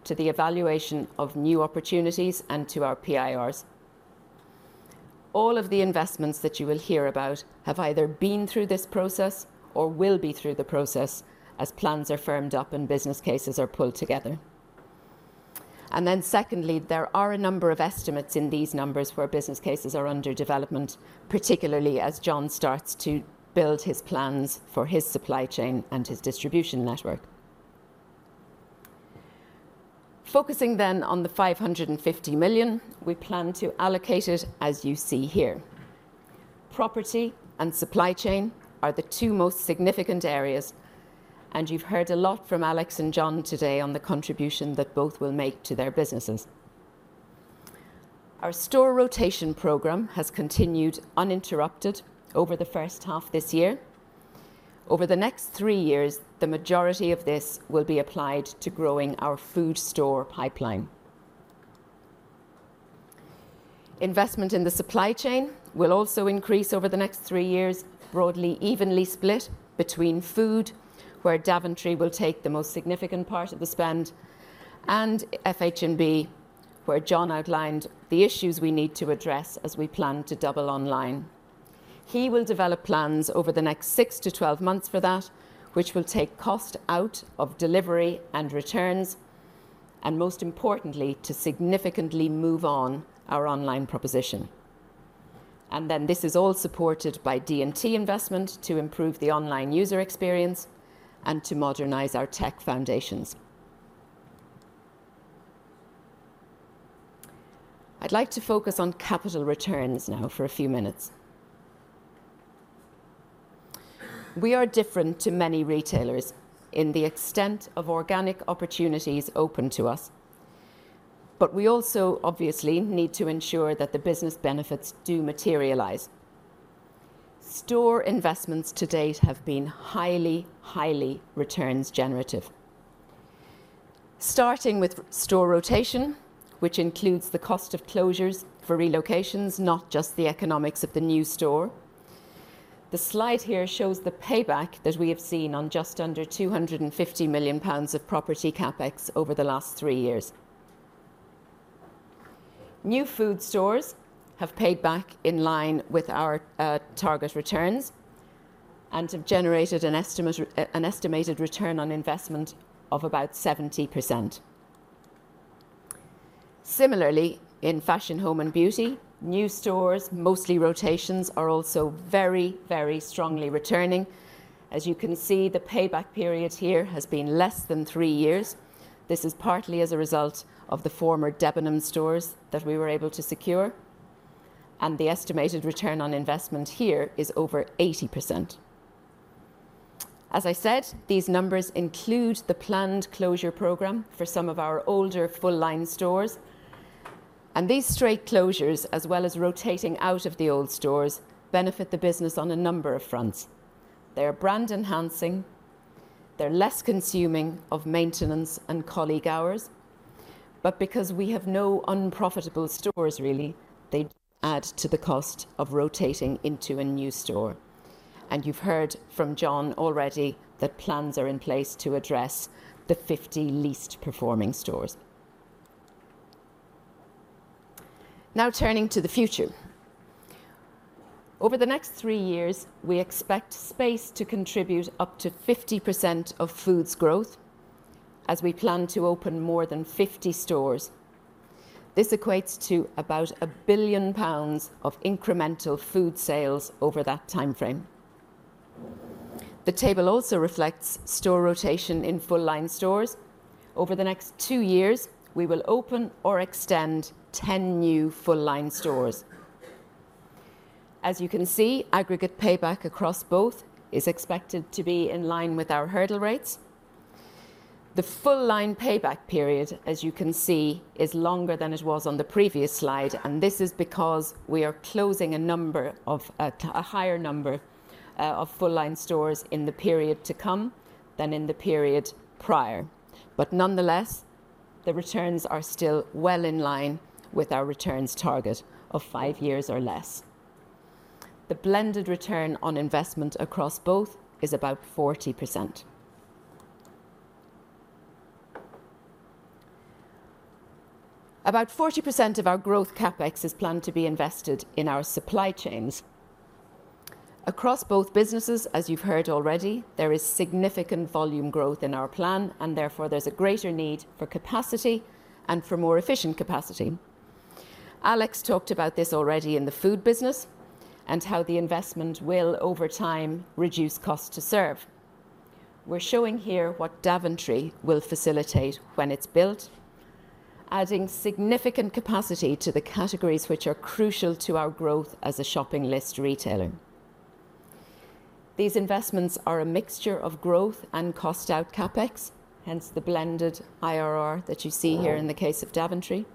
to the evaluation of new opportunities and to our PIRs. All of the investments that you will hear about have either been through this process or will be through the process as plans are firmed up and business cases are pulled together. Secondly, there are a number of estimates in these numbers where business cases are under development, particularly as John starts to build his plans for his supply chain and his distribution network. Focusing then on the 550 million, we plan to allocate it as you see here. Property and supply chain are the two most significant areas, and you have heard a lot from Alex and John today on the contribution that both will make to their businesses. Our store rotation program has continued uninterrupted over the first half this year. Over the next three years, the majority of this will be applied to growing our food store pipeline. Investment in the supply chain will also increase over the next three years, broadly evenly split between food, where Daventry will take the most significant part of the spend, and FH&B, where John outlined the issues we need to address as we plan to double online. He will develop plans over the next 6-12 months for that, which will take cost out of delivery and returns, and most importantly, to significantly move on our online proposition. This is all supported by D&T investment to improve the online user experience and to modernize our tech foundations. I would like to focus on capital returns now for a few minutes. We are different to many retailers in the extent of organic opportunities open to us, but we also obviously need to ensure that the business benefits do materialize. Store investments to date have been highly, highly returns-generative. Starting with store rotation, which includes the cost of closures for relocations, not just the economics of the new store. The slide here shows the payback that we have seen on just under 250 million pounds of property CapEx over the last three years. New food stores have paid back in line with our target returns and have generated an estimated return on investment of about 70%. Similarly, in fashion, home, and beauty, new stores, mostly rotations, are also very, very strongly returning. As you can see, the payback period here has been less than three years. This is partly as a result of the former Debenhams stores that we were able to secure. The estimated return on investment here is over 80%. As I said, these numbers include the planned closure program for some of our older full-line stores. These straight closures, as well as rotating out of the old stores, benefit the business on a number of fronts. They are brand-enhancing. They are less consuming of maintenance and colleague hours. Because we have no unprofitable stores, really, they add to the cost of rotating into a new store. You have heard from John already that plans are in place to address the 50 least performing stores. Now turning to the future. Over the next three years, we expect space to contribute up to 50% of food's growth as we plan to open more than 50 stores. This equates to about 1 billion pounds of incremental food sales over that timeframe. The table also reflects store rotation in full-line stores. Over the next two years, we will open or extend 10 new full-line stores. As you can see, aggregate payback across both is expected to be in line with our hurdle rates. The full-line payback period, as you can see, is longer than it was on the previous slide, and this is because we are closing a higher number of full-line stores in the period to come than in the period prior. Nonetheless, the returns are still well in line with our returns target of five years or less. The blended return on investment across both is about 40%. About 40% of our growth CapEx is planned to be invested in our supply chains. Across both businesses, as you've heard already, there is significant volume growth in our plan, and therefore there's a greater need for capacity and for more efficient capacity. Alex talked about this already in the food business and how the investment will, over time, reduce cost to serve. We are showing here what Daventry will facilitate when it is built, adding significant capacity to the categories which are crucial to our growth as a shopping list retailer. These investments are a mixture of growth and cost-out CapEx, hence the blended IRR that you see here in the case of Daventry.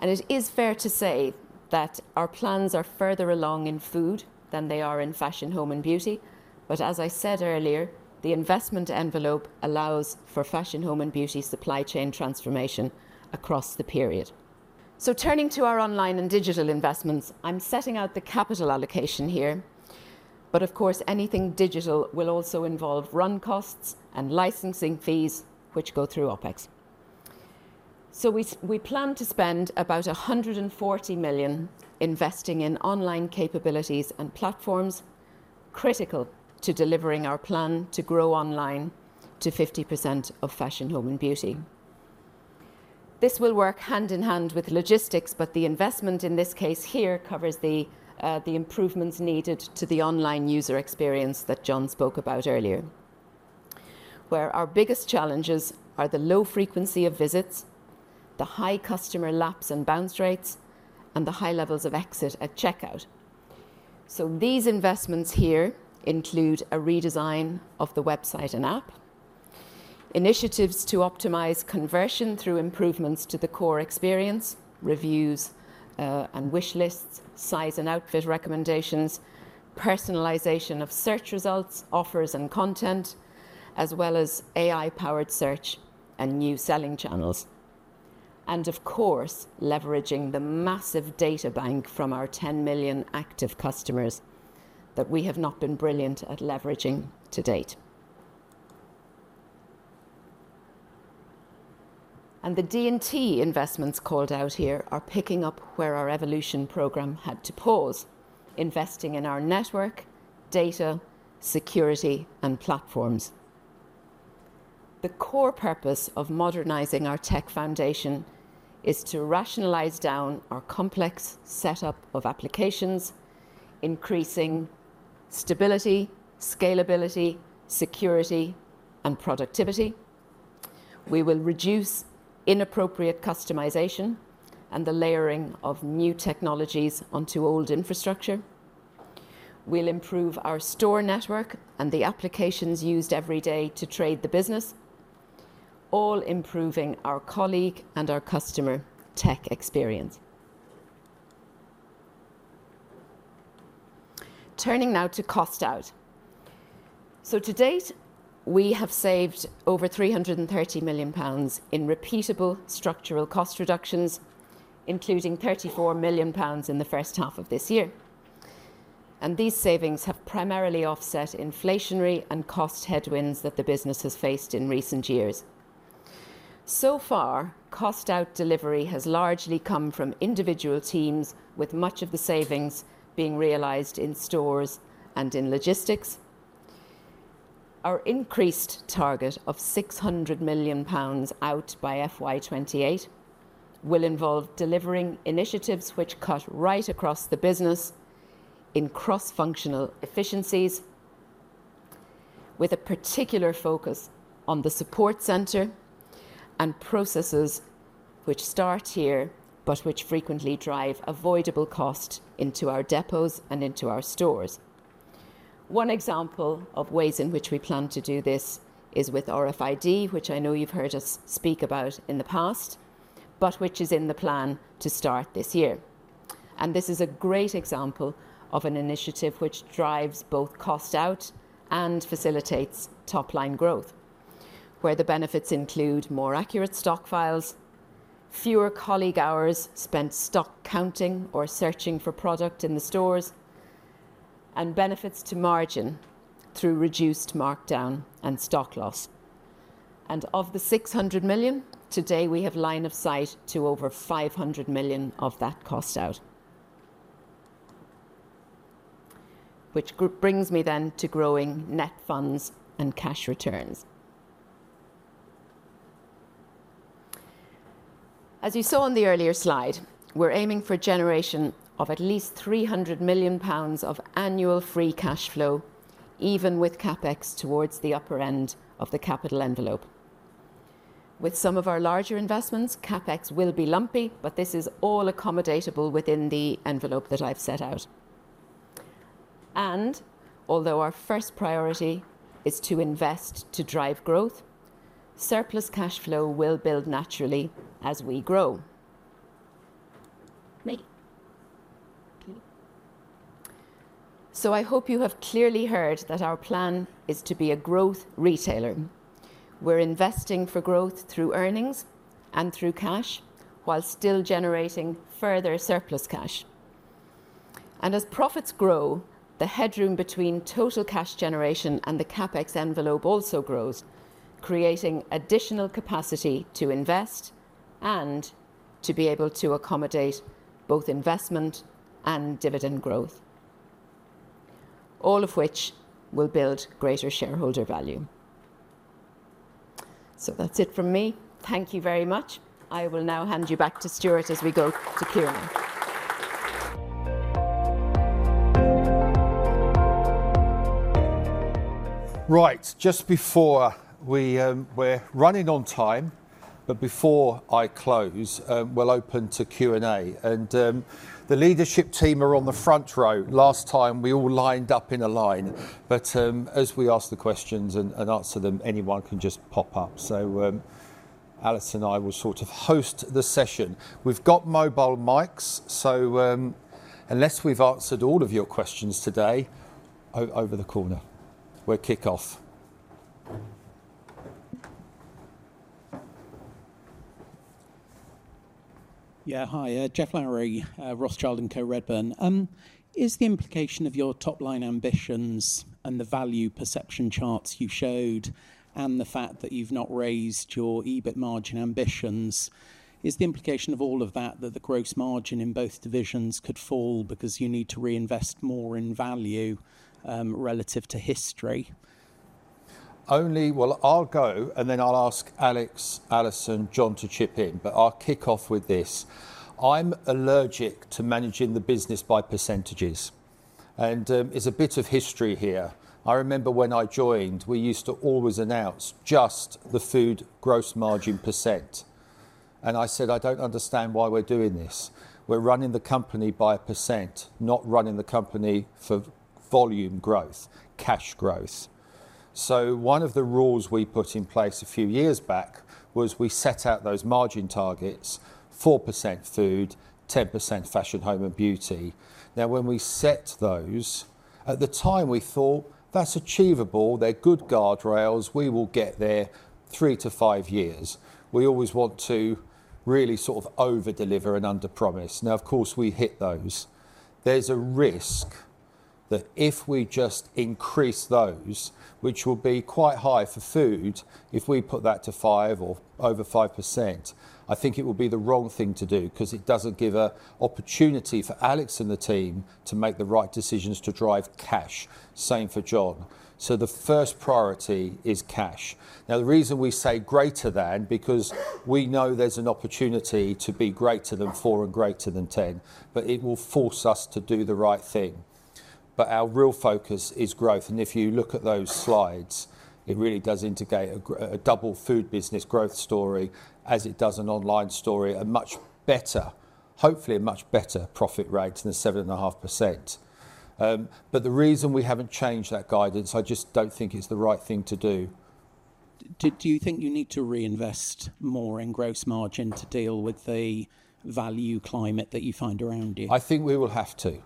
It is fair to say that our plans are further along in food than they are in fashion, home, and beauty. As I said earlier, the investment envelope allows for fashion, home, and beauty supply chain transformation across the period. Turning to our online and digital investments, I am setting out the capital allocation here. Of course, anything digital will also involve run costs and licensing fees, which go through OpEx. We plan to spend about 140 million investing in online capabilities and platforms critical to delivering our plan to grow online to 50% of fashion, home, and beauty. This will work hand in hand with logistics, but the investment in this case here covers the improvements needed to the online user experience that John spoke about earlier, where our biggest challenges are the low frequency of visits, the high customer laps and bounce rates, and the high levels of exit at checkout. These investments here include a redesign of the website and app, initiatives to optimize conversion through improvements to the core experience, reviews and wish lists, size and outfit recommendations, personalization of search results, offers and content, as well as AI-powered search and new selling channels. Of course, leveraging the massive data bank from our 10 million active customers that we have not been brilliant at leveraging to date. The D&T investments called out here are picking up where our evolution program had to pause, investing in our network, data, security, and platforms. The core purpose of modernizing our tech foundation is to rationalize down our complex setup of applications, increasing stability, scalability, security, and productivity. We will reduce inappropriate customization and the layering of new technologies onto old infrastructure. We'll improve our store network and the applications used every day to trade the business, all improving our colleague and our customer tech experience. Turning now to cost-out. To date, we have saved over 330 million pounds in repeatable structural cost reductions, including 34 million pounds in the first half of this year. These savings have primarily offset inflationary and cost headwinds that the business has faced in recent years. So far, cost-out delivery has largely come from individual teams, with much of the savings being realized in stores and in logistics. Our increased target of 600 million pounds out by FY 2028 will involve delivering initiatives which cut right across the business in cross-functional efficiencies, with a particular focus on the support center and processes which start here but which frequently drive avoidable cost into our depots and into our stores. One example of ways in which we plan to do this is with RFID, which I know you have heard us speak about in the past, but which is in the plan to start this year. This is a great example of an initiative which drives both cost-out and facilitates top-line growth, where the benefits include more accurate stockpiles, fewer colleague hours spent stock counting or searching for product in the stores, and benefits to margin through reduced markdown and stock loss. Of the 600 million, today we have line of sight to over 500 million of that cost-out, which brings me then to growing net funds and cash returns. As you saw on the earlier slide, we're aiming for a generation of at least 300 million pounds of annual free cash flow, even with CapEx towards the upper end of the capital envelope. With some of our larger investments, CapEx will be lumpy, but this is all accommodatable within the envelope that I've set out. Although our first priority is to invest to drive growth, surplus cash flow will build naturally as we grow. I hope you have clearly heard that our plan is to be a growth retailer. We are investing for growth through earnings and through cash while still generating further surplus cash. As profits grow, the headroom between total cash generation and the CapEx envelope also grows, creating additional capacity to invest and to be able to accommodate both investment and dividend growth, all of which will build greater shareholder value. That is it from me. Thank you very much. I will now hand you back to Stuart as we go to Q&A. Right, just before—we are running on time, but before I close, we will open to Q&A. The leadership team are on the front row. Last time, we all lined up in a line, but as we ask the questions and answer them, anyone can just pop up. So Alex and I will sort of host the session. We've got mobile mics, so unless we've answered all of your questions today, over the corner. We'll kick off. Yeah, hi. Jeff Lowry, Ross Childen, Co-Redburn. Is the implication of your top-line ambitions and the value perception charts you showed and the fact that you've not raised your EBIT margin ambitions, is the implication of all of that that the gross margin in both divisions could fall because you need to reinvest more in value relative to history? Only, well, I'll go and then I'll ask Alex, Alison, and John to chip in, but I'll kick off with this. I'm allergic to managing the business by percentages, and it's a bit of history here. I remember when I joined, we used to always announce just the food gross margin percent. I said, "I do not understand why we are doing this. We are running the company by a percent, not running the company for volume growth, cash growth." One of the rules we put in place a few years back was we set out those margin targets: 4% food, 10% fashion, home, and beauty. Now, when we set those, at the time, we thought, "That is achievable. They are good guardrails. We will get there three to five years." We always want to really sort of overdeliver and underpromise. Now, of course, we hit those. There's a risk that if we just increase those, which will be quite high for food, if we put that to 5% or over 5%, I think it will be the wrong thing to do because it does not give an opportunity for Alex and the team to make the right decisions to drive cash. Same for John. The first priority is cash. Now, the reason we say greater than is because we know there is an opportunity to be greater than 4% and greater than 10%, but it will force us to do the right thing. Our real focus is growth. If you look at those slides, it really does indicate a double food business growth story as it does an online story, a much better, hopefully a much better profit rate than 7.5%. The reason we have not changed that guidance, I just do not think it is the right thing to do. Do you think you need to reinvest more in gross margin to deal with the value climate that you find around you? I think we will have to.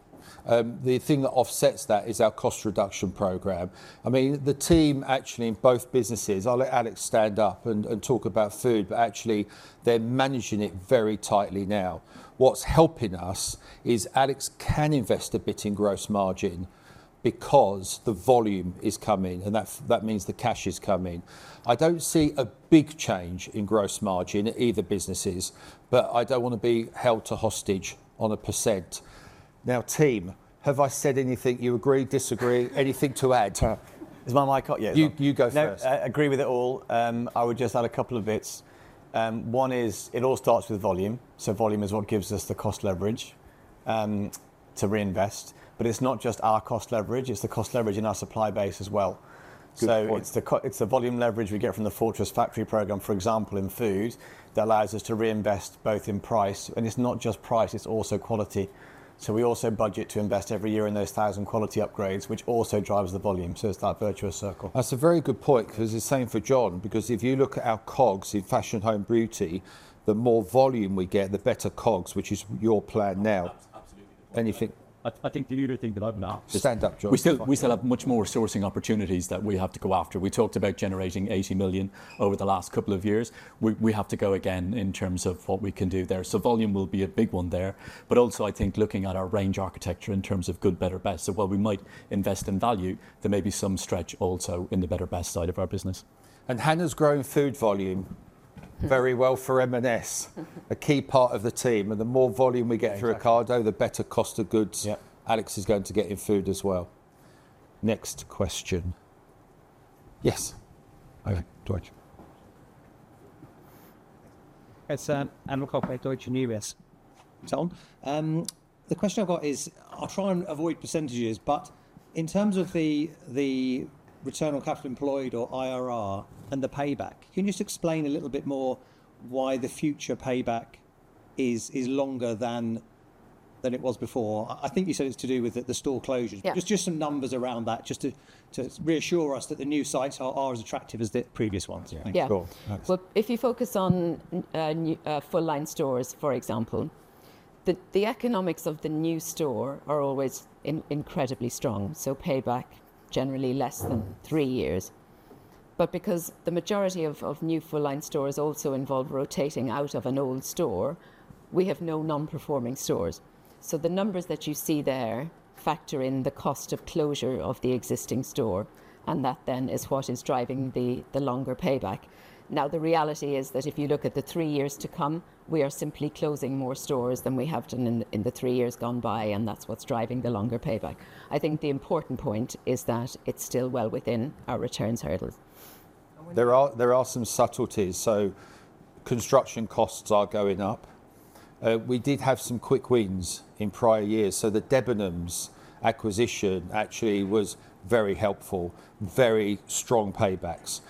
The thing that offsets that is our cost reduction program. I mean, the team actually in both businesses, I will let Alex stand up and talk about food, but actually they are managing it very tightly now. What is helping us is Alex can invest a bit in gross margin because the volume is coming, and that means the cash is coming. I do not see a big change in gross margin at either business, but I do not want to be held to hostage on a percent. Now, team, have I said anything? You agree, disagree, anything to add? Is my mic up yet? You go first. I agree with it all. I would just add a couple of bits. One is it all starts with volume. Volume is what gives us the cost leverage to reinvest. It is not just our cost leverage. It is the cost leverage in our supply base as well. It is the volume leverage we get from the Fortress Factory program, for example, in food that allows us to reinvest both in price. It is not just price. It is also quality. We also budget to invest every year in those 1,000 quality upgrades, which also drives the volume. It is that virtuous circle. That is a very good point because it is the same for John. If you look at our COGS in fashion, home, beauty, the more volume we get, the better COGS, which is your plan now. Absolutely. Anything? I think the earlier thing that I have asked. Stand up, John. We still have much more sourcing opportunities that we have to go after. We talked about generating 80 million over the last couple of years. We have to go again in terms of what we can do there. Volume will be a big one there. I think looking at our range architecture in terms of good, better, best, while we might invest in value, there may be some stretch also in the better, best side of our business. Hannah's growing food volume very well for M&S, a key part of the team. The more volume we get through Ocado, the better cost of goods Alex is going to get in food as well. Next question. Yes. It's Animal Coffee, Deutsche News. The question I've got is, I'll try and avoid percentages, but in terms of the return on capital employed or IRR and the payback, can you just explain a little bit more why the future payback is longer than it was before? I think you said it's to do with the store closures. Just some numbers around that just to reassure us that the new sites are as attractive as the previous ones. Yeah. If you focus on full-line stores, for example, the economics of the new store are always incredibly strong. So payback generally less than three years. Because the majority of new full-line stores also involve rotating out of an old store, we have no non-performing stores. The numbers that you see there factor in the cost of closure of the existing store, and that then is what is driving the longer payback. Now, the reality is that if you look at the three years to come, we are simply closing more stores than we have done in the three years gone by, and that's what's driving the longer payback. I think the important point is that it's still well within our returns hurdles. There are some subtleties. Construction costs are going up. We did have some quick wins in prior years. The Debenhams acquisition actually was very helpful, very strong paybacks.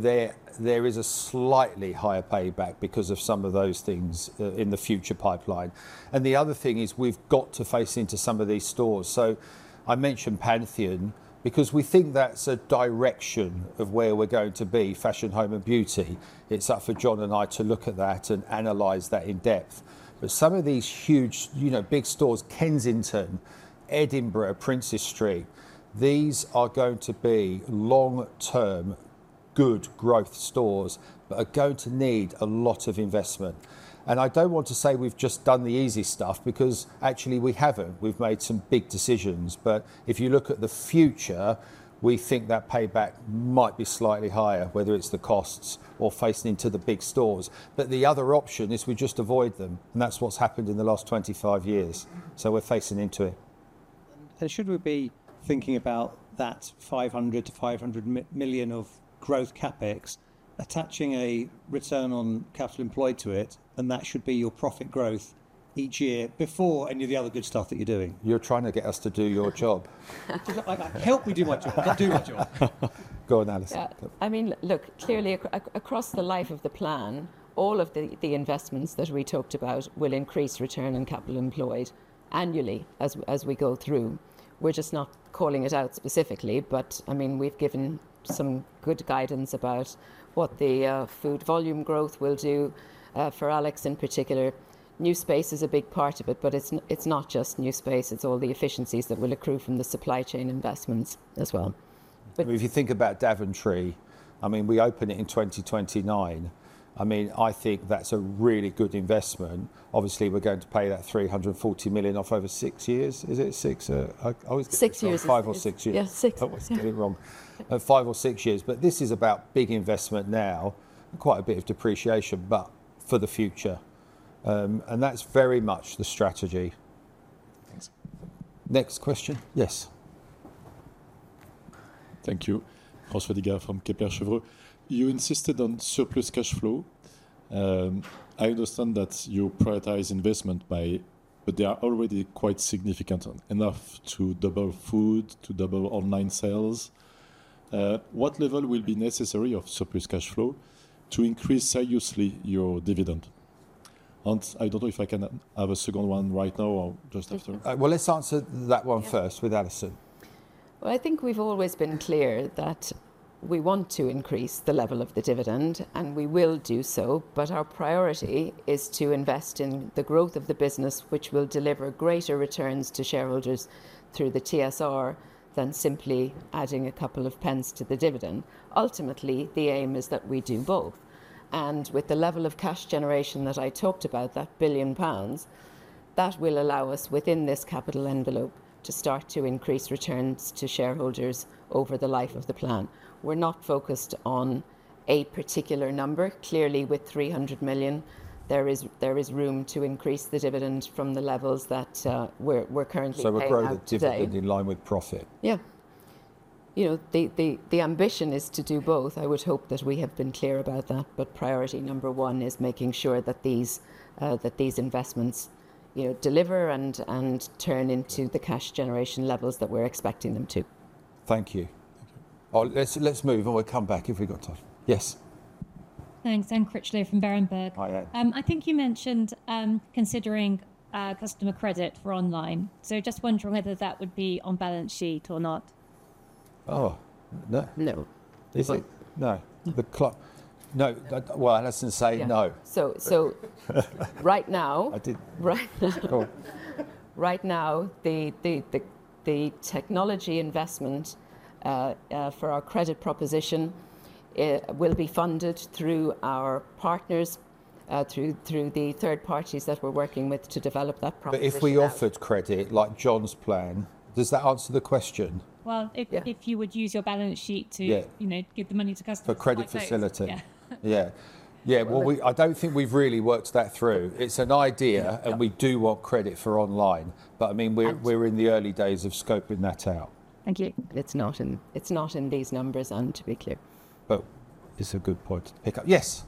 There is a slightly higher payback because of some of those things in the future pipeline. The other thing is we've got to face into some of these stores. I mentioned Pantheon because we think that's a direction of where we're going to be, fashion, home, and beauty. It's up for John and I to look at that and analyze that in depth. Some of these huge, big stores, Kensington, Edinburgh, Princes Street, these are going to be long-term good growth stores that are going to need a lot of investment. I do not want to say we have just done the easy stuff because actually we have not. We have made some big decisions. If you look at the future, we think that payback might be slightly higher, whether it is the costs or facing into the big stores. The other option is we just avoid them, and that is what has happened in the last 25 years. We are facing into it. Should we be thinking about that 500 million-500 million of growth CapEx attaching a return on capital employed to it, and that should be your profit growth each year before any of the other good stuff that you are doing? You are trying to get us to do your job. Help me do my job. I'll do my job. Go on, Alison. I mean, look, clearly across the life of the plan, all of the investments that we talked about will increase return on capital employed annually as we go through. We're just not calling it out specifically, but I mean, we've given some good guidance about what the food volume growth will do for Alex in particular. New space is a big part of it, but it's not just new space. It's all the efficiencies that will accrue from the supply chain investments as well. If you think about Daventry, I mean, we opened it in 2029. I mean, I think that's a really good investment. Obviously, we're going to pay that 340 million off over six years, is it? Six? Six years. Five or six years. Yeah, six. I was getting it wrong. Five or six years. This is about big investment now and quite a bit of depreciation, but for the future. That is very much the strategy. Thanks. Next question. Yes. Thank you. Oswediger from Kepler Chevreux. You insisted on surplus cash flow. I understand that you prioritize investment by. They are already quite significant, enough to double food, to double online sales. What level will be necessary of surplus cash flow to increase seriously your dividend? I do not know if I can have a second one right now or just after. Let us answer that one first with Alison. I think we have always been clear that we want to increase the level of the dividend, and we will do so. Our priority is to invest in the growth of the business, which will deliver greater returns to shareholders through the TSR than simply adding a couple of pence to the dividend. Ultimately, the aim is that we do both. With the level of cash generation that I talked about, that 1 billion pounds, that will allow us within this capital envelope to start to increase returns to shareholders over the life of the plan. We're not focused on a particular number. Clearly, with 300 million, there is room to increase the dividend from the levels that we're currently doing. We're growing the dividend in line with profit. Yeah. You know, the ambition is to do both. I would hope that we have been clear about that. But priority number one is making sure that these investments deliver and turn into the cash generation levels that we're expecting them to. Thank you. Thank you. Let's move and we'll come back if we've got time. Yes. Thanks. Anne Critchley from Berenberg. Hi, Anne. I think you mentioned considering customer credit for online. So just wondering whether that would be on balance sheet or not. Oh, no. No. Is it? No. The clock. No. I listen to say no. So right now, right now, the technology investment for our credit proposition will be funded through our partners, through the third parties that we're working with to develop that proposition. But if we offered credit like John's plan, does that answer the question? If you would use your balance sheet to give the money to customers. For credit facility. Yeah. Yeah.Hi, Anne. I think you mentioned considering customer credit for online. So just wondering whether that would be on balance sheet or not. Oh, no. No. Is it? No. The clock. No. I listen to say no. So right now, right now, the technology investment for our credit proposition will be funded through our partners, through the third parties that we're working with to develop that proposition. But if we offered credit like John's plan, does that answer the question? If you would use your balance sheet to give the money to customers. For credit facility.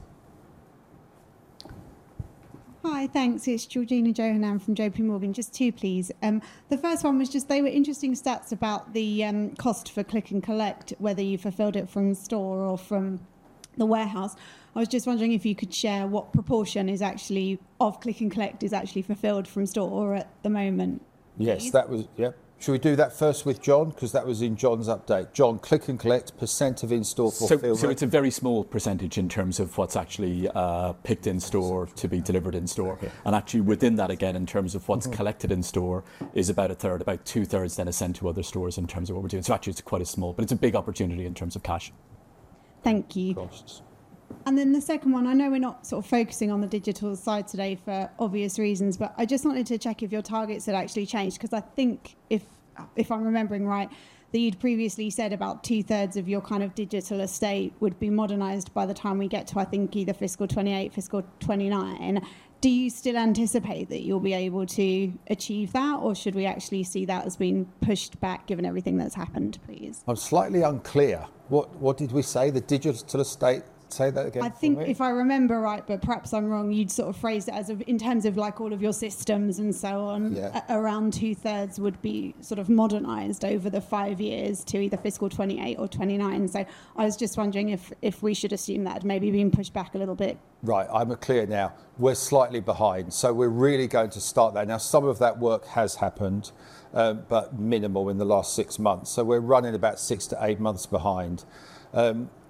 Yeah. Yeah. Do you still anticipate that you'll be able to achieve that, or should we actually see that as being pushed back given everything that's happened, please? I'm slightly unclear. What did we say? The digital estate, say that again. I think if I remember right, but perhaps I'm wrong, you'd sort of phrase it as in terms of like all of your systems and so on, around two-thirds would be sort of modernized over the five years to either fiscal 2028 or 2029. So I was just wondering if we should assume that had maybe been pushed back a little bit. Right, I'm clear now. We're slightly behind. So we're really going to start that. Now, some of that work has happened, but minimal in the last six months. So we're running about six to eight months behind.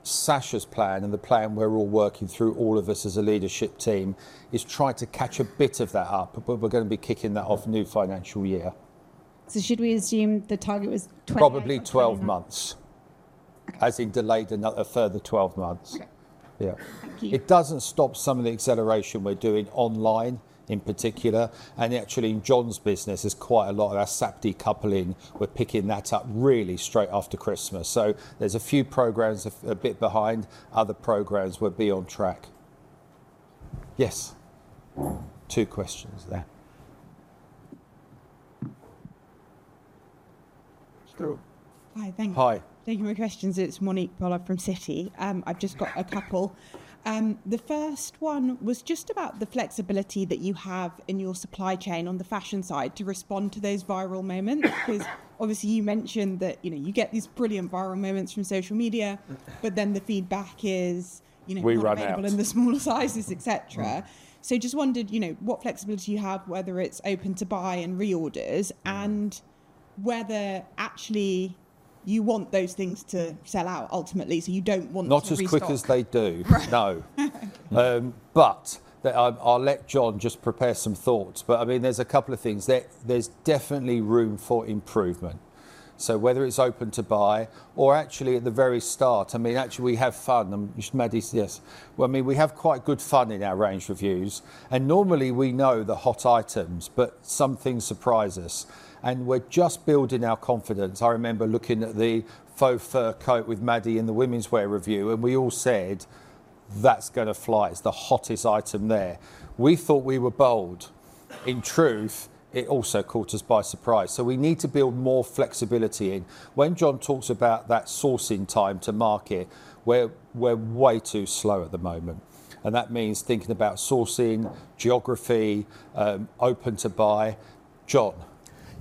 Sacha's plan and the plan we're all working through, all of us as a leadership team, is trying to catch a bit of that up, but we're going to be kicking that off new financial year. Should we assume the target was 20? Probably 12 months, as in delayed another further 12 months. Yeah. It doesn't stop some of the acceleration we're doing online in particular. Actually in John's business, there's quite a lot of that SAP decoupling. We're picking that up really straight after Christmas. There's a few programs a bit behind. Other programs will be on track. Yes. Two questions there. Hi, thanks. Hi. Thank you for your questions. It's Monique Boller from Citi. I've just got a couple. The first one was just about the flexibility that you have in your supply chain on the fashion side to respond to those viral moments. Because obviously you mentioned that you get these brilliant viral moments from social media, but then the feedback is, you know, we run out in the small sizes, etc. I just wondered, you know, what flexibility you have, whether it's open to buy and reorders, and whether actually you want those things to sell out ultimately. You don't want to. Not as quick as they do. No. I'll let John just prepare some thoughts. I mean, there's a couple of things that there's definitely room for improvement. Whether it's open to buy or actually at the very start, I mean, actually we have fun. Maddie says, yes. I mean, we have quite good fun in our range reviews. Normally we know the hot items, but something surprises us. We're just building our confidence. I remember looking at the faux fur coat with Maddie in the women's wear review, and we all said, that's going to fly. It's the hottest item there. We thought we were bold. In truth, it also caught us by surprise. We need to build more flexibility in. When John talks about that sourcing time to market, we're way too slow at the moment. That means thinking about sourcing, geography, open to buy. John.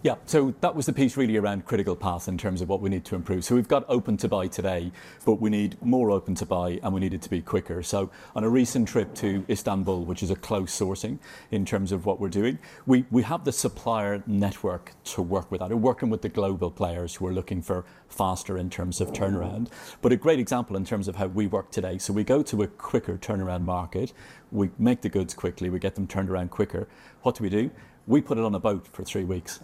Yeah. That was the piece really around critical path in terms of what we need to improve. We've got open to buy today, but we need more open to buy, and we need it to be quicker. On a recent trip to Istanbul, which is a close sourcing in terms of what we're doing, we have the supplier network to work with. I'm working with the global players who are looking for faster in terms of turnaround. A great example in terms of how we work today. We go to a quicker turnaround market. We make the goods quickly. We get them turned around quicker. What do we do? We put it on a boat for three weeks.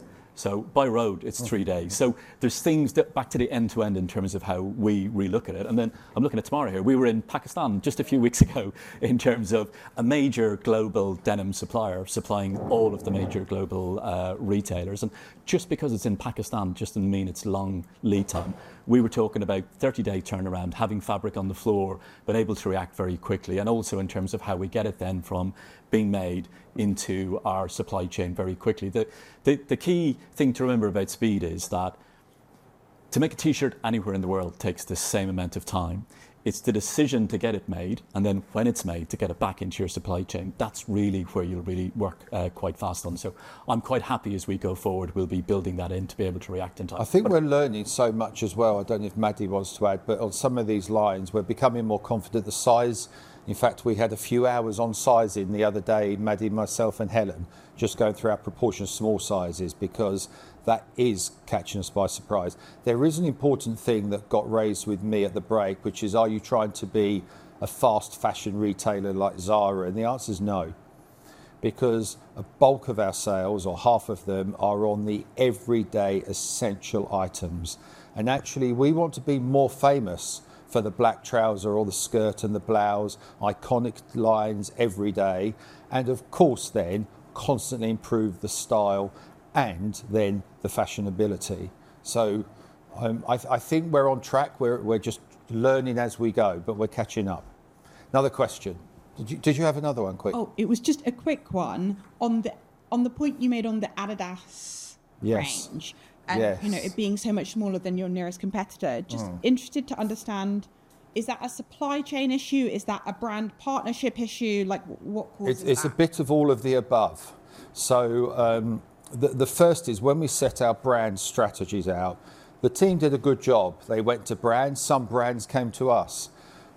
By road, it's three days. There are things that, back to the end to end in terms of how we look at it. I'm looking at tomorrow here. We were in Pakistan just a few weeks ago in terms of a major global denim supplier supplying all of the major global retailers. Just because it's in Pakistan does not mean it's long lead time. We were talking about 30-day turnaround, having fabric on the floor, but able to react very quickly. Also, in terms of how we get it then from being made into our supply chain very quickly. The key thing to remember about speed is that to make a T-shirt anywhere in the world takes the same amount of time. It's the decision to get it made, and then when it's made to get it back into your supply chain. That's really where you'll really work quite fast on. I am quite happy as we go forward, we'll be building that in to be able to react in time. I think we're learning so much as well. I do not know if Maddie wants to add, but on some of these lines, we're becoming more confident the size. In fact, we had a few hours on sizing the other day, Maddie, myself, and Helen just going through our proportion of small sizes because that is catching us by surprise. There is an important thing that got raised with me at the break, which is, are you trying to be a fast fashion retailer like Zara? The answer is no. Because a bulk of our sales, or half of them, are on the everyday essential items. Actually, we want to be more famous for the black trouser or the skirt and the blouse, iconic lines every day. Of course, we constantly improve the style and the fashionability. I think we're on track. We're just learning as we go, but we're catching up. Another question. Did you have another one, Quinn? Oh, it was just a quick one on the point you made on the Adidas range and it being so much smaller than your nearest competitor. Just interested to understand, is that a supply chain issue? Is that a brand partnership issue? Like what causes that? It's a bit of all of the above. The first is when we set our brand strategies out, the team did a good job. They went to brands. Some brands came to us.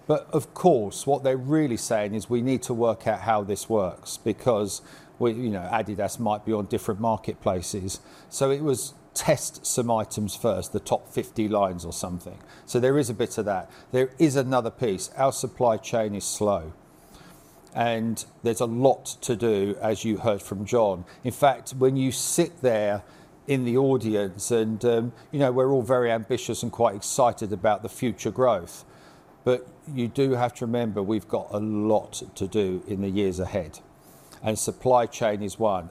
Of course, what they're really saying is we need to work out how this works because Adidas might be on different marketplaces. It was test some items first, the top 50 lines or something. There is a bit of that. There is another piece. Our supply chain is slow. There's a lot to do, as you heard from John. In fact, when you sit there in the audience and we're all very ambitious and quite excited about the future growth. You do have to remember we've got a lot to do in the years ahead. Supply chain is one.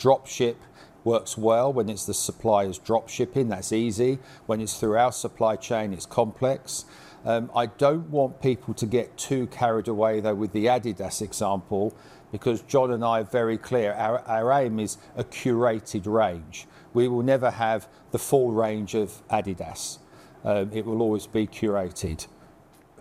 Dropship works well when it is the suppliers dropshipping. That is easy. When it is through our supply chain, it is complex. I do not want people to get too carried away, though, with the Adidas example because John and I are very clear. Our aim is a curated range. We will never have the full range of Adidas. It will always be curated.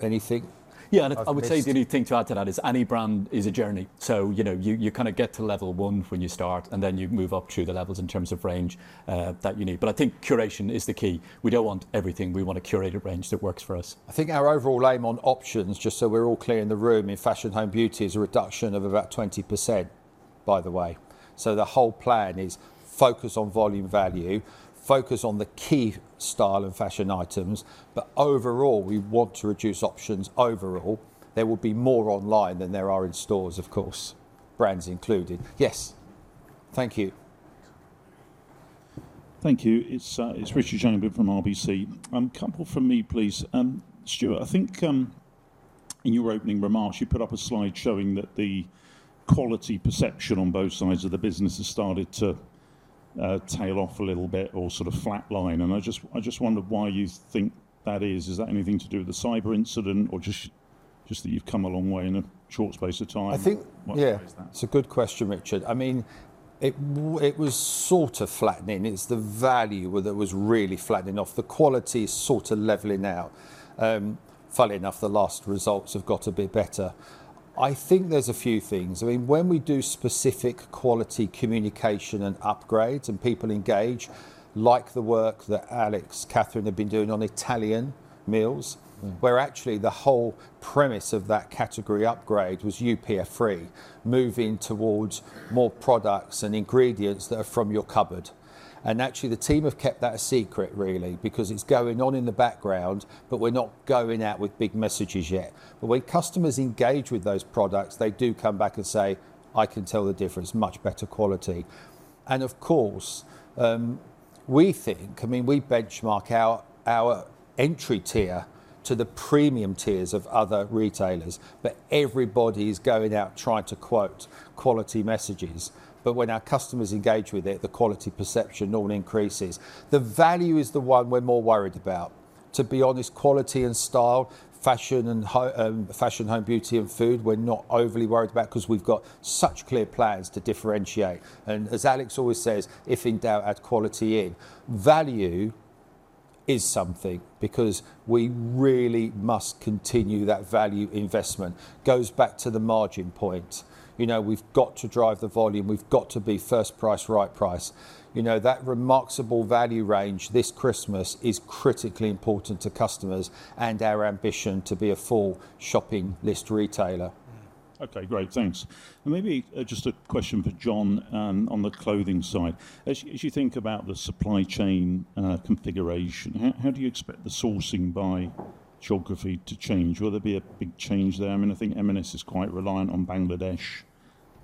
Anything? Yeah, I would say the only thing to add to that is any brand is a journey. You kind of get to level one when you start, and then you move up through the levels in terms of range that you need. I think curation is the key. We do not want everything. We want a curated range that works for us. I think our overall aim on options, just so we're all clear in the room, in fashion, home, beauty is a reduction of about 20%, by the way. The whole plan is focus on volume value, focus on the key style and fashion items. Overall, we want to reduce options overall. There will be more online than there are in stores, of course, brands included. Yes. Thank you. Thank you. It's Richard Jonathan from RBC. A couple from me, please. Stuart, I think in your opening remarks, you put up a slide showing that the quality perception on both sides of the business has started to tail off a little bit or sort of flatline. I just wondered why you think that is. Is that anything to do with the cyber incident or just that you've come a long way in a short space of time? I think, yeah, it's a good question, Richard. I mean, it was sort of flattening. It's the value that was really flattening off. The quality is sort of leveling out. Funnily enough, the last results have got a bit better. I think there's a few things. I mean, when we do specific quality communication and upgrades and people engage, like the work that Alex, Kathryn have been doing on Italian meals, where actually the whole premise of that category upgrade was UPF3, moving towards more products and ingredients that are from your cupboard. And actually, the team have kept that a secret, really, because it's going on in the background, but we're not going out with big messages yet. When customers engage with those products, they do come back and say, "I can tell the difference, much better quality." Of course, we think, I mean, we benchmark our entry tier to the premium tiers of other retailers, but everybody is going out trying to quote quality messages. When our customers engage with it, the quality perception normally increases. The value is the one we're more worried about. To be honest, quality and style, fashion and fashion home beauty and food, we're not overly worried about because we've got such clear plans to differentiate. As Alex always says, if in doubt, add quality in. Value is something because we really must continue that value investment. Goes back to the margin point. We've got to drive the volume. We've got to be first price, right price. That remarkable value range this Christmas is critically important to customers and our ambition to be a full shopping list retailer. Okay, great. Thanks. Maybe just a question for John on the clothing side. As you think about the supply chain configuration, how do you expect the sourcing by geography to change? Will there be a big change there? I mean, I think M&S is quite reliant on Bangladesh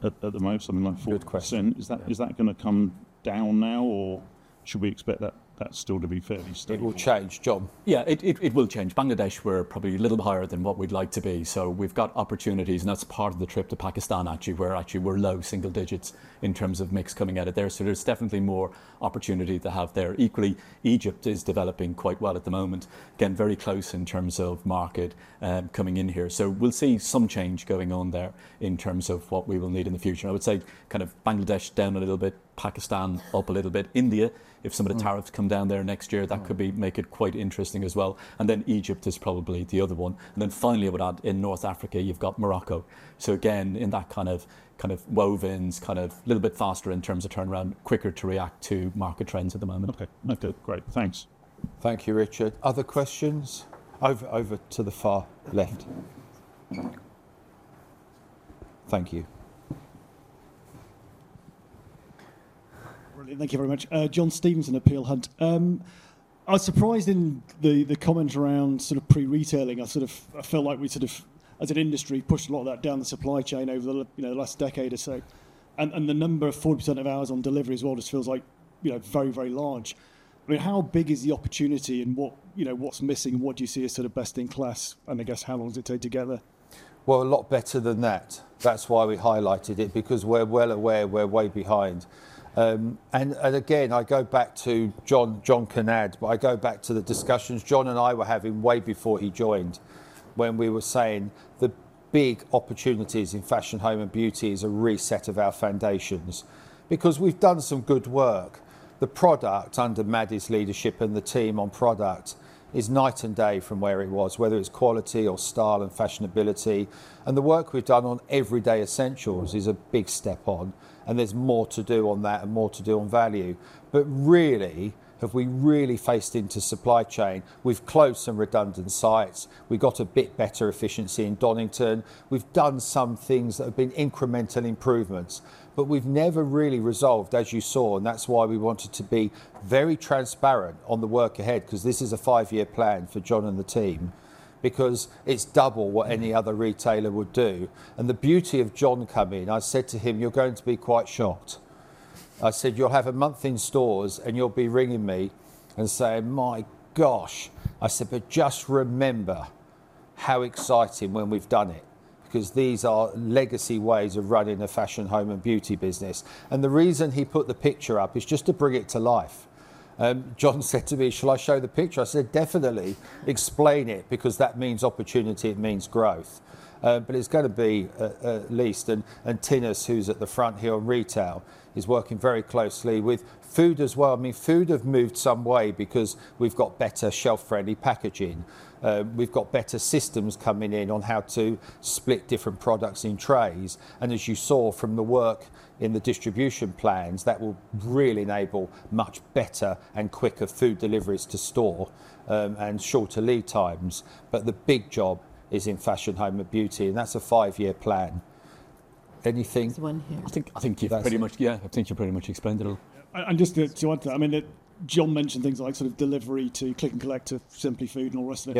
at the moment, something like 4%. Is that going to come down now, or should we expect that still to be fairly stable? It will change, John. Yeah, it will change. Bangladesh, we're probably a little higher than what we'd like to be. We have opportunities, and that's part of the trip to Pakistan, actually, where we're low single digits in terms of mix coming out of there. There's definitely more opportunity to have there. Equally, Egypt is developing quite well at the moment. Again, very close in terms of market coming in here. We will see some change going on there in terms of what we will need in the future. I would say kind of Bangladesh down a little bit, Pakistan up a little bit. India, if some of the tariffs come down there next year, that could make it quite interesting as well. Egypt is probably the other one. Finally, I would add in North Africa, you have Morocco. Again, in that kind of woven, a little bit faster in terms of turnaround, quicker to react to market trends at the moment. Okay, great. Thanks. Thank you, Richard. Other questions? Over to the far left. Thank you. Thank you very much. John Stevenson, Peel Hunt. I was surprised in the comment around sort of pre-retailing. I sort of felt like we, as an industry, pushed a lot of that down the supply chain over the last decade or so. The number of 40% of hours on delivery as well just feels like very, very large. I mean, how big is the opportunity and what's missing and what do you see as sort of best in class? I guess, how long does it take to get there? A lot better than that. That is why we highlighted it, because we are well aware we are way behind. I go back to John, John can add, but I go back to the discussions John and I were having way before he joined when we were saying the big opportunities in fashion, home, and beauty is a reset of our foundations. Because we've done some good work. The product under Maddie's leadership and the team on product is night and day from where it was, whether it's quality or style and fashionability. The work we've done on everyday essentials is a big step on. There's more to do on that and more to do on value. Really, have we really faced into supply chain? We've closed some redundant sites. We've got a bit better efficiency in Donington. We've done some things that have been incremental improvements. We've never really resolved, as you saw. That is why we wanted to be very transparent on the work ahead, because this is a five-year plan for John and the team, because it's double what any other retailer would do. The beauty of John coming, I said to him, you're going to be quite shocked. I said, you'll have a month in stores and you'll be ringing me and saying, my gosh, I said, but just remember how exciting when we've done it, because these are legacy ways of running a fashion, home, and beauty business. The reason he put the picture up is just to bring it to life. John said to me, shall I show the picture? I said, definitely explain it, because that means opportunity, it means growth. It's going to be at least. Tinnus, who's at the front here on retail, is working very closely with food as well. I mean, food has moved some way because we've got better shelf-friendly packaging. We've got better systems coming in on how to split different products in trays. As you saw from the work in the distribution plans, that will really enable much better and quicker food deliveries to store and shorter lead times. The big job is in fashion, home, and beauty, and that's a five-year plan. Anything? There's one here. I think you've pretty much, yeah, I think you've pretty much explained it all. Just to add to that, I mean, John mentioned things like sort of delivery to Click and Collect, to Simply Food, and all the rest of it.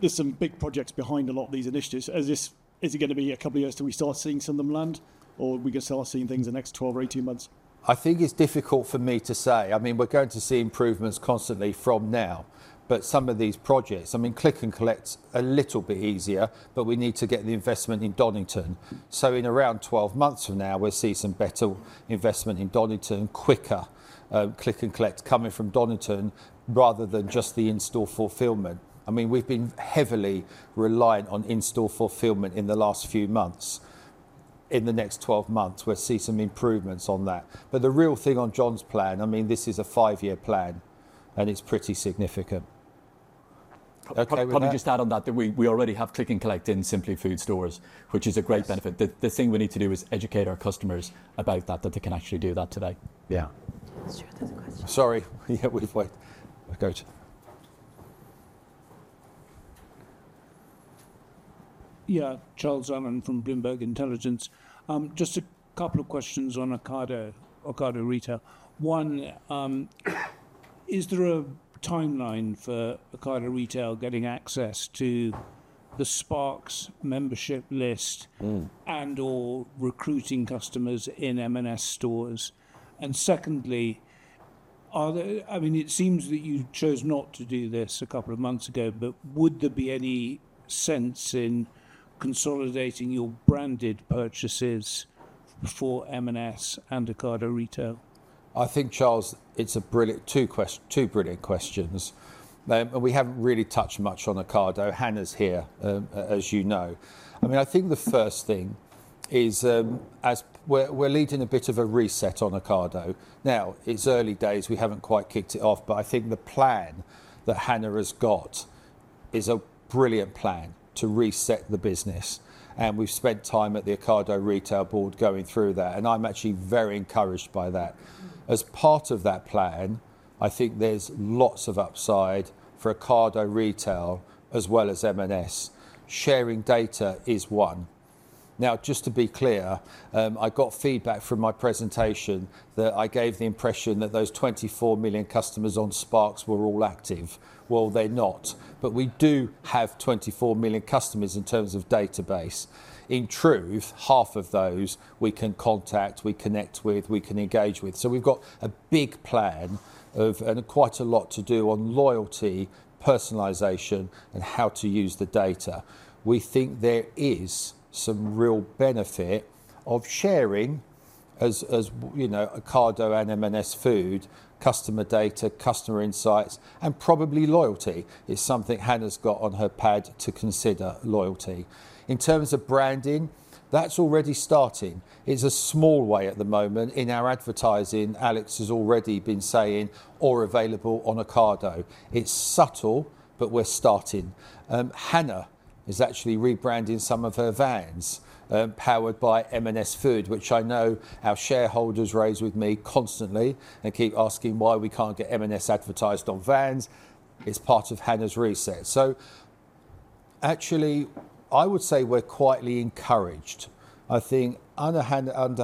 There are some big projects behind a lot of these initiatives. Is it going to be a couple of years till we start seeing some of them land, or are we going to start seeing things in the next 12 or 18 months? I think it's difficult for me to say. I mean, we're going to see improvements constantly from now, but some of these projects, I mean, Click and Collect's a little bit easier, but we need to get the investment in Donington. In around 12 months from now, we'll see some better investment in Donington, quicker Click and Collect coming from Donington rather than just the in-store fulfillment. I mean, we've been heavily reliant on in-store fulfillment in the last few months. In the next 12 months, we'll see some improvements on that. The real thing on John's plan, I mean, this is a five-year plan, and it's pretty significant. Okay, let me just add on that that we already have Click and Collect in Simply Food stores, which is a great benefit. The thing we need to do is educate our customers about that, that they can actually do that today. Yeah. Stuart, there's a question. Sorry. Yeah, we've waited. Okay. Yeah, Charles Allen from Bloomberg Intelligence. Just a couple of questions on Ocado Retail. One, is there a timeline for Ocado Retail getting access to the Sparks membership list and/or recruiting customers in M&S stores? Secondly, I mean, it seems that you chose not to do this a couple of months ago, but would there be any sense in consolidating your branded purchases for M&S and Ocado Retail? I think, Charles, it's a brilliant two questions, two brilliant questions. We haven't really touched much on Ocado. Hannah's here, as you know. I mean, I think the first thing is we're leading a bit of a reset on Ocado. Now, it's early days. We haven't quite kicked it off, but I think the plan that Hannah has got is a brilliant plan to reset the business. We have spent time at the Ocado Retail board going through that. I am actually very encouraged by that. As part of that plan, I think there is lots of upside for Ocado Retail as well as M&S. Sharing data is one. Now, just to be clear, I got feedback from my presentation that I gave the impression that those 24 million customers on Sparks were all active. They are not. We do have 24 million customers in terms of database. In truth, half of those we can contact, we connect with, we can engage with. We have a big plan and quite a lot to do on loyalty, personalization, and how to use the data. We think there is some real benefit of sharing Ocado and M&S Food customer data, customer insights, and probably loyalty. It is something Hannah has on her pad to consider, loyalty. In terms of branding, that's already starting. It's a small way at the moment in our advertising. Alex has already been saying, or available on Ocado. It's subtle, but we're starting. Hannah is actually rebranding some of her vans powered by M&S food, which I know our shareholders raise with me constantly and keep asking why we can't get M&S advertised on vans. It's part of Hannah's reset. Actually, I would say we're quietly encouraged. I think under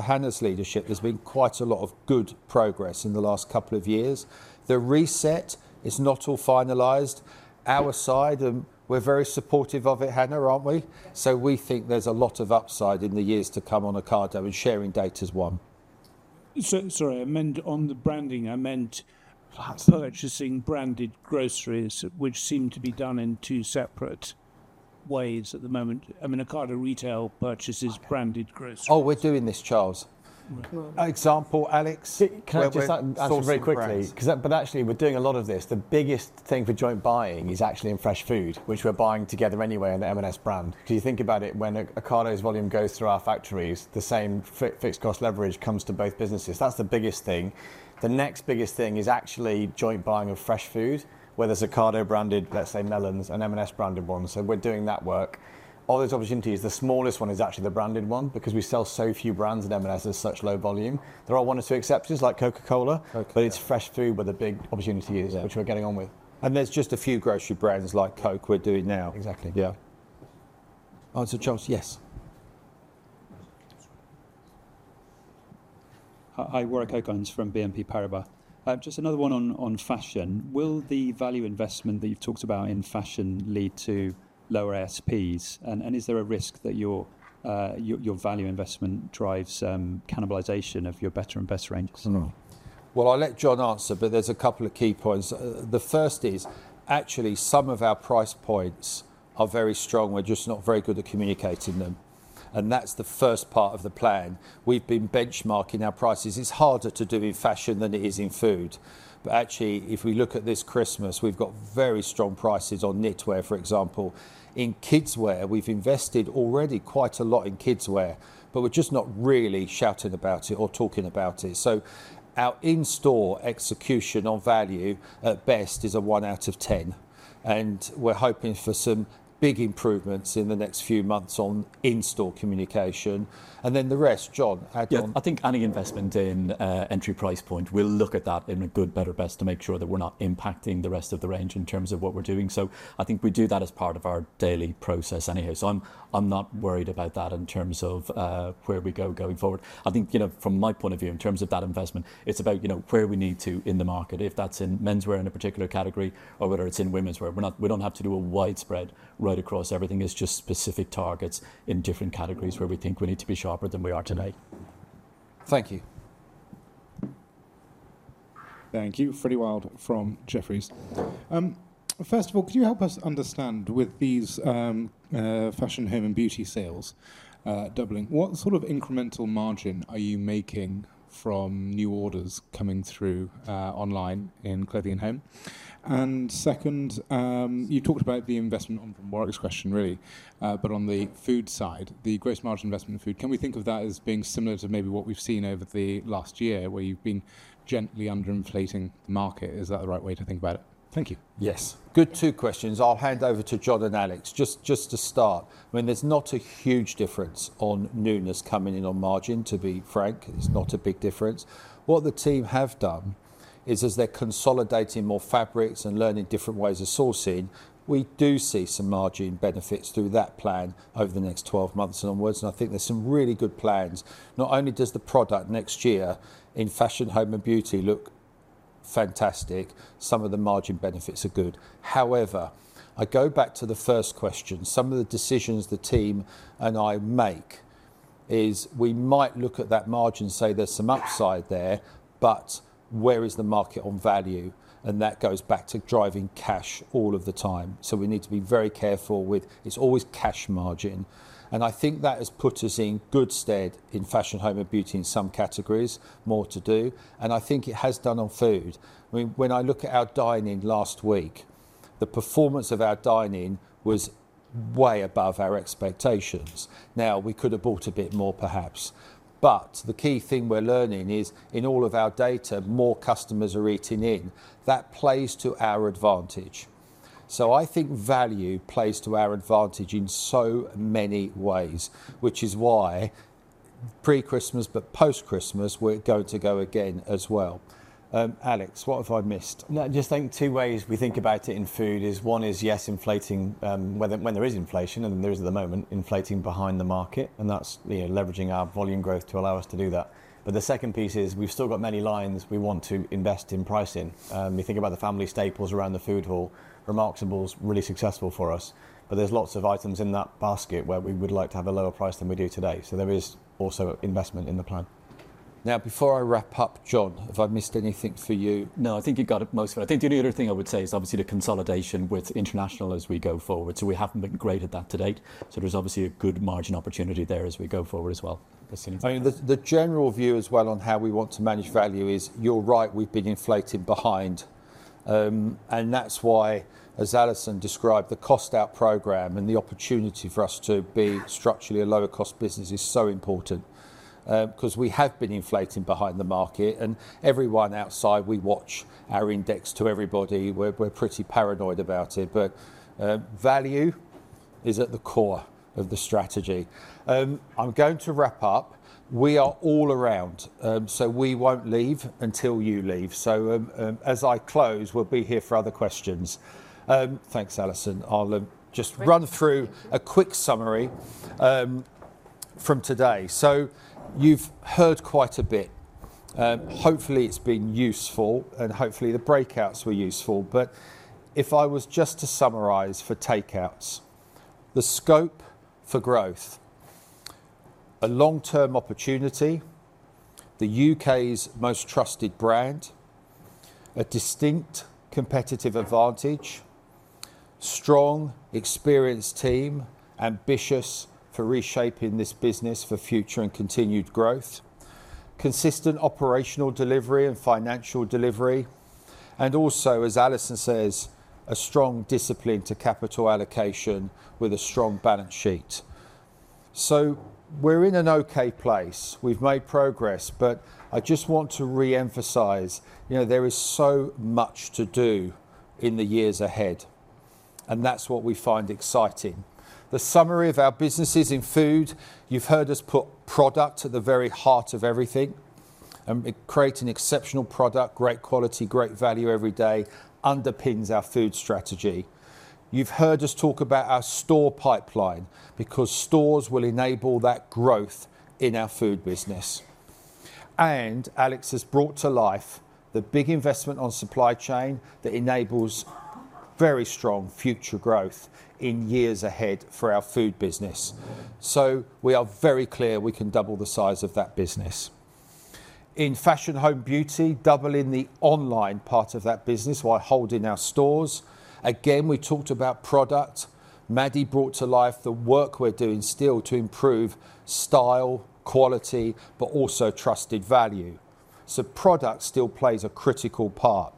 Hannah's leadership, there's been quite a lot of good progress in the last couple of years. The reset is not all finalized. Our side, and we're very supportive of it, Hannah, aren't we? We think there's a lot of upside in the years to come on Ocado, and sharing data is one. Sorry, I meant on the branding. I meant purchasing branded groceries, which seem to be done in two separate ways at the moment. I mean, Ocado Retail purchases branded groceries. Oh, we're doing this, Charles. Example, Alex? Can I just answer very quickly? Actually, we're doing a lot of this. The biggest thing for joint buying is actually in fresh food, which we're buying together anyway on the M&S brand. Because you think about it, when Ocado's volume goes through our factories, the same fixed cost leverage comes to both businesses. That's the biggest thing. The next biggest thing is actually joint buying of fresh food, whether it's Ocado branded, let's say, melons, and M&S branded ones. We're doing that work. All those opportunities, the smallest one is actually the branded one because we sell so few brands and M&S is such low volume. There are one or two exceptions like Coca-Cola, but it's fresh food where the big opportunity is, which we're getting on with. There's just a few grocery brands like Coke we're doing now. Exactly. Yeah. Answer, Charles. Yes. Hi, Warwick Oaklands from BNP Paribas. Just another one on fashion. Will the value investment that you've talked about in fashion lead to lower SPs? Is there a risk that your value investment drives cannibalization of your better and better range? I'll let John answer, but there's a couple of key points. The first is actually some of our price points are very strong. We're just not very good at communicating them. That's the first part of the plan. We've been benchmarking our prices. It's harder to do in fashion than it is in food. Actually, if we look at this Christmas, we've got very strong prices on knitwear, for example. In kidswear, we've invested already quite a lot in kidswear, but we're just not really shouting about it or talking about it. Our in-store execution on value at best is a one out of ten. We're hoping for some big improvements in the next few months on in-store communication. The rest, John, add on. I think adding investment in entry price point, we'll look at that in a good, better, best to make sure that we're not impacting the rest of the range in terms of what we're doing. I think we do that as part of our daily process anyway. I'm not worried about that in terms of where we go going forward. I think from my point of view, in terms of that investment, it's about where we need to in the market, if that's in menswear in a particular category or whether it's in women's wear. We don't have to do a widespread right across everything. It's just specific targets in different categories where we think we need to be sharper than we are today. Thank you. Thank you. Freddie Wild from Jefferies. First of all, could you help us understand with these fashion home and beauty sales doubling, what sort of incremental margin are you making from new orders coming through online in clothing and home? Second, you talked about the investment on from Warwick's question, really, but on the food side, the gross margin investment in food, can we think of that as being similar to maybe what we've seen over the last year where you've been gently under inflating the market? Is that the right way to think about it? Thank you. Yes. Good two questions. I'll hand over to John and Alex. Just to start, I mean, there's not a huge difference on newness coming in on margin, to be frank. It's not a big difference. What the team have done is, as they're consolidating more fabrics and learning different ways of sourcing, we do see some margin benefits through that plan over the next 12 months and onwards. I think there's some really good plans. Not only does the product next year in fashion, home, and beauty look fantastic, some of the margin benefits are good. However, I go back to the first question. Some of the decisions the team and I make is we might look at that margin and say there's some upside there, but where is the market on value? That goes back to driving cash all of the time. We need to be very careful with it's always cash margin. I think that has put us in good stead in fashion, home, and beauty in some categories, more to do. I think it has done on food. I mean, when I look at our dine-in last week, the performance of our dine-in was way above our expectations. We could have bought a bit more, perhaps. The key thing we're learning is in all of our data, more customers are eating in. That plays to our advantage. I think value plays to our advantage in so many ways, which is why pre-Christmas, but post-Christmas, we're going to go again as well. Alex, what have I missed? Just think two ways we think about it in food is one is, yes, inflating when there is inflation, and there is at the moment inflating behind the market. That's leveraging our volume growth to allow us to do that. The second piece is we've still got many lines we want to invest in pricing. You think about the family staples around the food hall, reMarkables really successful for us. There's lots of items in that basket where we would like to have a lower price than we do today. There is also investment in the plan. Now, before I wrap up, John, have I missed anything for you? No, I think you got most of it. I think the only other thing I would say is obviously the consolidation with international as we go forward. We have not been great at that to date. There is obviously a good margin opportunity there as we go forward as well. I mean, the general view as well on how we want to manage value is you're right, we have been inflating behind. That is why, as Alison described, the cost-out program and the opportunity for us to be structurally a lower-cost business is so important because we have been inflating behind the market. Everyone outside, we watch our index to everybody. We are pretty paranoid about it. Value is at the core of the strategy. I'm going to wrap up. We are all around. We won't leave until you leave. As I close, we'll be here for other questions. Thanks, Alison. I'll just run through a quick summary from today. You've heard quite a bit. Hopefully, it's been useful, and hopefully, the breakouts were useful. If I was just to summarize for takeouts, the scope for growth, a long-term opportunity, the U.K.'s most trusted brand, a distinct competitive advantage, strong, experienced team, ambitious for reshaping this business for future and continued growth, consistent operational delivery and financial delivery, and also, as Alison says, a strong discipline to capital allocation with a strong balance sheet. We're in an okay place. We've made progress. I just want to reemphasize there is so much to do in the years ahead. That's what we find exciting. The summary of our businesses in food, you've heard us put product at the very heart of everything. Creating exceptional product, great quality, great value every day underpins our food strategy. You've heard us talk about our store pipeline because stores will enable that growth in our food business. Alex has brought to life the big investment on supply chain that enables very strong future growth in years ahead for our food business. We are very clear we can double the size of that business. In fashion, home, beauty, doubling the online part of that business while holding our stores. Again, we talked about product. Maddie brought to life the work we're doing still to improve style, quality, but also trusted value. Product still plays a critical part.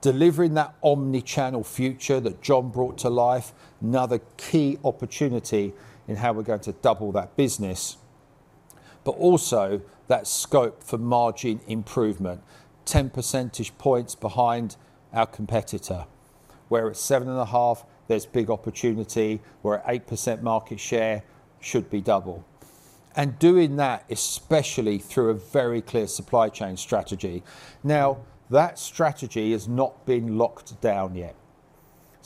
Delivering that omnichannel future that John brought to life, another key opportunity in how we're going to double that business, but also that scope for margin improvement, 10 percentage points behind our competitor. We're at 7.5%. There's big opportunity. We're at 8% market share, should be double. Doing that, especially through a very clear supply chain strategy. Now, that strategy has not been locked down yet.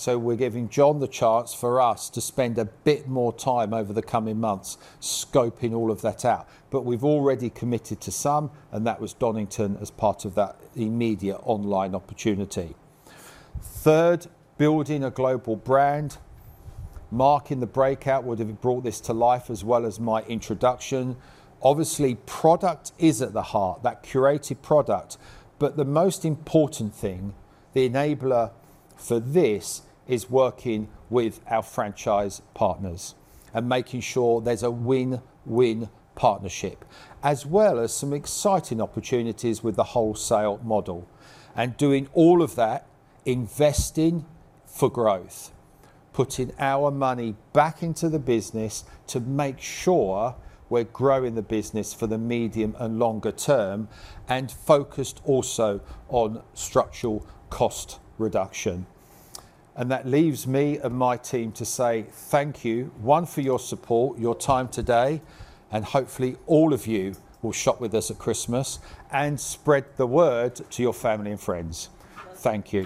We're giving John the chance for us to spend a bit more time over the coming months scoping all of that out. We've already committed to some, and that was Donington as part of that immediate online opportunity. Third, building a global brand, marking the breakout would have brought this to life as well as my introduction. Obviously, product is at the heart, that curated product. The most important thing, the enabler for this is working with our franchise partners and making sure there's a win-win partnership, as well as some exciting opportunities with the wholesale model. Doing all of that, investing for growth, putting our money back into the business to make sure we're growing the business for the medium and longer term and focused also on structural cost reduction. That leaves me and my team to say thank you, one, for your support, your time today. Hopefully, all of you will shop with us at Christmas and spread the word to your family and friends. Thank you.